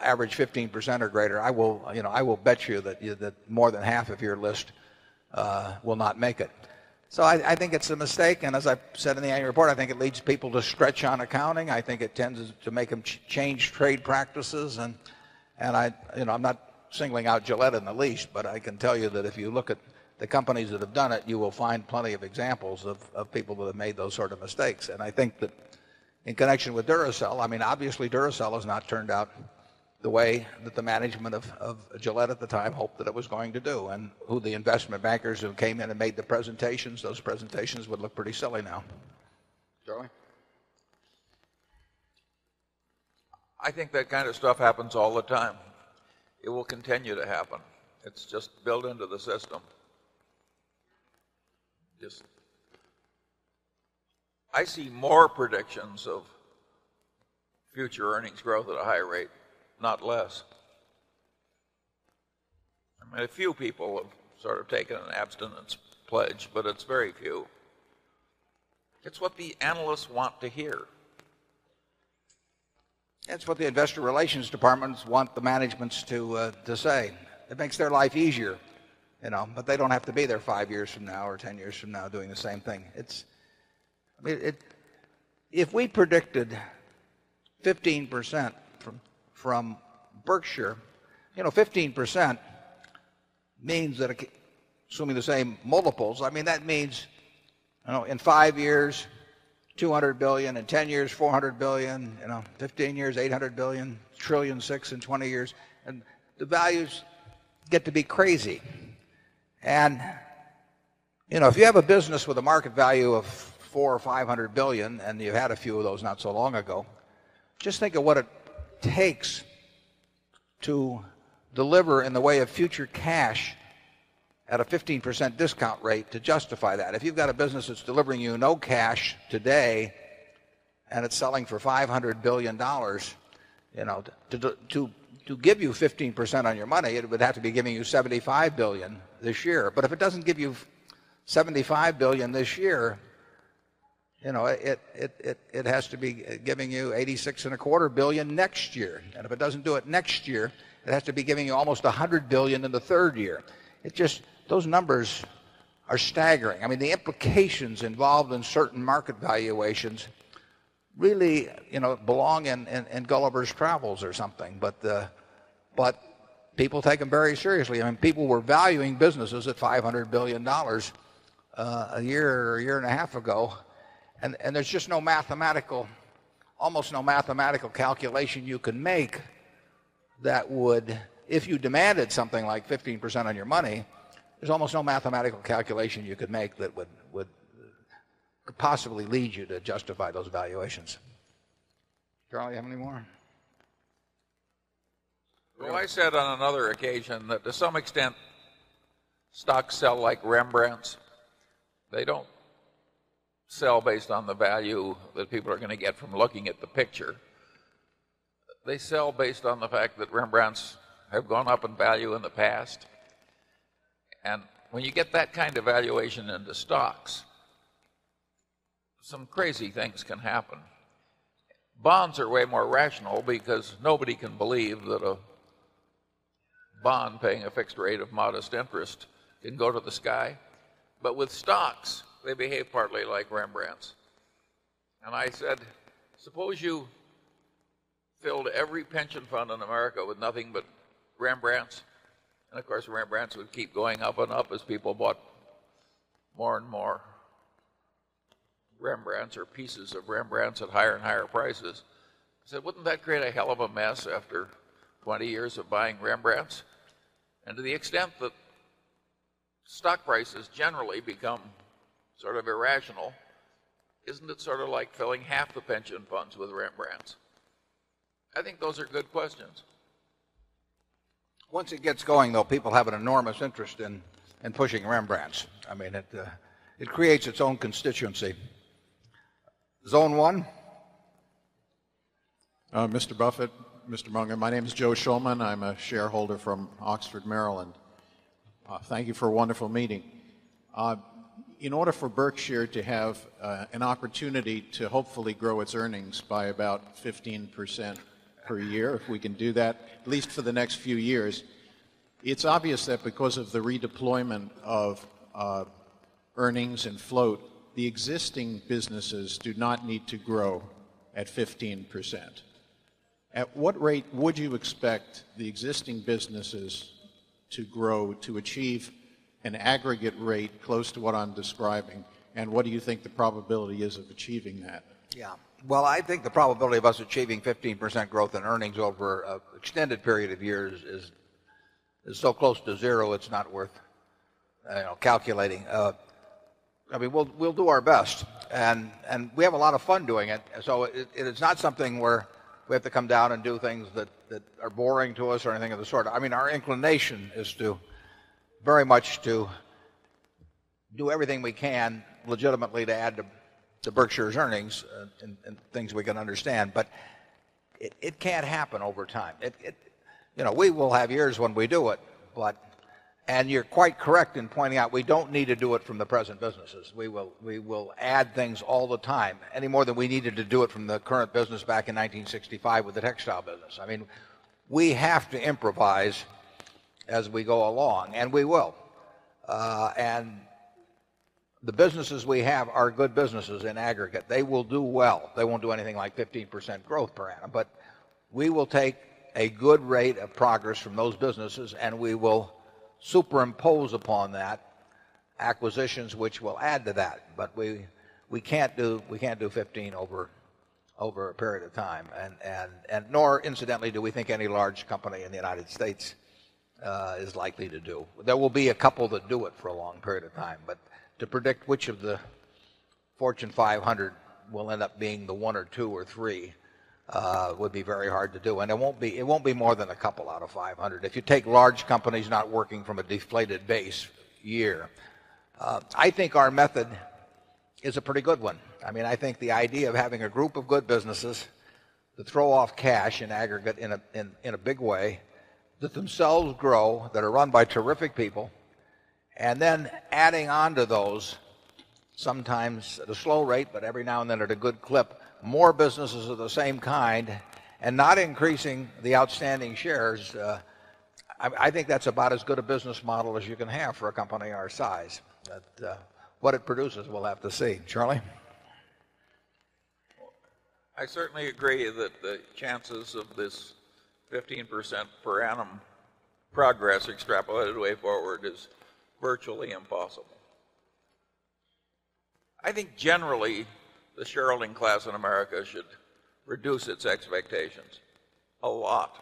average 15% or greater, I will you know I will bet you that more than half of your list will not make it. So I think it's a mistake and as I said in the annual report, I think it leads people to stretch on accounting. I think it tends to make them change trade practices and I'm not singling out Gillette in the least, but I can tell you that if you look at the companies that have done it, you will find plenty of examples of people who have made those sort of mistakes. And I think that in connection with Duracell, I mean obviously Duracell has not turned out the way that the management of Gillette at the time hoped that it was going to do and who the investment bankers who came in and made the presentations, those presentations would look pretty silly now. Charlie? I think that kind of stuff happens all the time. It will continue to happen. It's just built into the system. I see more predictions of future earnings growth at a higher rate, not less. I mean, a few people have sort of taken an abstinence pledge, but it's very few. It's what the analysts want to hear. It's what the investor relations departments want the managements to, to say. It makes their life easier, you know, but they don't have to be there 5 years from now 10 years from now doing the same thing. It's I mean, if we predicted 15% from Berkshire, 15% means that assuming the same multiples, I mean that means in 5 years And if you have a business with a market value of €400,000,000,000 or €500,000,000,000 and you had a few of those not so long ago, Just think of what it takes to deliver in the way of future cash at a 15% discount rate to justify that. If you've got a business that's delivering you no cash today and it's selling for $500,000,000,000 you know, to give you 15% on your money, it would have to be giving you 75,000,000,000 this year. But if it doesn't give you 75,000,000,000 this year, you know, it it it it has to be giving you 86 and a quarter 1000000000 next year. And if it doesn't do it next year, it has to be giving you almost a 100,000,000,000 in the 3rd year. It just those numbers are staggering. I mean, the implications involved in certain market valuations really belong in Gulliver's Travels or something, but people take them very seriously. I mean people were valuing businesses at $500,000,000,000 a year or a year and a half ago. And there's just no mathematical, almost no mathematical calculation you can make that would if you demanded something like 15% on your money, there's almost no mathematical calculation you could make that would possibly lead you to justify those evaluations. Charlie, you have any more? Well, I said on another occasion that to some extent, stocks sell like Rembrandt's. They don't sell based on the value that people are gonna get from looking at the picture. They sell based on the fact that Rembrandt's have gone up in value in the past. And when you get that kind of valuation into stocks, some crazy things can happen. Bonds are way more rational because nobody can believe that a bond paying a fixed rate of modest interest can go to the sky. But with stocks, they behave partly like Rembrandt's. And I said, suppose you filled every pension fund in America with nothing but Rembrandt's. And of course, Rembrandt's would keep going up and up as people bought more and more Rembrandt's or pieces of Rembrandt's at higher and higher prices. So wouldn't that create a hell of a mess after 20 years of buying Rembrandts? And to the extent that stock prices generally become sort of irrational, isn't it sort of like filling half the pension funds with Rembrandts? I think those are good questions. Once it gets going though, people have an enormous interest in pushing Rembrandts. I mean, it creates its own constituency. Zone 1. Mr. Buffet, Mr. Munger, my name is Joe Schulman. I'm a shareholder from Oxford, Maryland. Thank you for a wonderful meeting. In order for Berkshire to have opportunity to hopefully grow its earnings by about 15% per year, if we can do that, at least for the next few years, It's obvious that because of the redeployment of earnings and float, the existing businesses do not need to grow at 15%. At what rate would you expect the existing businesses to grow to achieve an aggregate rate close to what I'm describing? And what do you think the probability is of achieving that? Yes. Well, I think the probability of us achieving 15% growth in earnings over extended period of years is so close to 0, it's not worth calculating. I mean, we'll do our best and we have a lot of fun doing it. So it's not something where we have to come down and do things that are boring to us or anything of the sort. I mean our inclination is to very much to do everything we can legitimately to add to Berkshire's earnings and things we can understand, but it can happen over time. It you know, we will have years when we do it, but and you're quite correct in pointing out we don't need to do it from the present businesses. We will add things all the time any more than we needed to do it from the current business back in 1965 with textile business. I mean, we have to improvise as we go along and we will. And the businesses we have are good businesses in aggregate. They will do well. They won't do anything like 15% growth per annum, but we will take a good rate of progress from those businesses and we will superimpose upon that acquisitions which will add to that, but we can't do we can't do 15 over a period of time and and nor incidentally do we think any large company in the United States is likely to do. There will be a couple that do it for a long period of time, but to predict which of the Fortune 500 will end up being the 1 or 2 or 3, would be very hard to do and it won't be more than a couple out of 500. If you take large companies not working from a deflated base year. I think our method is a pretty good one. I mean I think the idea of having a group of good businesses to throw off cash in aggregate in a big way, that themselves grow, that are run by terrific people and then adding on to those sometimes at a slow rate, but every now and then at a good clip, more businesses of the same kind and not increasing the outstanding shares. I think that's about as good a business model as you can have for a company our size. That what it produces, we'll have to see. Charlie? I certainly agree that the chances of this 15% per annum progress extrapolated way forward is virtually impossible. I think generally, the shareholding class in America should reduce its expectations a lot.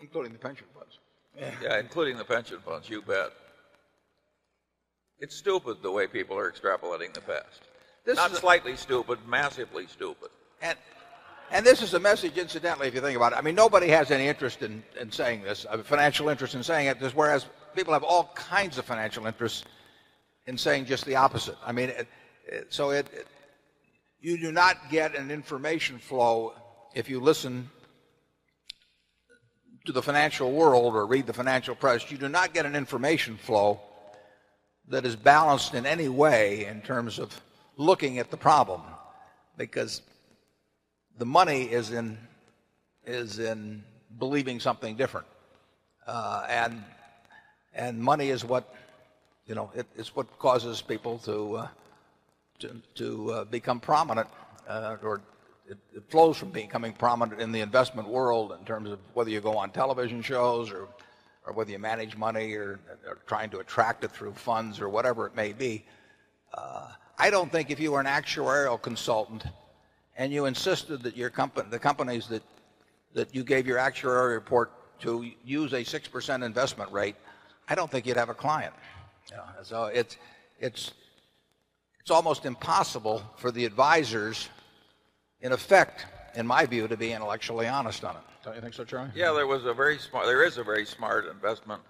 Including the pension funds. Yeah. Yeah. Including the pension funds. You bet. It's stupid the way people are extrapolating the past. This is not slightly stupid massively stupid And and this is a message incidentally if you think about it I mean nobody has any interest in in saying this I have a financial interest in saying it this whereas people have all kinds of financial interests in saying just the opposite. I mean, it so it you do not get an information flow if you listen to the financial world or read the financial press. You do not get an information flow that is balanced in any way in terms of looking at the problem. Because the money is in is in believing something different. And and money is what, you know, it is what causes people to to become prominent. It flows from becoming prominent in the investment world in terms of whether you go on television shows or whether you manage money or trying to attract it through funds or whatever it may be. I don't think if you are an actuarial consultant and you insisted that your company the companies that that you gave your actuarial report to use a 6% investment rate, I don't think you'd have a client. So it's almost impossible for the advisors in effect, in my view, to be intellectually honest on it. Don't you think so, Charlie? Yeah. There was a very smart there is a very smart investment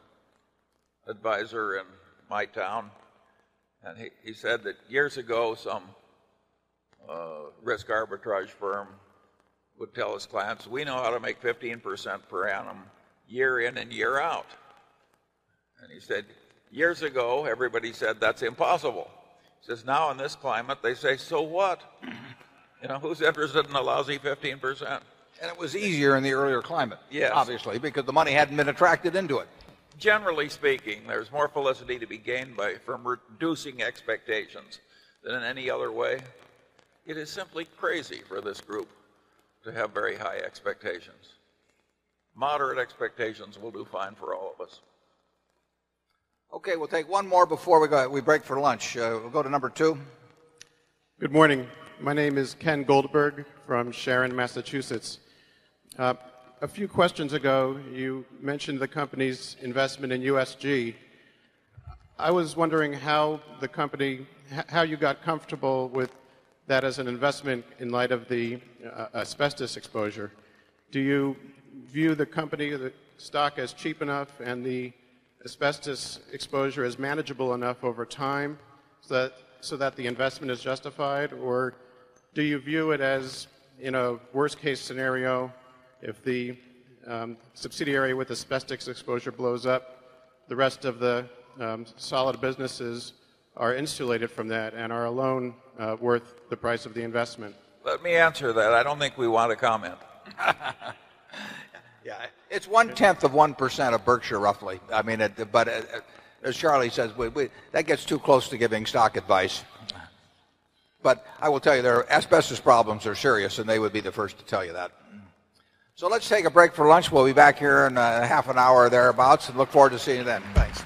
adviser in my town. And he said that years ago, some risk arbitrage firm would tell us clients, we know how to make 15% per annum year in and year out. And he said, years ago, everybody said that's impossible. Says now in this climate they say so what? You know, who's interested in the lousy 15%? And it was easier in the earlier climate. Yes. Obviously, because the money hadn't been attracted into it. Generally speaking, there's more felicity to be gained by from reducing expectations than in any other way. It is simply crazy for this group to have very high expectations. Moderate expectations will do fine for all of us. Okay. We'll take one more before we go. We break for lunch. We'll go to number 2. Good morning. My name is Ken Goldberg from Sharon, Massachusetts. A few questions ago you mentioned the company's investment in USG. I was wondering how the company how you got comfortable with that as an investment in light of the asbestos exposure. Do you view the company that stock is cheap enough and the asbestos exposure is manageable enough over time that so that the investment is justified or do you view it as in a worst case scenario if the subsidiary with asbestos exposure blows up the rest of the solid businesses are insulated from that and are alone worth the price of the investment. Let me answer that. I don't think we want to comment. Yeah, it's 1 tenth of 1% of Berkshire roughly. I mean, but as Charlie says, that gets too close to giving stock advice. But I will tell you their asbestos problems are serious and they would be the first to tell you that. So let's take a break for lunch. We'll be back here in half an hour or thereabouts and look forward to seeing you then. Thanks.